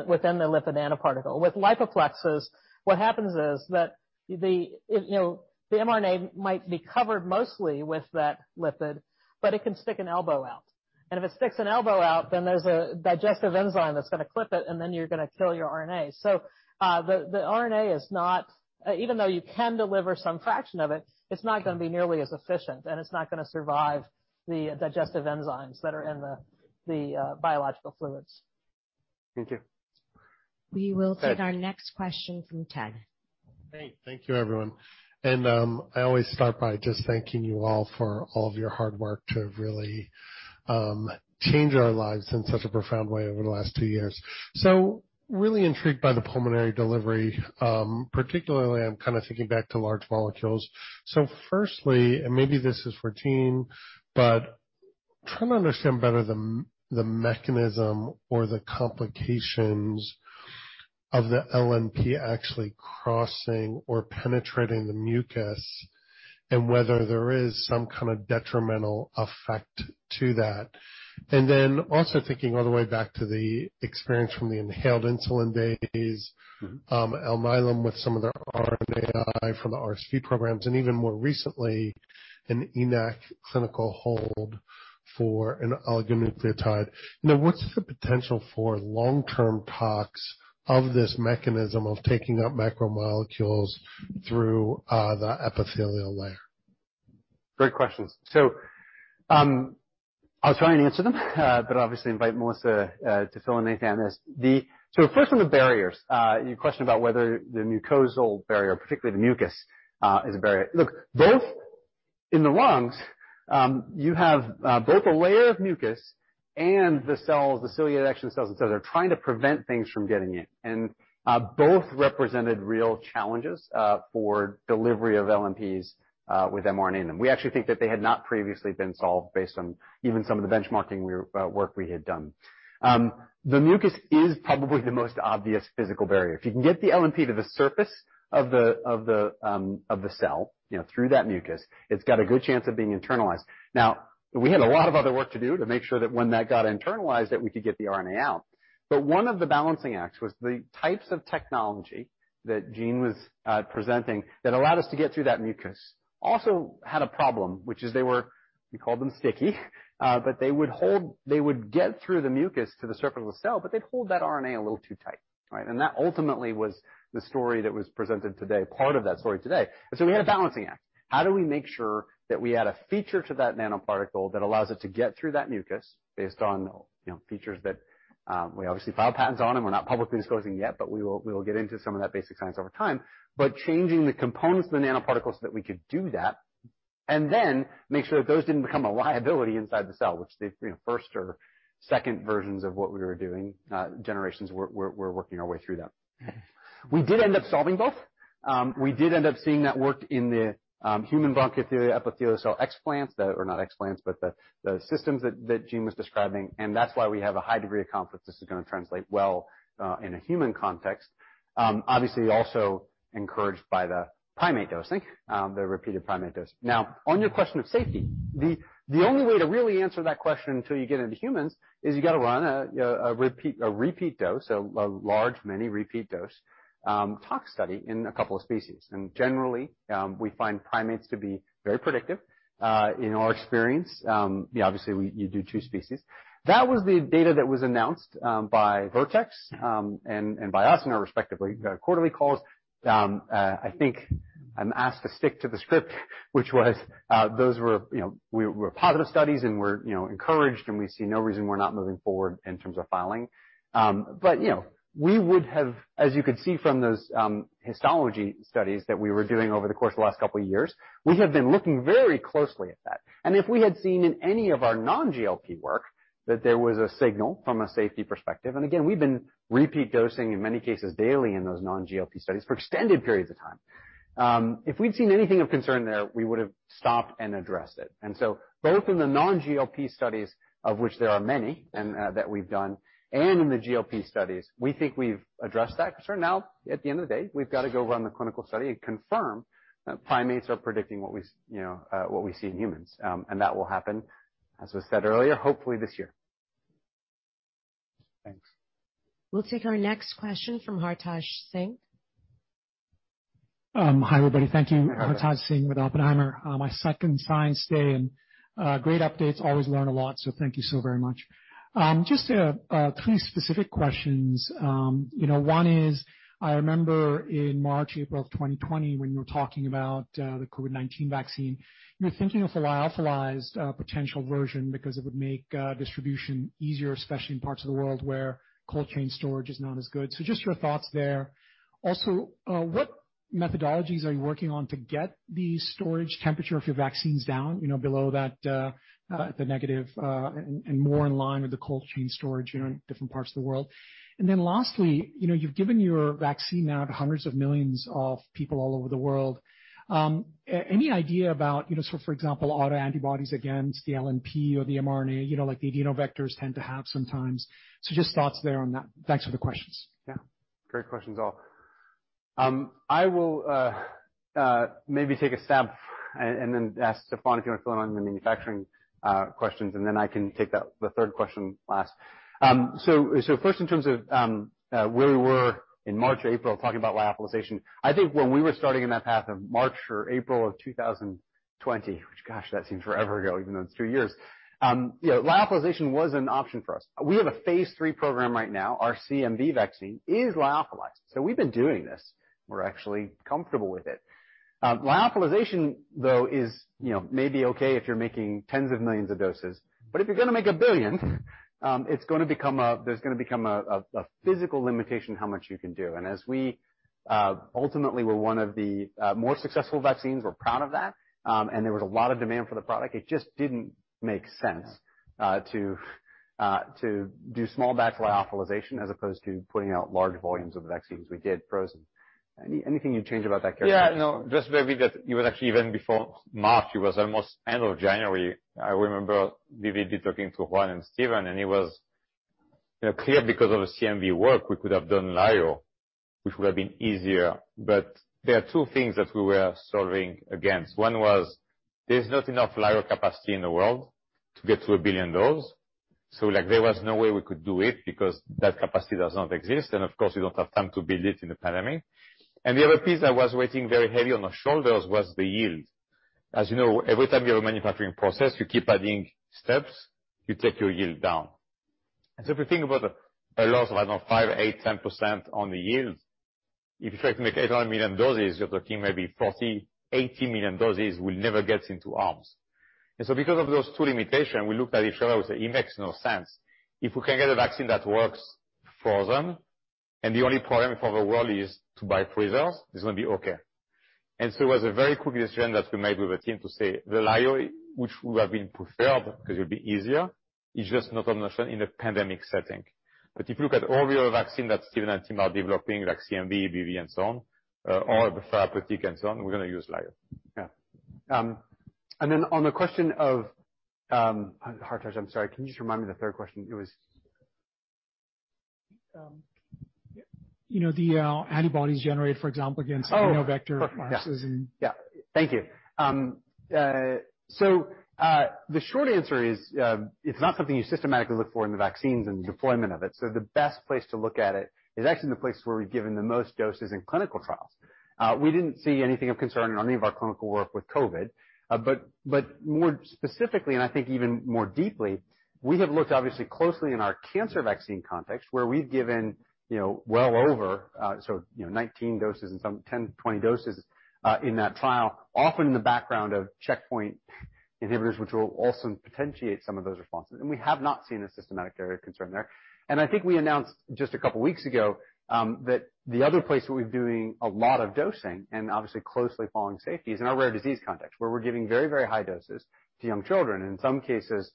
within the lipid nanoparticle. With Lipoplexes, what happens is that, you know, the mRNA might be covered mostly with that lipid, but it can stick an elbow out. If it sticks an elbow out, then there's a digestive enzyme that's gonna clip it, and then you're gonna kill your RNA. Even though you can deliver some fraction of it's not gonna be nearly as efficient, and it's not gonna survive the digestive enzymes that are in the biological fluids. Thank you. We will take our next question from Ted. Hey. Thank you, everyone. I always start by just thanking you all for all of your hard work to really change our lives in such a profound way over the last two years. Really intrigued by the pulmonary delivery, particularly I'm kinda thinking back to large molecules. Firstly, maybe this is for Jean, but trying to understand better the mechanism or the complications of the LNP actually crossing or penetrating the mucus and whether there is some kind of detrimental effect to that. Also thinking all the way back to the experience from the inhaled insulin days. Mm-hmm. Alnylam with some of their RNAi from the RSV programs, and even more recently, an ENaC clinical hold for an oligonucleotide. You know, what's the potential for long-term tox of this mechanism of taking up macromolecules through the epithelial layer? Great questions. I'll try and answer them, but obviously invite Maurice to fill in anything on this. First on the barriers, your question about whether the mucosal barrier, particularly the mucus, is a barrier. Look, both in the lungs, you have both a layer of mucus and the ciliated cells themselves are trying to prevent things from getting in. Both represented real challenges for delivery of LNPs with mRNA in them. We actually think that they had not previously been solved based on even some of the benchmarking work we had done. The mucus is probably the most obvious physical barrier. If you can get the LNP to the surface of the cell, you know, through that mucus, it's got a good chance of being internalized. Now, we had a lot of other work to do to make sure that when that got internalized, that we could get the RNA out. But one of the balancing acts was the types of technology that Jean was presenting that allowed us to get through that mucus also had a problem, which is they were, we called them sticky, but they would get through the mucus to the surface of the cell, but they'd hold that RNA a little too tight, right? And that ultimately was the story that was presented today, part of that story today. We had a balancing act. How do we make sure that we add a feature to that nanoparticle that allows it to get through that mucus based on, you know, features that we obviously file patents on and we're not publicly disclosing yet, but we will get into some of that basic science over time. Changing the components of the nanoparticles so that we could do that. Then make sure that those didn't become a liability inside the cell, which, you know, the first or second versions of what we were doing, generations we're working our way through that. We did end up solving both. We did end up seeing that work in the human bronchiole epithelial cell explants, or not explants, but the systems that Jean was describing, and that's why we have a high degree of confidence this is gonna translate well in a human context. Obviously, also encouraged by the primate dosing, the repeated primate dose. Now, on your question of safety, the only way to really answer that question until you get into humans is you gotta run a repeat dose, a large many repeat dose tox study in a couple of species. Generally, we find primates to be very predictive in our experience. Obviously, you do two species. That was the data that was announced by Vertex and by us in our respective quarterly calls. I think I'm asked to stick to the script, which was those were, you know, positive studies and we're, you know, encouraged, and we see no reason we're not moving forward in terms of filing. You know, we would have, as you could see from those histology studies that we were doing over the course of the last couple of years, we have been looking very closely at that. If we had seen in any of our non-GLP work that there was a signal from a safety perspective, and again, we've been repeat dosing, in many cases, daily in those non-GLP studies for extended periods of time. If we'd seen anything of concern there, we would have stopped and addressed it. Both in the non-GLP studies, of which there are many and that we've done, and in the GLP studies, we think we've addressed that concern. Now, at the end of the day, we've got to go run the clinical study and confirm that primates are predicting what we, you know, what we see in humans, and that will happen, as was said earlier, hopefully this year. Thanks. We'll take our next question from Hartaj Singh. Hi, everybody. Thank you. Hartaj Singh with Oppenheimer. My second science day and great updates, always learn a lot, so thank you so very much. Just three specific questions. You know, one is, I remember in March, April of 2020 when you were talking about the COVID-19 vaccine, you were thinking of a lyophilized potential version because it would make distribution easier, especially in parts of the world where cold chain storage is not as good. Just your thoughts there. Also, what methodologies are you working on to get the storage temperature of your vaccines down, you know, below that, the negative, and more in line with the cold chain storage, you know, in different parts of the world. Lastly, you know, you've given your vaccine now to hundreds of millions of people all over the world. Any idea about, you know, so for example, autoantibodies against the LNP or the mRNA, you know, like the adenovirus vectors tend to have sometimes. Just thoughts there on that. Thanks for the questions. Yeah. Great questions all. I will maybe take a stab and then ask Stéphane if you wanna fill in on the manufacturing questions, and then I can take the third question last. So first in terms of where we were in March, April, talking about lyophilization. I think when we were starting in that path of March or April of 2020, which gosh, that seems forever ago, even though it's two years. You know, lyophilization was an option for us. We have a phase III program right now. Our CMV vaccine is lyophilized. So we've been doing this. We're actually comfortable with it. Lyophilization, though, is you know, maybe okay if you're making tens of millions of doses. But if you're gonna make a billion, it's gonna become a There's gonna become a physical limitation how much you can do. As we ultimately were one of the more successful vaccines, we're proud of that, and there was a lot of demand for the product, it just didn't make sense to do small batch lyophilization as opposed to putting out large volumes of vaccines. We did frozen. Anything you'd change about that characterization? Yeah, no, just verify that it was actually even before March, it was almost end of January. I remember vividly talking to Juan and Stephen, and it was, you know, clear because of the CMV work we could have done lyo, which would have been easier. But there are two things that we were solving against. One was there's not enough lyo capacity in the world to get to 1 billion dose. So, like, there was no way we could do it because that capacity does not exist, and of course, we don't have time to build it in a pandemic. The other piece that was weighing very heavy on our shoulders was the yield. As you know, every time you have a manufacturing process, you keep adding steps, you take your yield down. If you think about a loss of, I don't know, five, eight, 10% on the yield, if you try to make 800 million doses, you're talking maybe 40-80 million doses will never get into arms. Because of those two limitations, we looked at each other and said, "It makes no sense." If we can get a vaccine that works for them, and the only problem for the world is to buy freezers, it's gonna be okay. It was a very quick decision that we made with the team to say the lyo, which would have been preferred because it would be easier, is just not an option in a pandemic setting. If you look at all the other vaccine that Stephen and team are developing, like CMV, EBV and so on, or the therapeutic and so on, we're gonna use lyo. On the question of, Hartaj, I'm sorry, can you just remind me the third question? It was. You know, antibodies generated, for example, against adenovirus vectors and Yeah. Thank you. The short answer is, it's not something you systematically look for in the vaccines and deployment of it, so the best place to look at it is actually the place where we've given the most doses in clinical trials. We didn't see anything of concern on any of our clinical work with COVID. But more specifically, and I think even more deeply, we have looked obviously closely in our cancer vaccine context, where we've given, you know, well over 19 doses and some 10-20 doses in that trial, often in the background of checkpoint inhibitors, which will also potentiate some of those responses. We have not seen a systematic area of concern there. I think we announced just a couple of weeks ago that the other place where we're doing a lot of dosing and obviously closely following safety is in our rare disease context, where we're giving very, very high doses to young children. In some cases,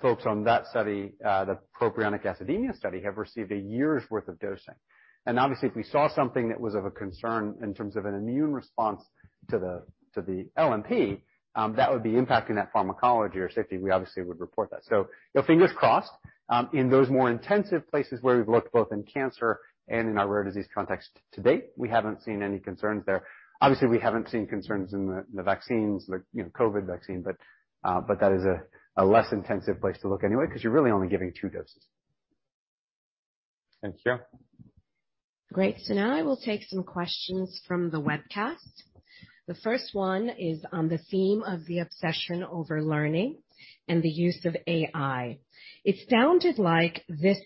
folks on that study, the propionic acidemia study, have received a year's worth of dosing. Obviously, if we saw something that was of a concern in terms of an immune response to the LNP, that would be impacting that pharmacology or safety, we obviously would report that. Fingers crossed, in those more intensive places where we've looked both in cancer and in our rare disease context to date, we haven't seen any concerns there. Obviously, we haven't seen concerns in the vaccines, you know, COVID vaccine, but that is a less intensive place to look anyway because you're really only giving two doses. Thank you. Great. Now I will take some questions from the webcast. The first one is on the theme of the obsession over learning and the use of AI. It sounded like this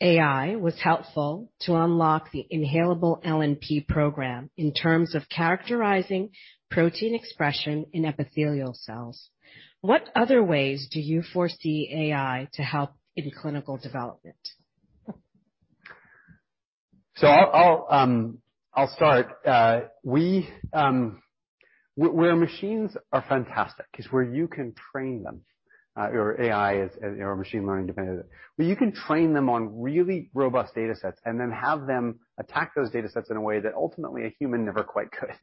AI was helpful to unlock the inhalable LNP program in terms of characterizing protein expression in epithelial cells. What other ways do you foresee AI to help in clinical development? I'll start. Where machines are fantastic is where you can train them or AI is or machine learning depending on where you can train them on really robust datasets and then have them attack those datasets in a way that ultimately a human never quite could.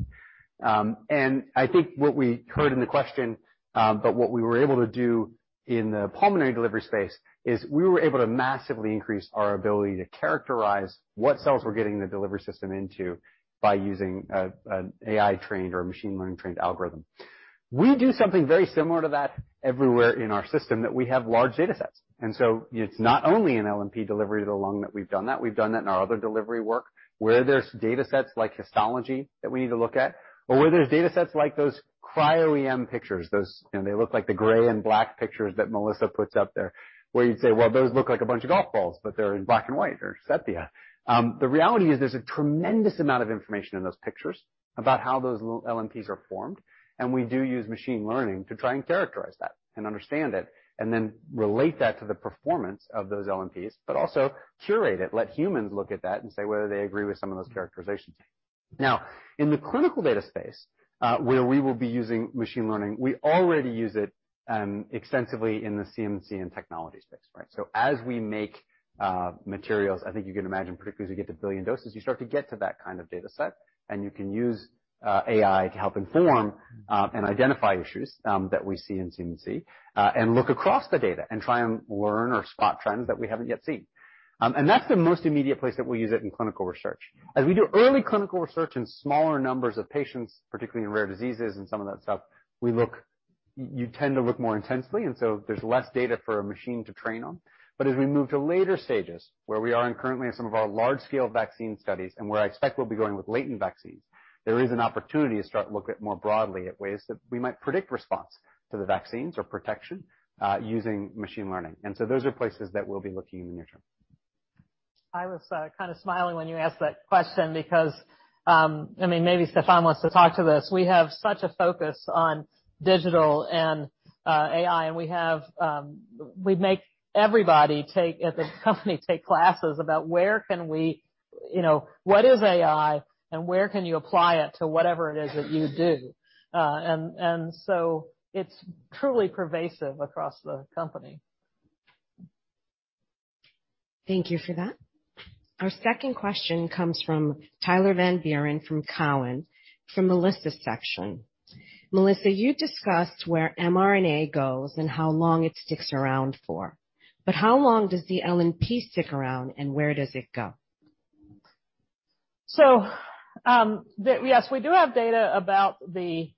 I think what we heard in the question, but what we were able to do in the pulmonary delivery space is we were able to massively increase our ability to characterize what cells we're getting the delivery system into by using an AI-trained or a machine learning-trained algorithm. We do something very similar to that everywhere in our system that we have large datasets. It's not only in LNP delivery to the lung that we've done that. We've done that in our other delivery work where there's datasets like histology that we need to look at, or where there's datasets like those cryo-EM pictures, those, you know, they look like the gray and black pictures that Melissa puts up there, where you'd say, "Well, those look like a bunch of golf balls, but they're in black and white or sepia." The reality is there's a tremendous amount of information in those pictures about how those LNPs are formed, and we do use machine learning to try and characterize that and understand it, and then relate that to the performance of those LNPs, but also curate it. Let humans look at that and say whether they agree with some of those characterizations. Now, in the clinical data space, where we will be using machine learning, we already use it extensively in the CMC and technology space, right? As we make materials, I think you can imagine, particularly as you get to 1 billion doses, you start to get to that kind of dataset, and you can use AI to help inform and identify issues that we see in CMC and look across the data and try and learn or spot trends that we haven't yet seen. That's the most immediate place that we use it in clinical research. As we do early clinical research in smaller numbers of patients, particularly in rare diseases and some of that stuff, we look, you tend to look more intensely, and so there's less data for a machine to train on. As we move to later stages, where we are in currently in some of our large-scale vaccine studies and where I expect we'll be going with latent vaccines, there is an opportunity to start to look at more broadly at ways that we might predict response to the vaccines or protection, using machine learning. Those are places that we'll be looking in the near term. I was kind of smiling when you asked that question because I mean, maybe Stéphane wants to talk to this. We have such a focus on digital and AI, and we make everybody, at the company, take classes about where can we, you know, what is AI, and where can you apply it to whatever it is that you do. It's truly pervasive across the company. Thank you for that. Our second question comes from Tyler Van Buren from Cowen, from Melissa's section. Melissa, you discussed where mRNA goes and how long it sticks around for, but how long does the LNP stick around and where does it go? Yes, we do have data about the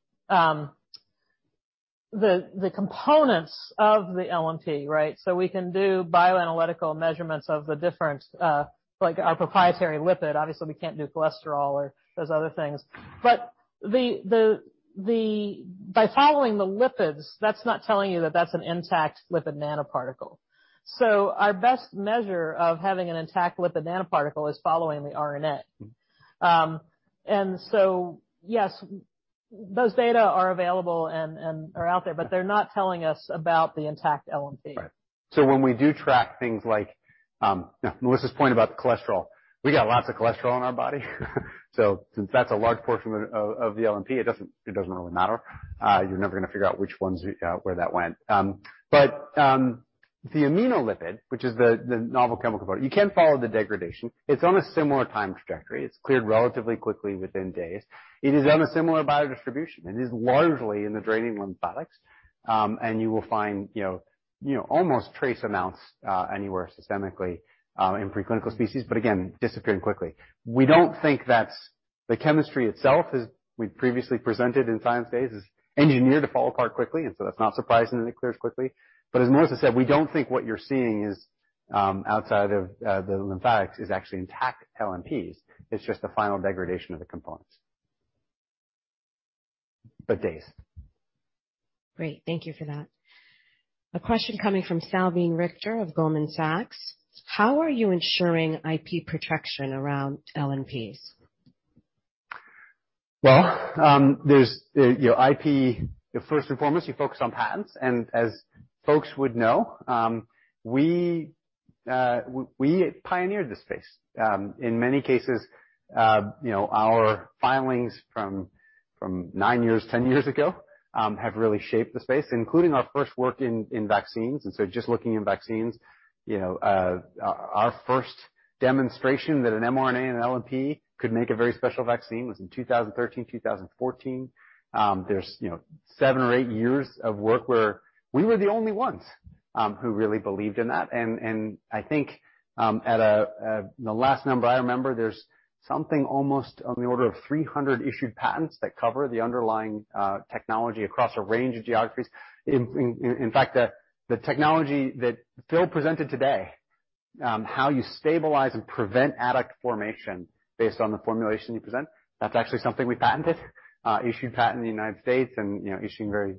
components of the LNP, right? We can do bioanalytical measurements of the different, like our proprietary lipid. Obviously, we can't do cholesterol or those other things. But by following the lipids, that's not telling you that that's an intact lipid nanoparticle. Our best measure of having an intact lipid nanoparticle is following the RNA. Yes, those data are available and are out there, but they're not telling us about the intact LNP. Right. When we do track things like, now Melissa's point about the cholesterol, we got lots of cholesterol in our body. Since that's a large portion of the LNP, it doesn't really matter. You're never gonna figure out which ones where that went. But the ionizable lipid, which is the novel chemical component, you can follow the degradation. It's on a similar time trajectory. It's cleared relatively quickly within days. It is on a similar biodistribution. It is largely in the draining lymphatics, and you will find you know almost trace amounts anywhere systemically in preclinical species, but again, disappearing quickly. We don't think that's the chemistry itself, as we previously presented in Science Days, is engineered to fall apart quickly, and that's not surprising that it clears quickly. As Melissa said, we don't think what you're seeing outside of the lymphatics is actually intact LNPs. It's just the final degradation of the components. days. Great. Thank you for that. A question coming from Salveen Richter of Goldman Sachs. How are you ensuring IP protection around LNPs? Well, there's, you know, IP, first and foremost, you focus on patents. As folks would know, we pioneered this space. In many cases, you know, our filings from nine years, 10 years ago, have really shaped the space, including our first work in vaccines. Just looking in vaccines, you know, our first demonstration that an mRNA and an LNP could make a very special vaccine was in 2013-2014. There's, you know, seven or eight years of work where we were the only ones who really believed in that. I think, the last number I remember, there's something almost on the order of 300 issued patents that cover the underlying technology across a range of geographies. In fact, the technology that Phil presented today, how you stabilize and prevent adduct formation based on the formulation you present, that's actually something we patented. Issued patent in the United States and issuing very,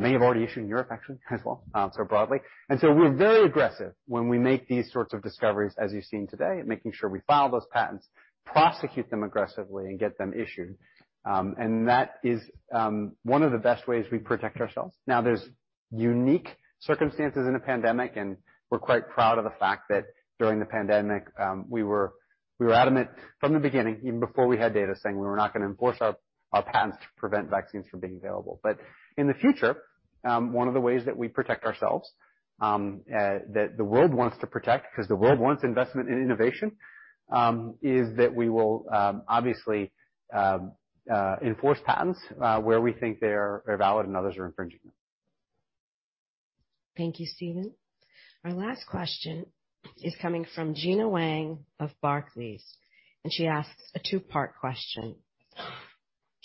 may have already issued in Europe actually as well, so broadly. We're very aggressive when we make these sorts of discoveries as you've seen today, making sure we file those patents, prosecute them aggressively, and get them issued. That is one of the best ways we protect ourselves. Now, there's unique circumstances in a pandemic, and we're quite proud of the fact that during the pandemic, we were adamant from the beginning, even before we had data, saying we were not gonna enforce our patents to prevent vaccines from being available. In the future, one of the ways that we protect ourselves, that the world wants to protect because the world wants investment in innovation, is that we will, obviously, enforce patents, where we think they're valid and others are infringing them. Thank you, Stephen. Our last question is coming from Gena Wang of Barclays, and she asks a two-part question.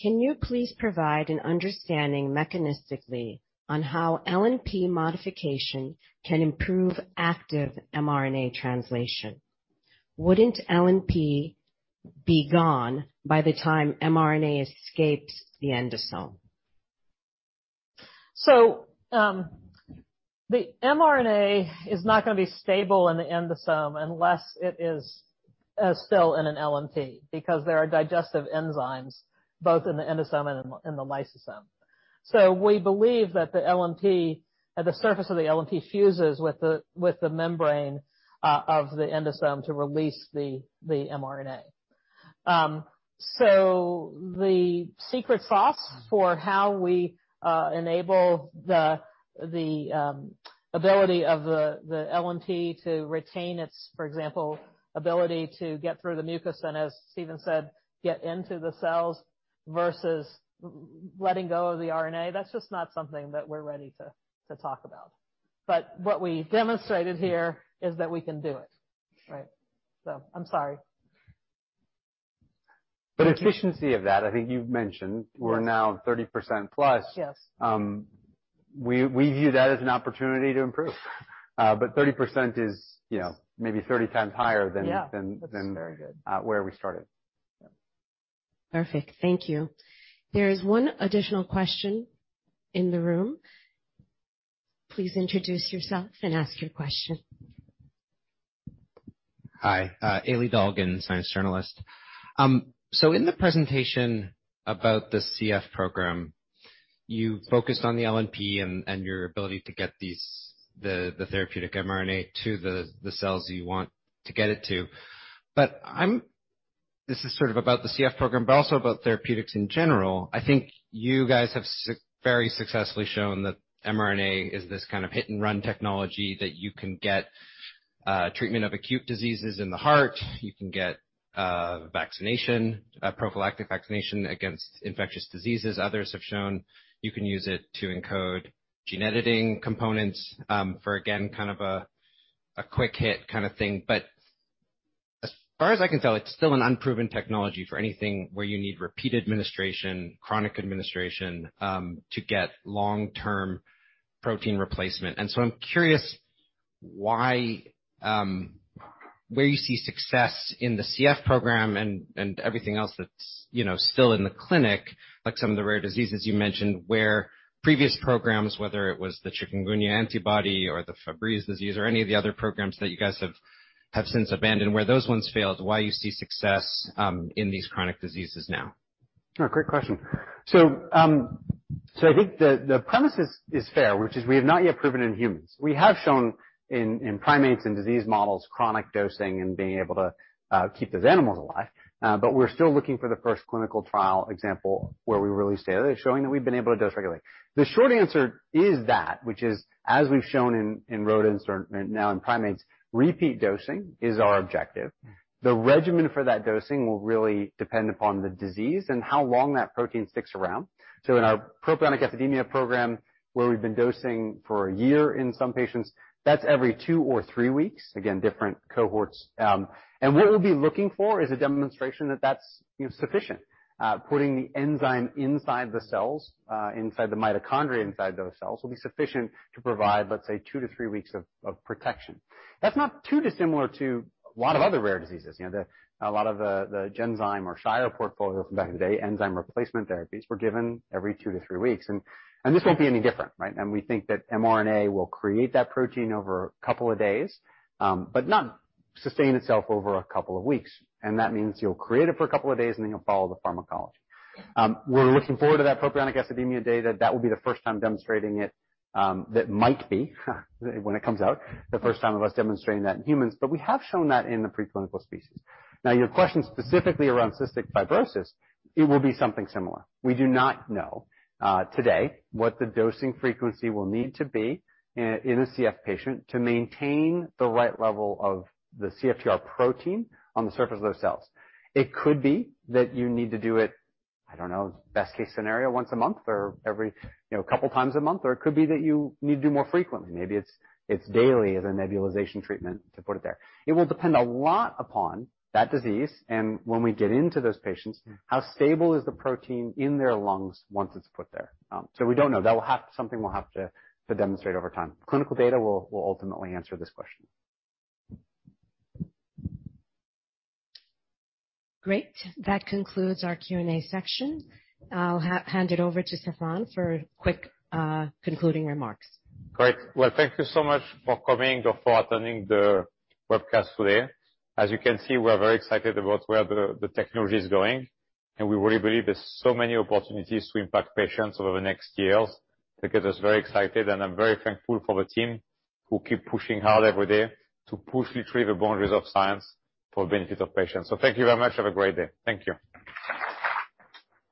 Can you please provide an understanding mechanistically on how LNP modification can improve active mRNA translation? Wouldn't LNP be gone by the time mRNA escapes the endosome? The mRNA is not gonna be stable in the endosome unless it is still in an LNP because there are digestive enzymes both in the endosome and in the lysosome. We believe that the LNP at the surface of the LNP fuses with the membrane of the endosome to release the mRNA. The secret sauce for how we enable the ability of the LNP to retain its, for example, ability to get through the mucus and, as Stephen said, get into the cells versus letting go of the RNA, that's just not something that we're ready to talk about. But what we demonstrated here is that we can do it, right? I'm sorry. Efficiency of that, I think you've mentioned, we're now 30% plus. Yes. We view that as an opportunity to improve. 30% is, you know, maybe 30 times higher than- Yeah. That's very good. than where we started. Yeah. Perfect. Thank you. There is one additional question in the room. Please introduce yourself and ask your question. Hi. Elie Dolgin, Science Journalist. In the presentation about the CF program, you focused on the LNP and your ability to get the therapeutic mRNA to the cells you want to get it to. This is sort of about the CF program, but also about therapeutics in general. I think you guys have very successfully shown that mRNA is this kind of hit-and-run technology that you can get treatment of acute diseases in the heart, you can get vaccination, prophylactic vaccination against infectious diseases. Others have shown you can use it to encode gene editing components, for again, kind of a quick hit kinda thing. As far as I can tell, it's still an unproven technology for anything where you need repeat administration, chronic administration, to get long-term protein replacement. I'm curious why, where you see success in the CF program and everything else that's, you know, still in the clinic, like some of the rare diseases you mentioned where previous programs, whether it was the chikungunya antibody or the Fabry disease or any of the other programs that you guys have since abandoned, where those ones failed, why you see success in these chronic diseases now? Oh, great question. I think the premise is fair, which is we have not yet proven in humans. We have shown in primates and disease models chronic dosing and being able to keep those animals alive, but we're still looking for the first clinical trial example where we really say that it's showing that we've been able to dose regularly. The short answer is that, which is, as we've shown in rodents or now in primates, repeat dosing is our objective. The regimen for that dosing will really depend upon the disease and how long that protein sticks around. In our propionic acidemia program, where we've been dosing for a year in some patients, that's every two or three weeks, again, different cohorts. What we'll be looking for is a demonstration that that's, you know, sufficient. Putting the enzyme inside the cells inside the mitochondria inside those cells will be sufficient to provide, let's say, two to three weeks of protection. That's not too dissimilar to a lot of other rare diseases. A lot of the Genzyme or Shire portfolio from back in the day, enzyme replacement therapies were given every two to three weeks. This won't be any different, right? We think that mRNA will create that protein over a couple of days, but not sustain itself over a couple of weeks. That means you'll create it for a couple of days, and then you'll follow the pharmacology. We're looking forward to that propionic acidemia data. That will be the first time demonstrating it that might be, when it comes out, the first time of us demonstrating that in humans. We have shown that in the preclinical species. Now, your question specifically around cystic fibrosis, it will be something similar. We do not know today what the dosing frequency will need to be in a CF patient to maintain the right level of the CFTR protein on the surface of those cells. It could be that you need to do it, I don't know, best case scenario, once a month or every, you know, couple times a month, or it could be that you need to do more frequently. Maybe it's daily as a nebulization treatment to put it there. It will depend a lot upon that disease and when we get into those patients, how stable is the protein in their lungs once it's put there. So we don't know. That will have something we'll have to demonstrate over time. Clinical data will ultimately answer this question. Great. That concludes our Q&A section. I'll hand it over to Stéphane for quick concluding remarks. Great. Well, thank you so much for coming or for attending the webcast today. As you can see, we are very excited about where the technology is going, and we really believe there's so many opportunities to impact patients over the next years that gets us very excited. I'm very thankful for the team who keep pushing hard every day to push and retrieve the boundaries of science for benefit of patients. Thank you very much. Have a great day. Thank you.